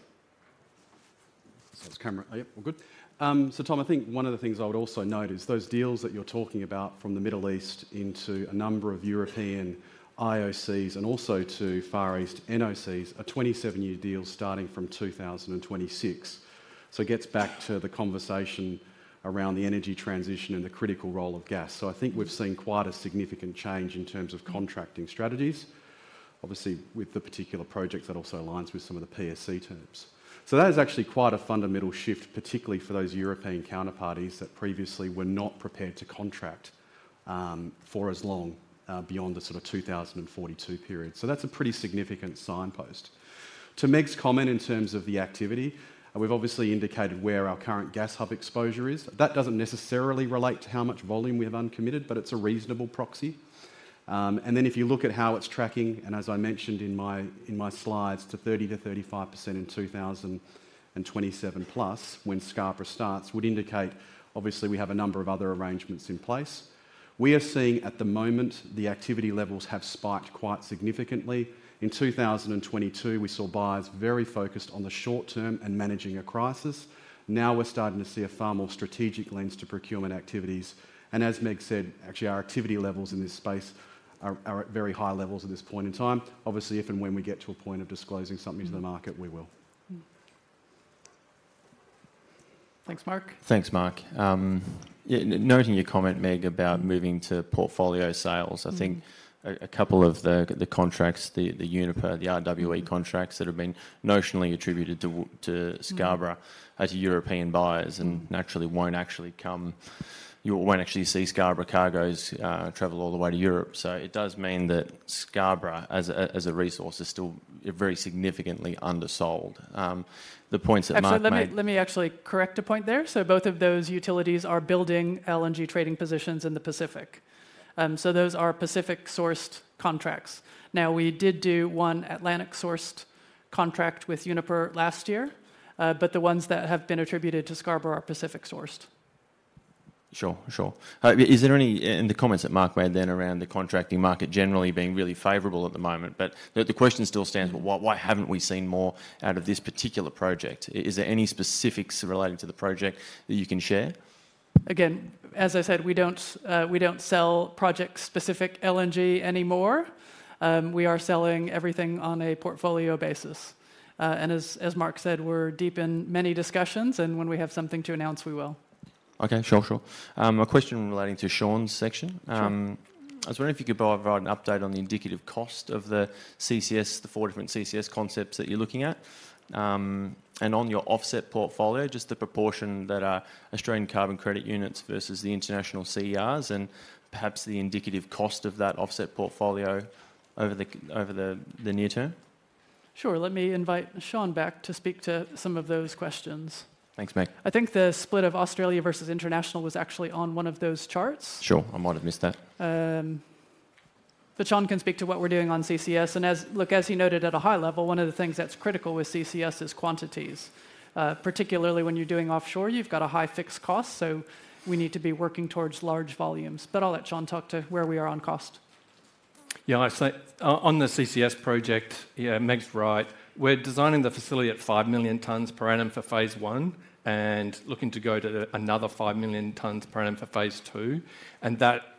This camera. Yep, we're good. So Tom, I think one of the things I would also note is those deals that you're talking about from the Middle East into a number of European IOCs and also to Far East NOCs, are 27 year deals starting from 2026. So it gets back to the conversation around the energy transition and the critical role of gas. So I think we've seen quite a significant change in terms of contracting strategies. Obviously, with the particular project, that also aligns with some of the PSC terms. So that is actually quite a fundamental shift, particularly for those European counterparties that previously were not prepared to contract, for as long, beyond the sort of 2042 period. So that's a pretty significant signpost. To Meg's comment, in terms of the activity, we've obviously indicated where our current gas hub exposure is. That doesn't necessarily relate to how much volume we have uncommitted, but it's a reasonable proxy. And then if you look at how it's tracking, and as I mentioned in my slides, to 30%-35% in 2027 plus, when Scarborough starts, would indicate obviously we have a number of other arrangements in place. We are seeing at the moment, the activity levels have spiked quite significantly. In 2022, we saw buyers very focused on the short term and managing a crisis. Now we're starting to see a far more strategic lens to procurement activities, and as Meg said, actually, our activity levels in this space are at very high levels at this point in time. Obviously, if and when we get to a point of disclosing something to the market, we will. Thanks, Mark. Thanks, Mark. Yeah, noting your comment, Meg, about moving to portfolio sales-. Mm-hmm. I think a couple of the contracts, the Uniper, the RWE contracts that have been notionally attributed to W- to-. Mm. ...Scarborough, are to European buyers, and naturally, won't actually come. You won't actually see Scarborough cargos travel all the way to Europe. So it does mean that Scarborough, as a resource, is still very significantly undersold. The points that Mark made-. Actually, let me, let me actually correct a point there. So both of those utilities are building LNG trading positions in the Pacific. So those are Pacific-sourced contracts. Now, we did do one Atlantic-sourced contract with Uniper last year, but the ones that have been attributed to Scarborough are Pacific-sourced. Sure, sure. Is there any, in the comments that Mark made then around the contracting market generally being really favorable at the moment, but the, the question still stands: but why, why haven't we seen more out of this particular project? Is there any specifics relating to the project that you can share? Again, as I said, we don't, we don't sell project-specific LNG anymore. We are selling everything on a portfolio basis, and as, as Mark said, we're deep in many discussions, and when we have something to announce, we will. Okay, sure, sure. A question relating to Shaun's section. Sure. I was wondering if you could provide an update on the indicative cost of the CCS, the four different CCS concepts that you're looking at, and on your offset portfolio, just the proportion that are Australian Carbon Credit Units versus the international CERs, and perhaps the indicative cost of that offset portfolio over the near term? Sure, let me invite Shaun back to speak to some of those questions. Thanks, Meg. I think the split of Australia versus international was actually on one of those charts. Sure, I might have missed that. But Shaun can speak to what we're doing on CCS. And as, look, as he noted at a high level, one of the things that's critical with CCS is quantities. Particularly when you're doing offshore, you've got a high fixed cost, so we need to be working towards large volumes. But I'll let Shaun talk to where we are on cost. Yeah, I'd say, on the CCS project, yeah, Meg's right. We're designing the facility at 5 million tons per annum for Phase 1, and looking to go to another 5 million tons per annum for Phase 2, and that,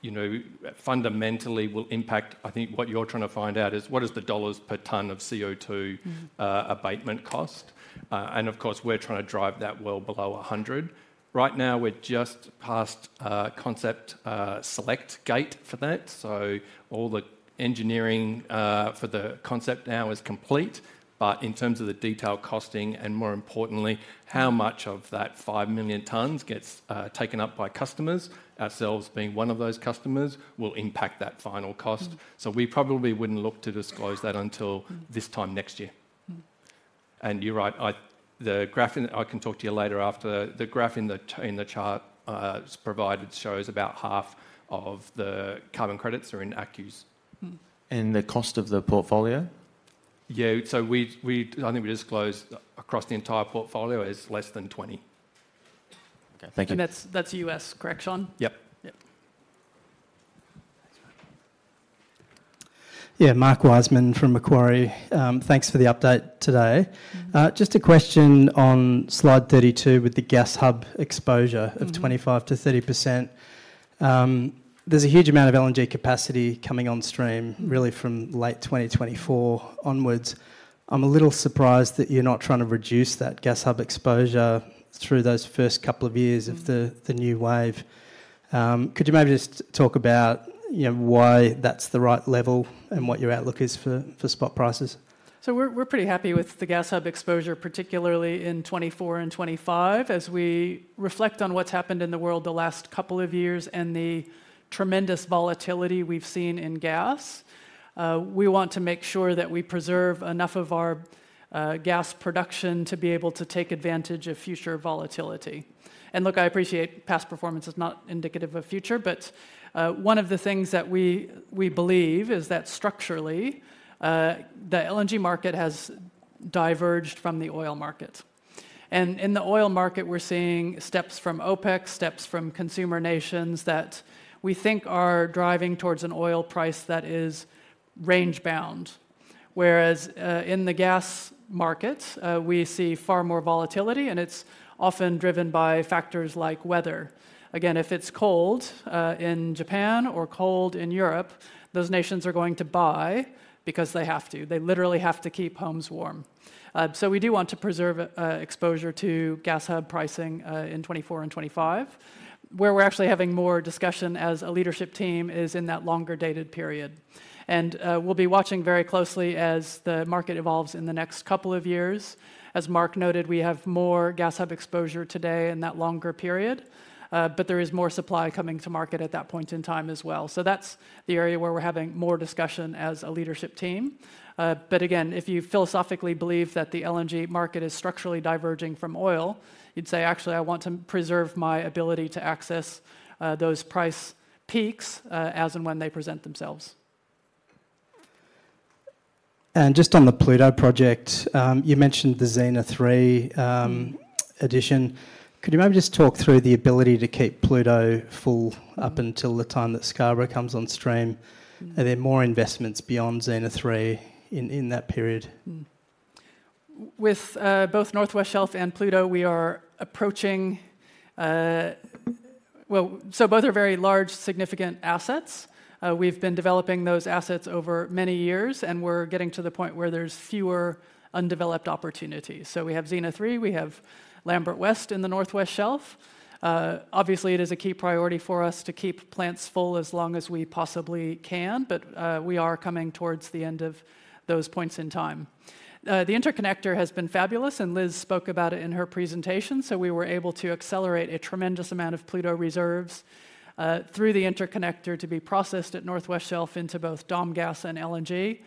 you know, fundamentally will impact... I think what you're trying to find out is, what is the dollar per ton of CO2-. Mm.... abatement cost? And of course, we're trying to drive that well below 100. Right now, we're just past a concept select gate for that, so all the engineering, for the concept now is complete. But in terms of the detailed costing, and more importantly, how much of that 5 million tons gets, taken up by customers, ourselves being one of those customers, will impact that final cost. Mm. We probably wouldn't look to disclose that until-. Mm.... this time next year. Mm. And you're right, I can talk to you later after. The graph in the chart provided shows about half of the carbon credits are in ACCUs. Mm. The cost of the portfolio? Yeah, so we'd... I think we disclosed across the entire portfolio as less than 20. Okay, thank you. That's, that's U.S., correct, Shaun? Yep. Yep. Thanks, Mark. Yeah, Mark Wiseman from Macquarie. Thanks for the update today. Mm. Just a question on slide 32 with the gas hub exposure-. Mm.... of 25%-30%. There's a huge amount of LNG capacity coming on stream-. Mm. -really from late 2024 onwards. I'm a little surprised that you're not trying to reduce that gas hub exposure through those first couple of years of the-. Mm.... the new wave. Could you maybe just talk about, you know, why that's the right level and what your outlook is for, for spot prices? So we're, we're pretty happy with the gas hub exposure, particularly in 2024 and 2025. As we reflect on what's happened in the world the last couple of years and the tremendous volatility we've seen in gas, we want to make sure that we preserve enough of our gas production to be able to take advantage of future volatility. And look, I appreciate past performance is not indicative of future, but one of the things that we believe is that structurally, the LNG market has diverged from the oil market.... And in the oil market, we're seeing steps from OPEC, steps from consumer nations that we think are driving towards an oil price that is range-bound. Whereas, in the gas markets, we see far more volatility, and it's often driven by factors like weather. Again, if it's cold in Japan or cold in Europe, those nations are going to buy because they have to. They literally have to keep homes warm. So we do want to preserve exposure to gas hub pricing in 2024 and 2025. Where we're actually having more discussion as a leadership team is in that longer-dated period. We'll be watching very closely as the market evolves in the next couple of years. As Mark noted, we have more gas hub exposure today in that longer period, but there is more supply coming to market at that point in time as well. That's the area where we're having more discussion as a leadership team. But again, if you philosophically believe that the LNG market is structurally diverging from oil, you'd say, "Actually, I want to preserve my ability to access those price peaks as and when they present themselves. And just on the Pluto project, you mentioned the Xena-03 addition. Could you maybe just talk through the ability to keep Pluto full up until the time that Scarborough comes on stream? Are there more investments beyond Xena-03 in that period? With both North West Shelf and Pluto, we are approaching... Well, so both are very large, significant assets. We've been developing those assets over many years, and we're getting to the point where there's fewer undeveloped opportunities. So we have Xena-03, we have Lambert West in the North West Shelf. Obviously, it is a key priority for us to keep plants full as long as we possibly can, but we are coming towards the end of those points in time. The interconnector has been fabulous, and Liz spoke about it in her presentation, so we were able to accelerate a tremendous amount of Pluto reserves through the interconnector to be processed at North West Shelf into both Domgas and LNG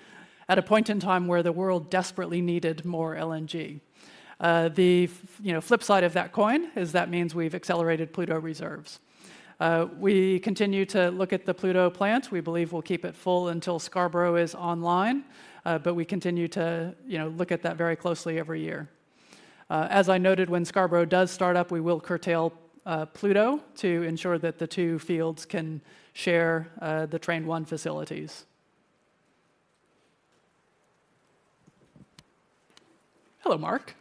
at a point in time where the world desperately needed more LNG. The flip side of that coin is that means we've accelerated Pluto reserves. We continue to look at the Pluto plant. We believe we'll keep it full until Scarborough is online, but we continue to, you know, look at that very closely every year. As I noted, when Scarborough does start up, we will curtail Pluto to ensure that the two fields can share the Train 1 facilities. Hello, Mark.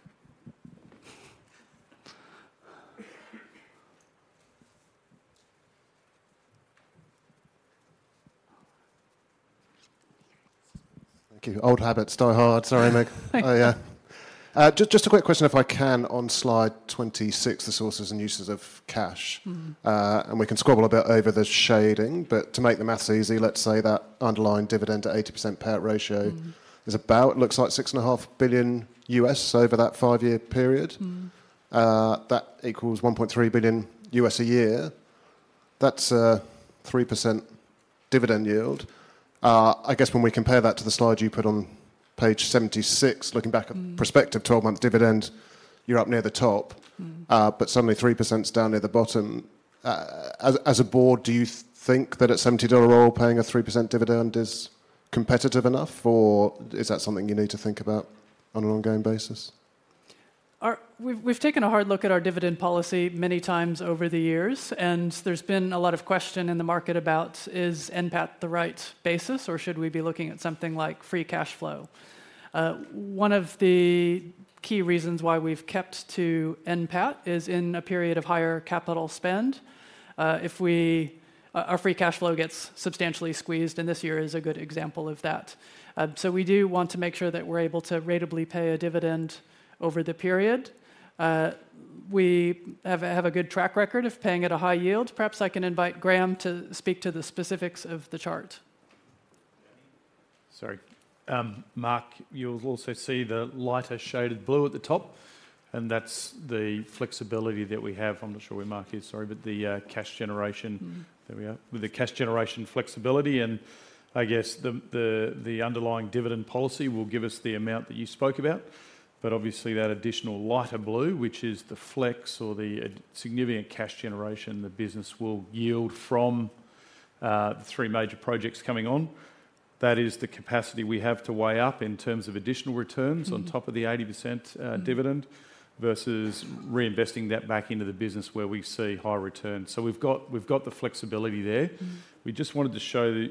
Thank you. Old habits die hard. Sorry, Meg. Thank you. Oh, yeah. Just a quick question, if I can, on slide 26, the sources and uses of cash? Mm-hmm. we can squabble a bit over the shading, but to make the math easy, let's say that underlying dividend to 80% payout ratio-. Mm-hmm.... is about, looks like $6.5 billion over that five year period. Mm-hmm. That equals $1.3 billion a year. That's a 3% dividend yield. I guess when we compare that to the slide you put on page 76, looking back at-. Mm-hmm.... prospective 12 month dividend, you're up near the top. Mm-hmm. Suddenly, 3% is down near the bottom. As a board, do you think that at $70 oil, paying a 3% dividend is competitive enough, or is that something you need to think about on an ongoing basis? We've taken a hard look at our dividend policy many times over the years, and there's been a lot of question in the market about, is NPAT the right basis, or should we be looking at something like free cash flow? One of the key reasons why we've kept to NPAT is in a period of higher capital spend. If we, our free cash flow gets substantially squeezed, and this year is a good example of that. So we do want to make sure that we're able to ratably pay a dividend over the period. We have a good track record of paying at a high yield. Perhaps I can invite Graham to speak to the specifics of the chart. Sorry. Mark, you'll also see the lighter shaded blue at the top, and that's the flexibility that we have. I'm not sure where Mark is, sorry, but the cash generation-. Mm-hmm. There we are. With the cash generation flexibility, and I guess the underlying dividend policy will give us the amount that you spoke about. But obviously, that additional lighter blue, which is the flex or the significant cash generation the business will yield from the three major projects coming on, that is the capacity we have to weigh up in terms of additional returns-. Mm-hmm.... on top of the 80% dividend-. Mm-hmm.... versus reinvesting that back into the business where we see high returns. So we've got, we've got the flexibility there. Mm-hmm. We just wanted to show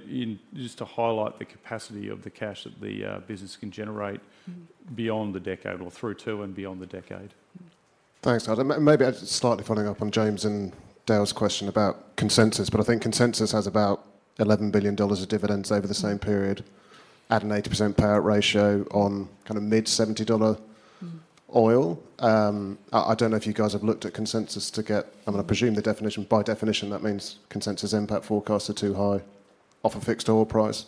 just to highlight the capacity of the cash that the business can generate-. Mm-hmm.... beyond the decade or through to and beyond the decade. Mm-hmm. Thanks, Graham. And maybe just slightly following up on James and Dale's question about consensus, but I think consensus has about $11 billion of dividends over the same period at an 80% payout ratio on kind of mid-$70 dollar-. Mm.... oil. I don't know if you guys have looked at consensus. I mean, I presume the definition, by definition, that means consensus impact forecasts are too high off a fixed oil price.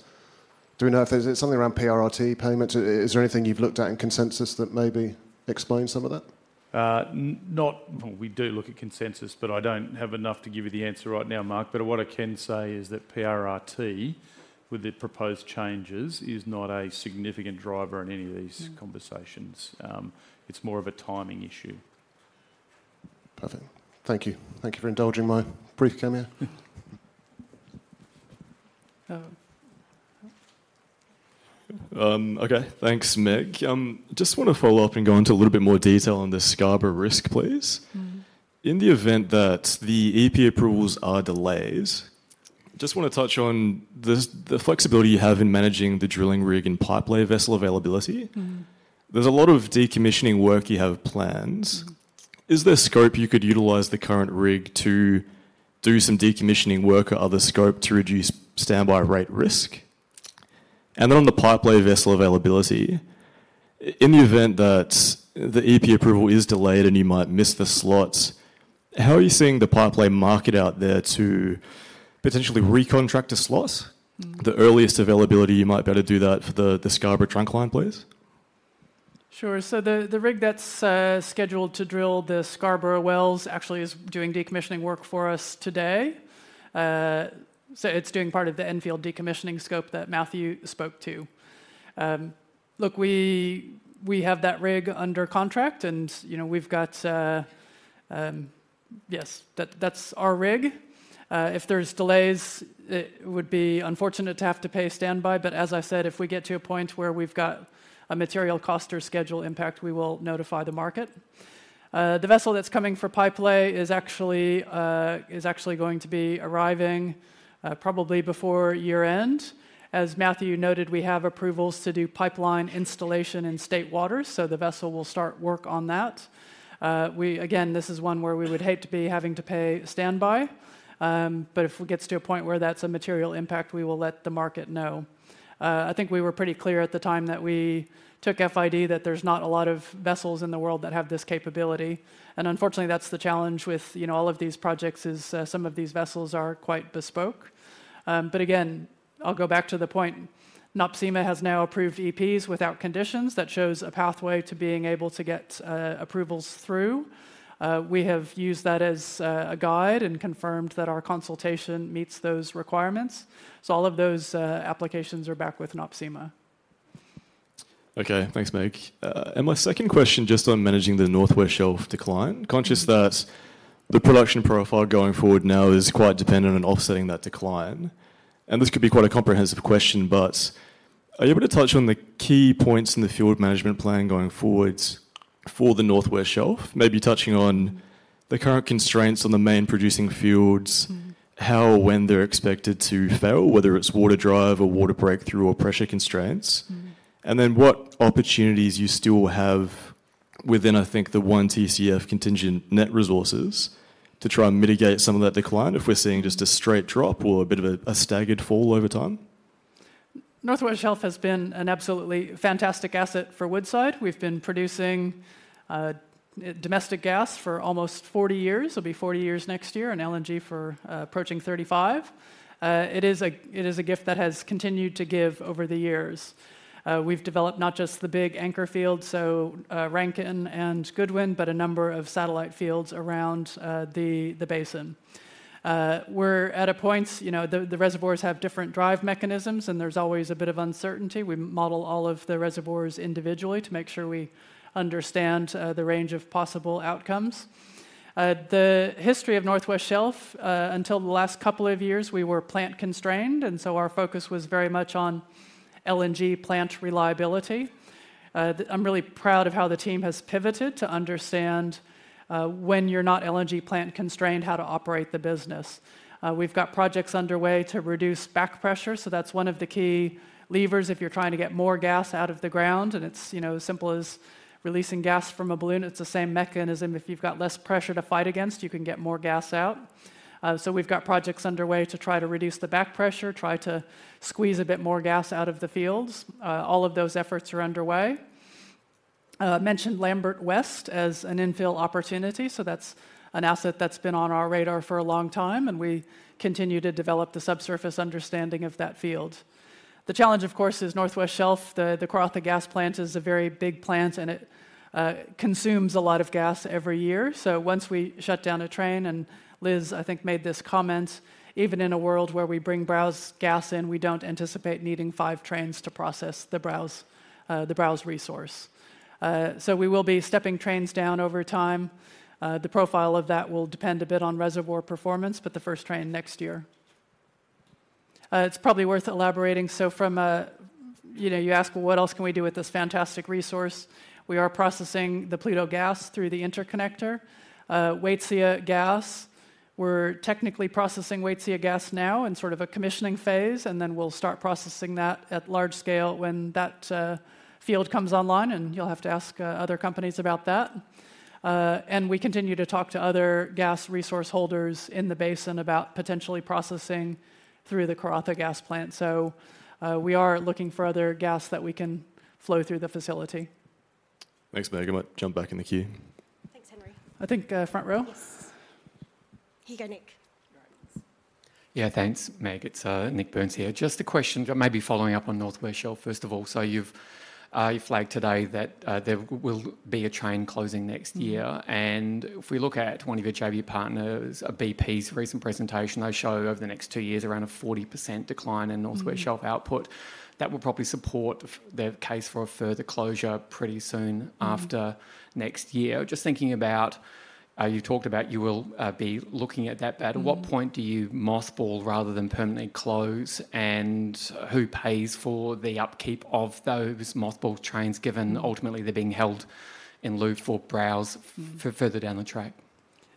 Do we know if there's something around PRRT payments? Is there anything you've looked at in consensus that maybe explains some of that? Well, we do look at consensus, but I don't have enough to give you the answer right now, Mark. But what I can say is that PRRT, with the proposed changes, is not a significant driver in any of these-. Mm.... conversations. It's more of a timing issue. Perfect. Thank you. Thank you for indulging my brief cameo. Uh-. Okay, thanks, Meg. Just want to follow up and go into a little bit more detail on the Scarborough risk, please. Mm-hmm. In the event that the EP approvals are delayed, just want to touch on the flexibility you have in managing the drilling rig and pipelay vessel availability. Mm-hmm. There's a lot of decommissioning work you have planned. Mm-hmm. Is there scope you could utilize the current rig to do some decommissioning work or other scope to reduce standby rate risk? And then on the pipelay vessel availability, in the event that the EP approval is delayed and you might miss the slots, how are you seeing the pipelay market out there to potentially recontract a slot? Mm-hmm. The earliest availability you might be able to do that for the Scarborough trunk line, please? Sure. So the rig that's scheduled to drill the Scarborough wells actually is doing decommissioning work for us today. So it's doing part of the Enfield decommissioning scope that Matthew spoke to. Look, we have that rig under contract, and, you know, we've got... Yes, that's our rig. If there's delays, it would be unfortunate to have to pay standby, but as I said, if we get to a point where we've got a material cost or schedule impact, we will notify the market. The vessel that's coming for pipelay is actually going to be arriving probably before year-end. As Matthew noted, we have approvals to do pipeline installation in state waters, so the vessel will start work on that. We, again, this is one where we would hate to be having to pay standby, but if it gets to a point where that's a material impact, we will let the market know. I think we were pretty clear at the time that we took FID that there's not a lot of vessels in the world that have this capability, and unfortunately, that's the challenge with, you know, all of these projects is, some of these vessels are quite bespoke. But again, I'll go back to the point, NOPSEMA has now approved EPs without conditions. That shows a pathway to being able to get approvals through. We have used that as a guide and confirmed that our consultation meets those requirements. So all of those applications are back with NOPSEMA. Okay. Thanks, Meg. My second question, just on managing the North West Shelf decline. Mm-hmm. Conscious that the production profile going forward now is quite dependent on offsetting that decline, and this could be quite a comprehensive question, but are you able to touch on the key points in the field management plan going forward for the North West Shelf? Maybe touching on the current constraints on the main producing fields-. Mm-hmm.... how or when they're expected to fail, whether it's water drive or water breakthrough or pressure constraints. Mm-hmm. Then what opportunities you still have within, I think, the one Tcf contingent net resources to try and mitigate some of that decline, if we're seeing just a straight drop or a bit of a staggered fall over time? North West Shelf has been an absolutely fantastic asset for Woodside. We've been producing domestic gas for almost 40 years. It'll be 40 years next year, and LNG for approaching 35. It is a gift that has continued to give over the years. We've developed not just the big anchor field, so Rankin and Goodwyn, but a number of satellite fields around the basin. We're at a point, you know, the reservoirs have different drive mechanisms, and there's always a bit of uncertainty. We model all of the reservoirs individually to make sure we understand the range of possible outcomes. The history of North West Shelf, until the last couple of years, we were plant constrained, and so our focus was very much on LNG plant reliability. The... I'm really proud of how the team has pivoted to understand, when you're not LNG plant constrained, how to operate the business. We've got projects underway to reduce back pressure, so that's one of the key levers if you're trying to get more gas out of the ground, and it's, you know, as simple as releasing gas from a balloon. It's the same mechanism. If you've got less pressure to fight against, you can get more gas out. So we've got projects underway to try to reduce the back pressure, try to squeeze a bit more gas out of the fields. All of those efforts are underway. I mentioned Lambert West as an infill opportunity, so that's an asset that's been on our radar for a long time, and we continue to develop the subsurface understanding of that field. The challenge, of course, is North West Shelf. The Karratha Gas Plant is a very big plant, and it consumes a lot of gas every year. So once we shut down a Train, and Liz, I think, made this comment, even in a world where we bring Browse gas in, we don't anticipate needing five trains to process the Browse resource. So we will be stepping trains down over time. The profile of that will depend a bit on reservoir performance, but the first Train next year. It's probably worth elaborating. So from a, you know, you ask, well, what else can we do with this fantastic resource? We are processing the Pluto gas through the interconnector, Waitsia gas. We're technically processing Waitsia gas now in sort of a commissioning phase, and then we'll start processing that at large scale when that field comes online, and you'll have to ask other companies about that. And we continue to talk to other gas resource holders in the basin about potentially processing through the Karratha Gas Plant. So, we are looking for other gas that we can flow through the facility. Thanks, Meg. I might jump back in the queue. Thanks, Henry. I think, front row. Yes. Here you go, Nick. Great. Yeah, thanks, Meg. It's, Nik Burns here. Just a question, maybe following up on North West Shelf, first of all. So you've, you flagged today that, there will be a train closing next year. Mm-hmm. If we look at one of your JV partners, BP's recent presentation, they show over the next two years, around a 40% decline in North West Shelf-. Mm-hmm.... output. That will probably support the case for a further closure pretty soon-. Mm-hmm.... after next year. Just thinking about, you talked about you will, be looking at that bit. Mm-hmm. At what point do you mothball rather than permanently close, and who pays for the upkeep of those mothballed trains, given ultimately they're being held in lieu for Browse-. Mm-hmm.... for further down the track?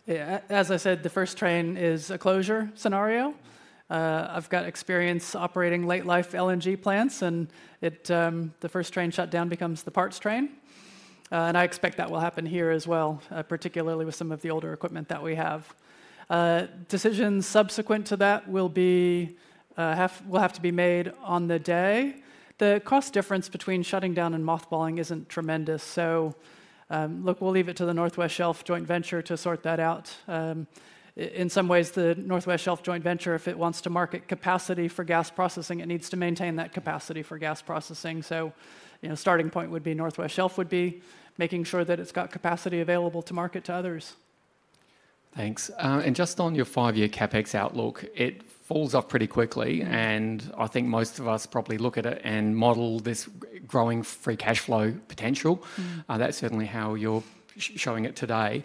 Yeah, as I said, the first train is a closure scenario. I've got experience operating late life LNG plants, and it, the first train shutdown becomes the parts train. And I expect that will happen here as well, particularly with some of the older equipment that we have. Decisions subsequent to that will have to be made on the day. The cost difference between shutting down and mothballing isn't tremendous, so, look, we'll leave it to the North West Shelf Joint Venture to sort that out. In some ways, the North West Shelf Joint Venture, if it wants to market capacity for gas processing, it needs to maintain that capacity for gas processing. So, you know, starting point would be North West Shelf would be making sure that it's got capacity available to market to others. Thanks. Just on your five year CapEx outlook, it falls off pretty quickly-. Mm. I think most of us probably look at it and model this growing free cash flow potential. Mm. That's certainly how you're showing it today.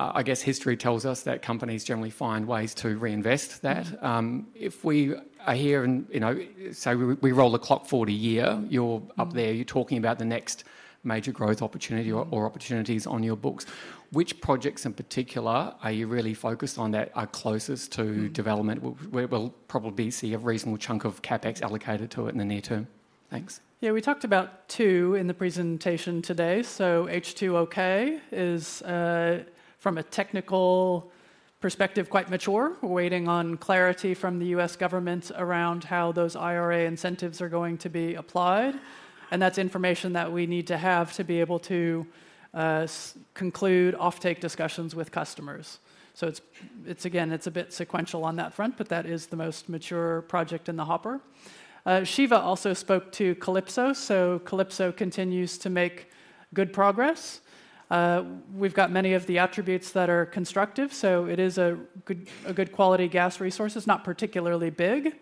I guess history tells us that companies generally find ways to reinvest that. If we are here and, you know, so we roll the clock forward a year, you're up there-. Mm. You're talking about the next major growth opportunity or, or opportunities on your books. Which projects in particular are you really focused on that are closest to-. Mm.... development, where we'll probably see a reasonable chunk of CapEx allocated to it in the near term? Thanks. Yeah, we talked about two in the presentation today. So H2OK is from a technical perspective quite mature. We're waiting on clarity from the U.S. government around how those IRA incentives are going to be applied, and that's information that we need to have to be able to conclude offtake discussions with customers. So it's again a bit sequential on that front, but that is the most mature project in the hopper. Shiva also spoke to Calypso, so Calypso continues to make good progress. We've got many of the attributes that are constructive, so it is a good quality gas resource. It's not particularly big.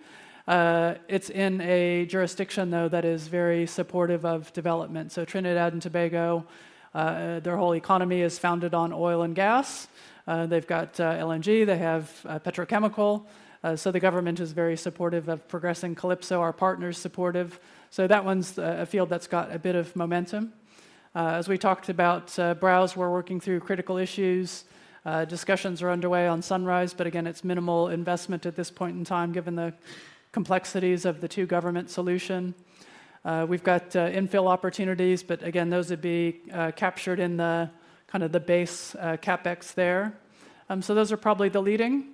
It's in a jurisdiction though that is very supportive of development. So Trinidad and Tobago, their whole economy is founded on oil and gas. They've got LNG; they have petrochemical. So the government is very supportive of progressing Calypso, our partner is supportive. So that one's a field that's got a bit of momentum. As we talked about, Browse, we're working through critical issues. Discussions are underway on Sunrise, but again, it's minimal investment at this point in time, given the complexities of the two government solution. We've got infill opportunities, but again, those would be captured in the kind of the base CapEx there. So those are probably the leading.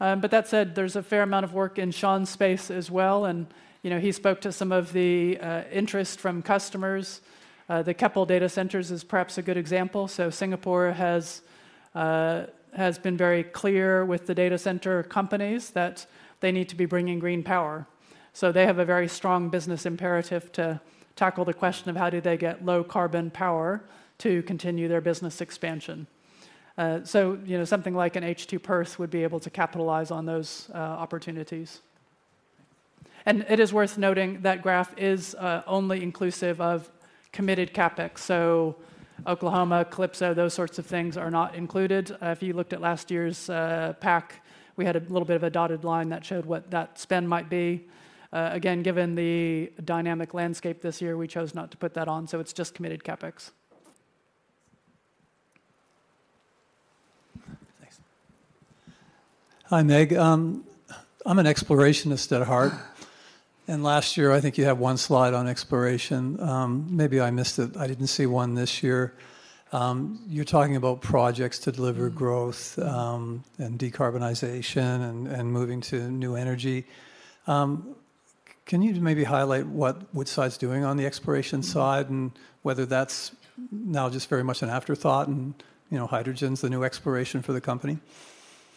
But that said, there's a fair amount of work in Shaun's space as well, and, you know, he spoke to some of the interest from customers. The Keppel Data Centres is perhaps a good example. So Singapore has been very clear with the data center companies that they need to be bringing green power. So they have a very strong business imperative to tackle the question of how do they get low carbon power to continue their business expansion. So, you know, something like an H2Perth would be able to capitalize on those opportunities. And it is worth noting, that graph is only inclusive of committed CapEx. So Oklahoma, Calypso, those sorts of things are not included. If you looked at last year's pack, we had a little bit of a dotted line that showed what that spend might be. Again, given the dynamic landscape this year, we chose not to put that on, so it's just committed CapEx. Thanks. Hi, Meg. I'm an explorationist at heart, and last year, I think you had one slide on exploration. Maybe I missed it. I didn't see one this year. You're talking about projects to deliver growth-. Mm.... and decarbonization and moving to new energy. Can you maybe highlight what Woodside's doing on the exploration side and whether that's now just very much an afterthought and, you know, hydrogen's the new exploration for the company?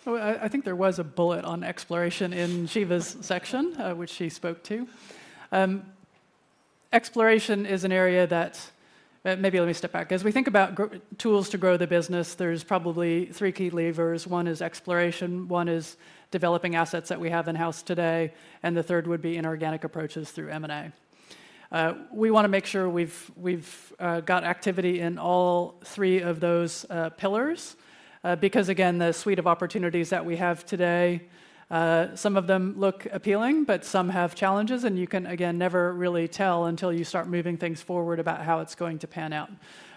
Well, I think there was a bullet on exploration in Shiva's section, which she spoke to. Exploration is an area that... Maybe let me step back. As we think about tools to grow the business, there's probably three key levers. One is exploration, one is developing assets that we have in-house today, and the third would be inorganic approaches through M&A. We wanna make sure we've got activity in all three of those pillars. Because again, the suite of opportunities that we have today, some of them look appealing, but some have challenges, and you can, again, never really tell until you start moving things forward about how it's going to pan out.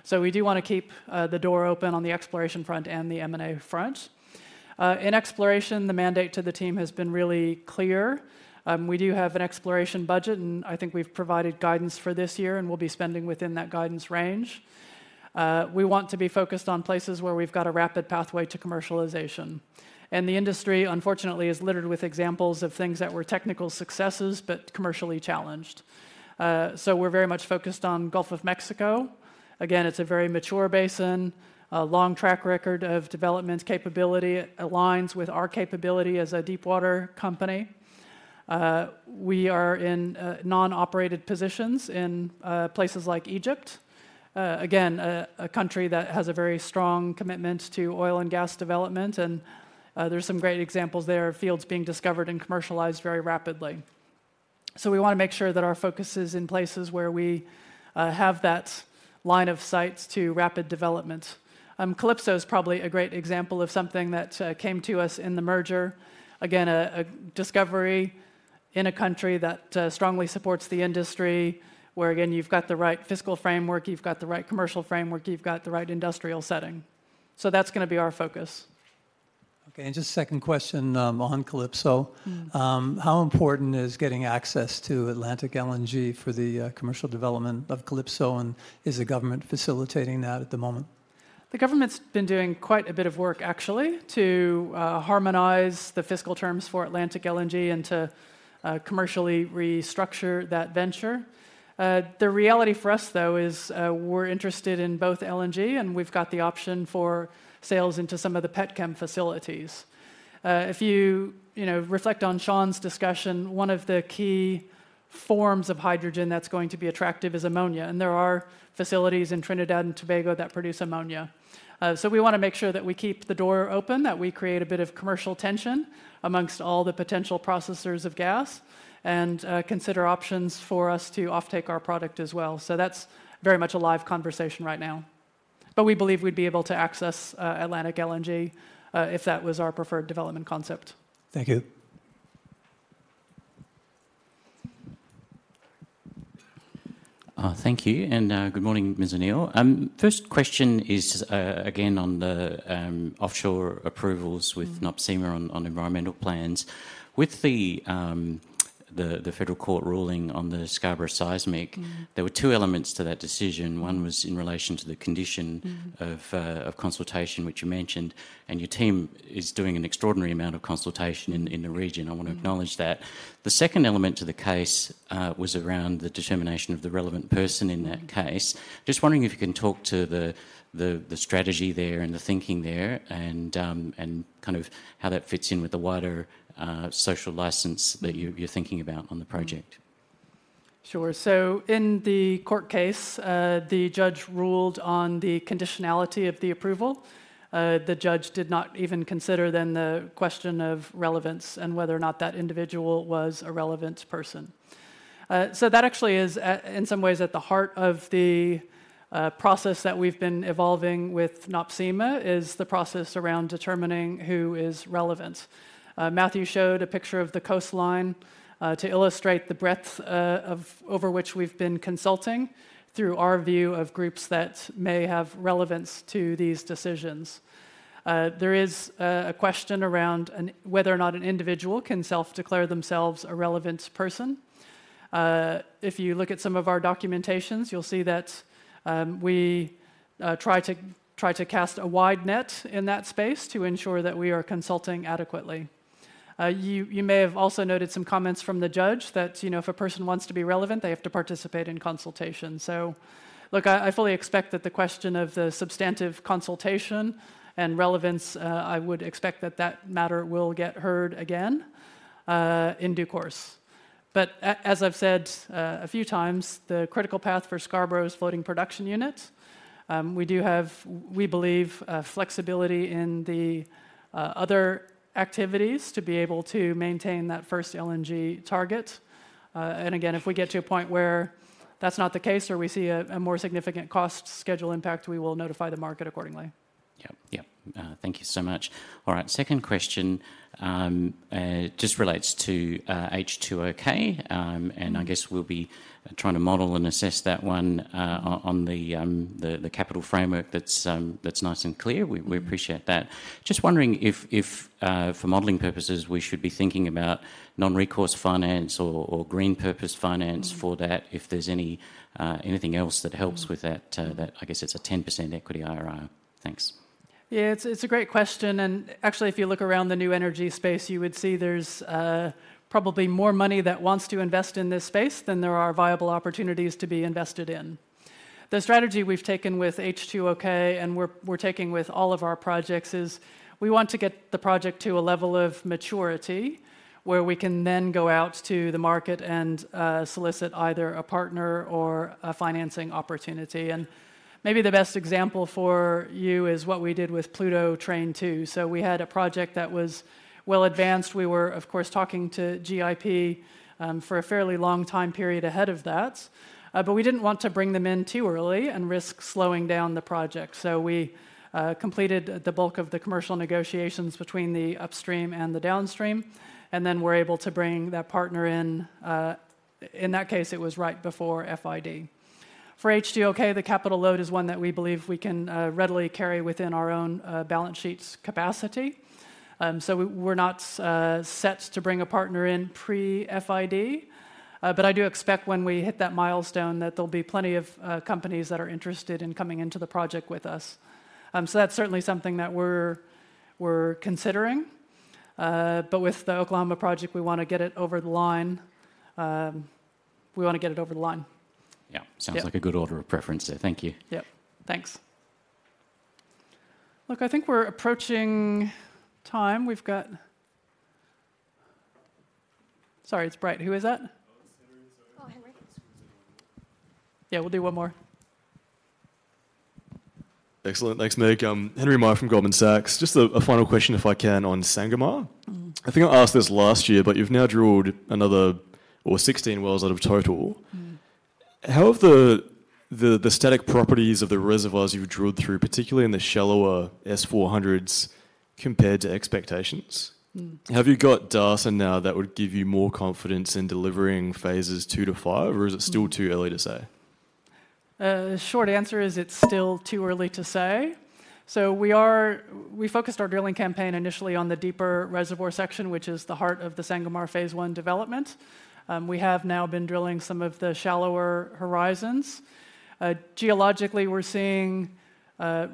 So we do wanna keep the door open on the exploration front and the M&A front. In exploration, the mandate to the team has been really clear. We do have an exploration budget, and I think we've provided guidance for this year, and we'll be spending within that guidance range. We want to be focused on places where we've got a rapid pathway to commercialization. The industry, unfortunately, is littered with examples of things that were technical successes but commercially challenged. We're very much focused on Gulf of Mexico. Again, it's a very mature basin, a long track record of development capability. It aligns with our capability as a deepwater company. We are in non-operated positions in places like Egypt. Again, a country that has a very strong commitment to oil and gas development, and there are some great examples there of fields being discovered and commercialized very rapidly. So we wanna make sure that our focus is in places where we have that line of sights to rapid development. Calypso is probably a great example of something that came to us in the merger. Again, a discovery in a country that strongly supports the industry, where again, you've got the right fiscal framework, you've got the right commercial framework, you've got the right industrial setting. So that's gonna be our focus. Okay, and just second question, on Calypso. Mm. How important is getting access to Atlantic LNG for the commercial development of Calypso, and is the government facilitating that at the moment? The government's been doing quite a bit of work, actually, to harmonize the fiscal terms for Atlantic LNG and to commercially restructure that venture. The reality for us, though, is we're interested in both LNG, and we've got the option for sales into some of the petchem facilities. If you, you know, reflect on Shaun's discussion, one of the key forms of hydrogen that's going to be attractive is ammonia, and there are facilities in Trinidad and Tobago that produce ammonia. So we wanna make sure that we keep the door open, that we create a bit of commercial tension amongst all the potential processors of gas, and consider options for us to offtake our product as well. So that's very much a live conversation right now. But we believe we'd be able to access Atlantic LNG if that was our preferred development concept. Thank you. Thank you, and good morning, Ms. O'Neill. First question is, again, on the offshore approvals-. Mm.... with NOPSEMA on environmental plans. With the federal court ruling on the Scarborough Seismic-. Mm.... there were two elements to that decision. One was in relation to the condition-. Mm.... of consultation, which you mentioned, and your team is doing an extraordinary amount of consultation in the region. Mm. I want to acknowledge that. The second element to the case was around the determination of the relevant person in that case. Mm. Just wondering if you can talk to the strategy there and the thinking there, and kind of how that fits in with the wider social license that you're thinking about on the project? Sure. So in the court case, the judge ruled on the conditionality of the approval. The judge did not even consider then the question of relevance and whether or not that individual was a relevant person. So that actually is at, in some ways, at the heart of the process that we've been evolving with NOPSEMA, is the process around determining who is relevant. Matthew showed a picture of the coastline to illustrate the breadth over which we've been consulting through our view of groups that may have relevance to these decisions. There is a question around whether or not an individual can self-declare themselves a relevant person. If you look at some of our documentations, you'll see that, we try to cast a wide net in that space to ensure that we are consulting adequately. You may have also noted some comments from the judge that, you know, if a person wants to be relevant, they have to participate in consultation. So look, I fully expect that the question of the substantive consultation and relevance, I would expect that that matter will get heard again, in due course. But as I've said, a few times, the critical path for Scarborough's floating production unit, we do have, we believe, flexibility in the other activities to be able to maintain that first LNG target. Again, if we get to a point where that's not the case, or we see a more significant cost schedule impact, we will notify the market accordingly. Yep. Yep. Thank you so much. All right, second question, just relates to H2OK. And I guess we'll be trying to model and assess that one on the capital framework that's nice and clear. Mm. We appreciate that. Just wondering if, for modeling purposes, we should be thinking about non-recourse finance or green-purpose finance? Mm. For that, if there's any, anything else that helps-. Mm.... with that, I guess, it's a 10% equity IRR. Thanks. Yeah, it's, it's a great question, and actually, if you look around the new energy space, you would see there's probably more money that wants to invest in this space than there are viable opportunities to be invested in. The strategy we've taken with H2OK, and we're, we're taking with all of our projects, is we want to get the project to a level of maturity where we can then go out to the market and solicit either a partner or a financing opportunity. And maybe the best example for you is what we did with Pluto Train 2. So we had a project that was well advanced. We were, of course, talking to GIP for a fairly long time period ahead of that. But we didn't want to bring them in too early and risk slowing down the project, so we completed the bulk of the commercial negotiations between the upstream and the downstream, and then were able to bring that partner in, in that case, it was right before FID. For H2OK, the capital load is one that we believe we can readily carry within our own balance sheet's capacity. So we're not set to bring a partner in pre-FID, but I do expect when we hit that milestone, that there'll be plenty of companies that are interested in coming into the project with us. So that's certainly something that we're considering, but with the Oklahoma project, we wanna get it over the line. We wanna get it over the line. Yep. Yep. Sounds like a good order of preference there. Thank you. Yep. Thanks. Look, I think we're approaching time. We've got... Sorry, it's bright. Who is that? Oh, Henry. Oh, Henry. Just gonna take one more. Yeah, we'll do one more. Excellent. Thanks, Meg. Henry Meyer from Goldman Sachs. Just a final question, if I can, on Sangomar. Mm. I think I asked this last year, but you've now drilled another, well, 16 wells out of total... How have the static properties of the reservoirs you've drilled through, particularly in the shallower S400s, compared to expectations? Mm. Have you got data now that would give you more confidence in delivering Phases 2-5, or is it still too early to say? Short answer is it's still too early to say. So we focused our drilling campaign initially on the deeper reservoir section, which is the heart of the Sangomar Phase 1 development. We have now been drilling some of the shallower horizons. Geologically, we're seeing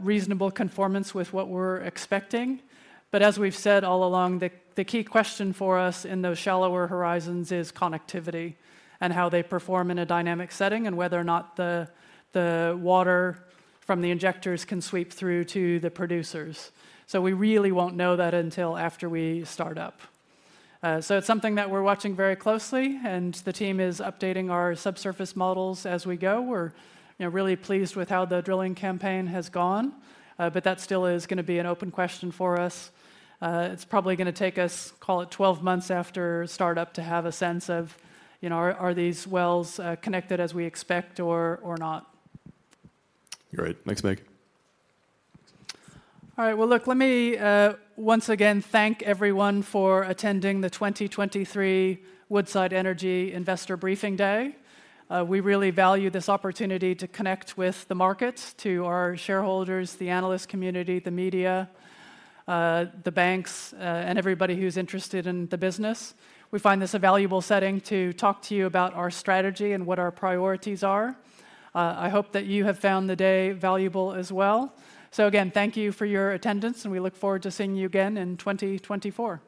reasonable conformance with what we're expecting. But as we've said all along, the key question for us in those shallower horizons is connectivity and how they perform in a dynamic setting, and whether or not the water from the injectors can sweep through to the producers. So we really won't know that until after we start up. So it's something that we're watching very closely, and the team is updating our subsurface models as we go. We're, you know, really pleased with how the drilling campaign has gone, but that still is gonna be an open question for us. It's probably gonna take us, call it 12 months after startup, to have a sense of, you know, are these wells connected as we expect or not? Great. Thanks, Meg. All right. Well, look, let me once again thank everyone for attending the 2023 Woodside Energy Investor Briefing Day. We really value this opportunity to connect with the markets, to our shareholders, the analyst community, the media, the banks, and everybody who's interested in the business. We find this a valuable setting to talk to you about our strategy and what our priorities are. I hope that you have found the day valuable as well. So again, thank you for your attendance, and we look forward to seeing you again in 2024.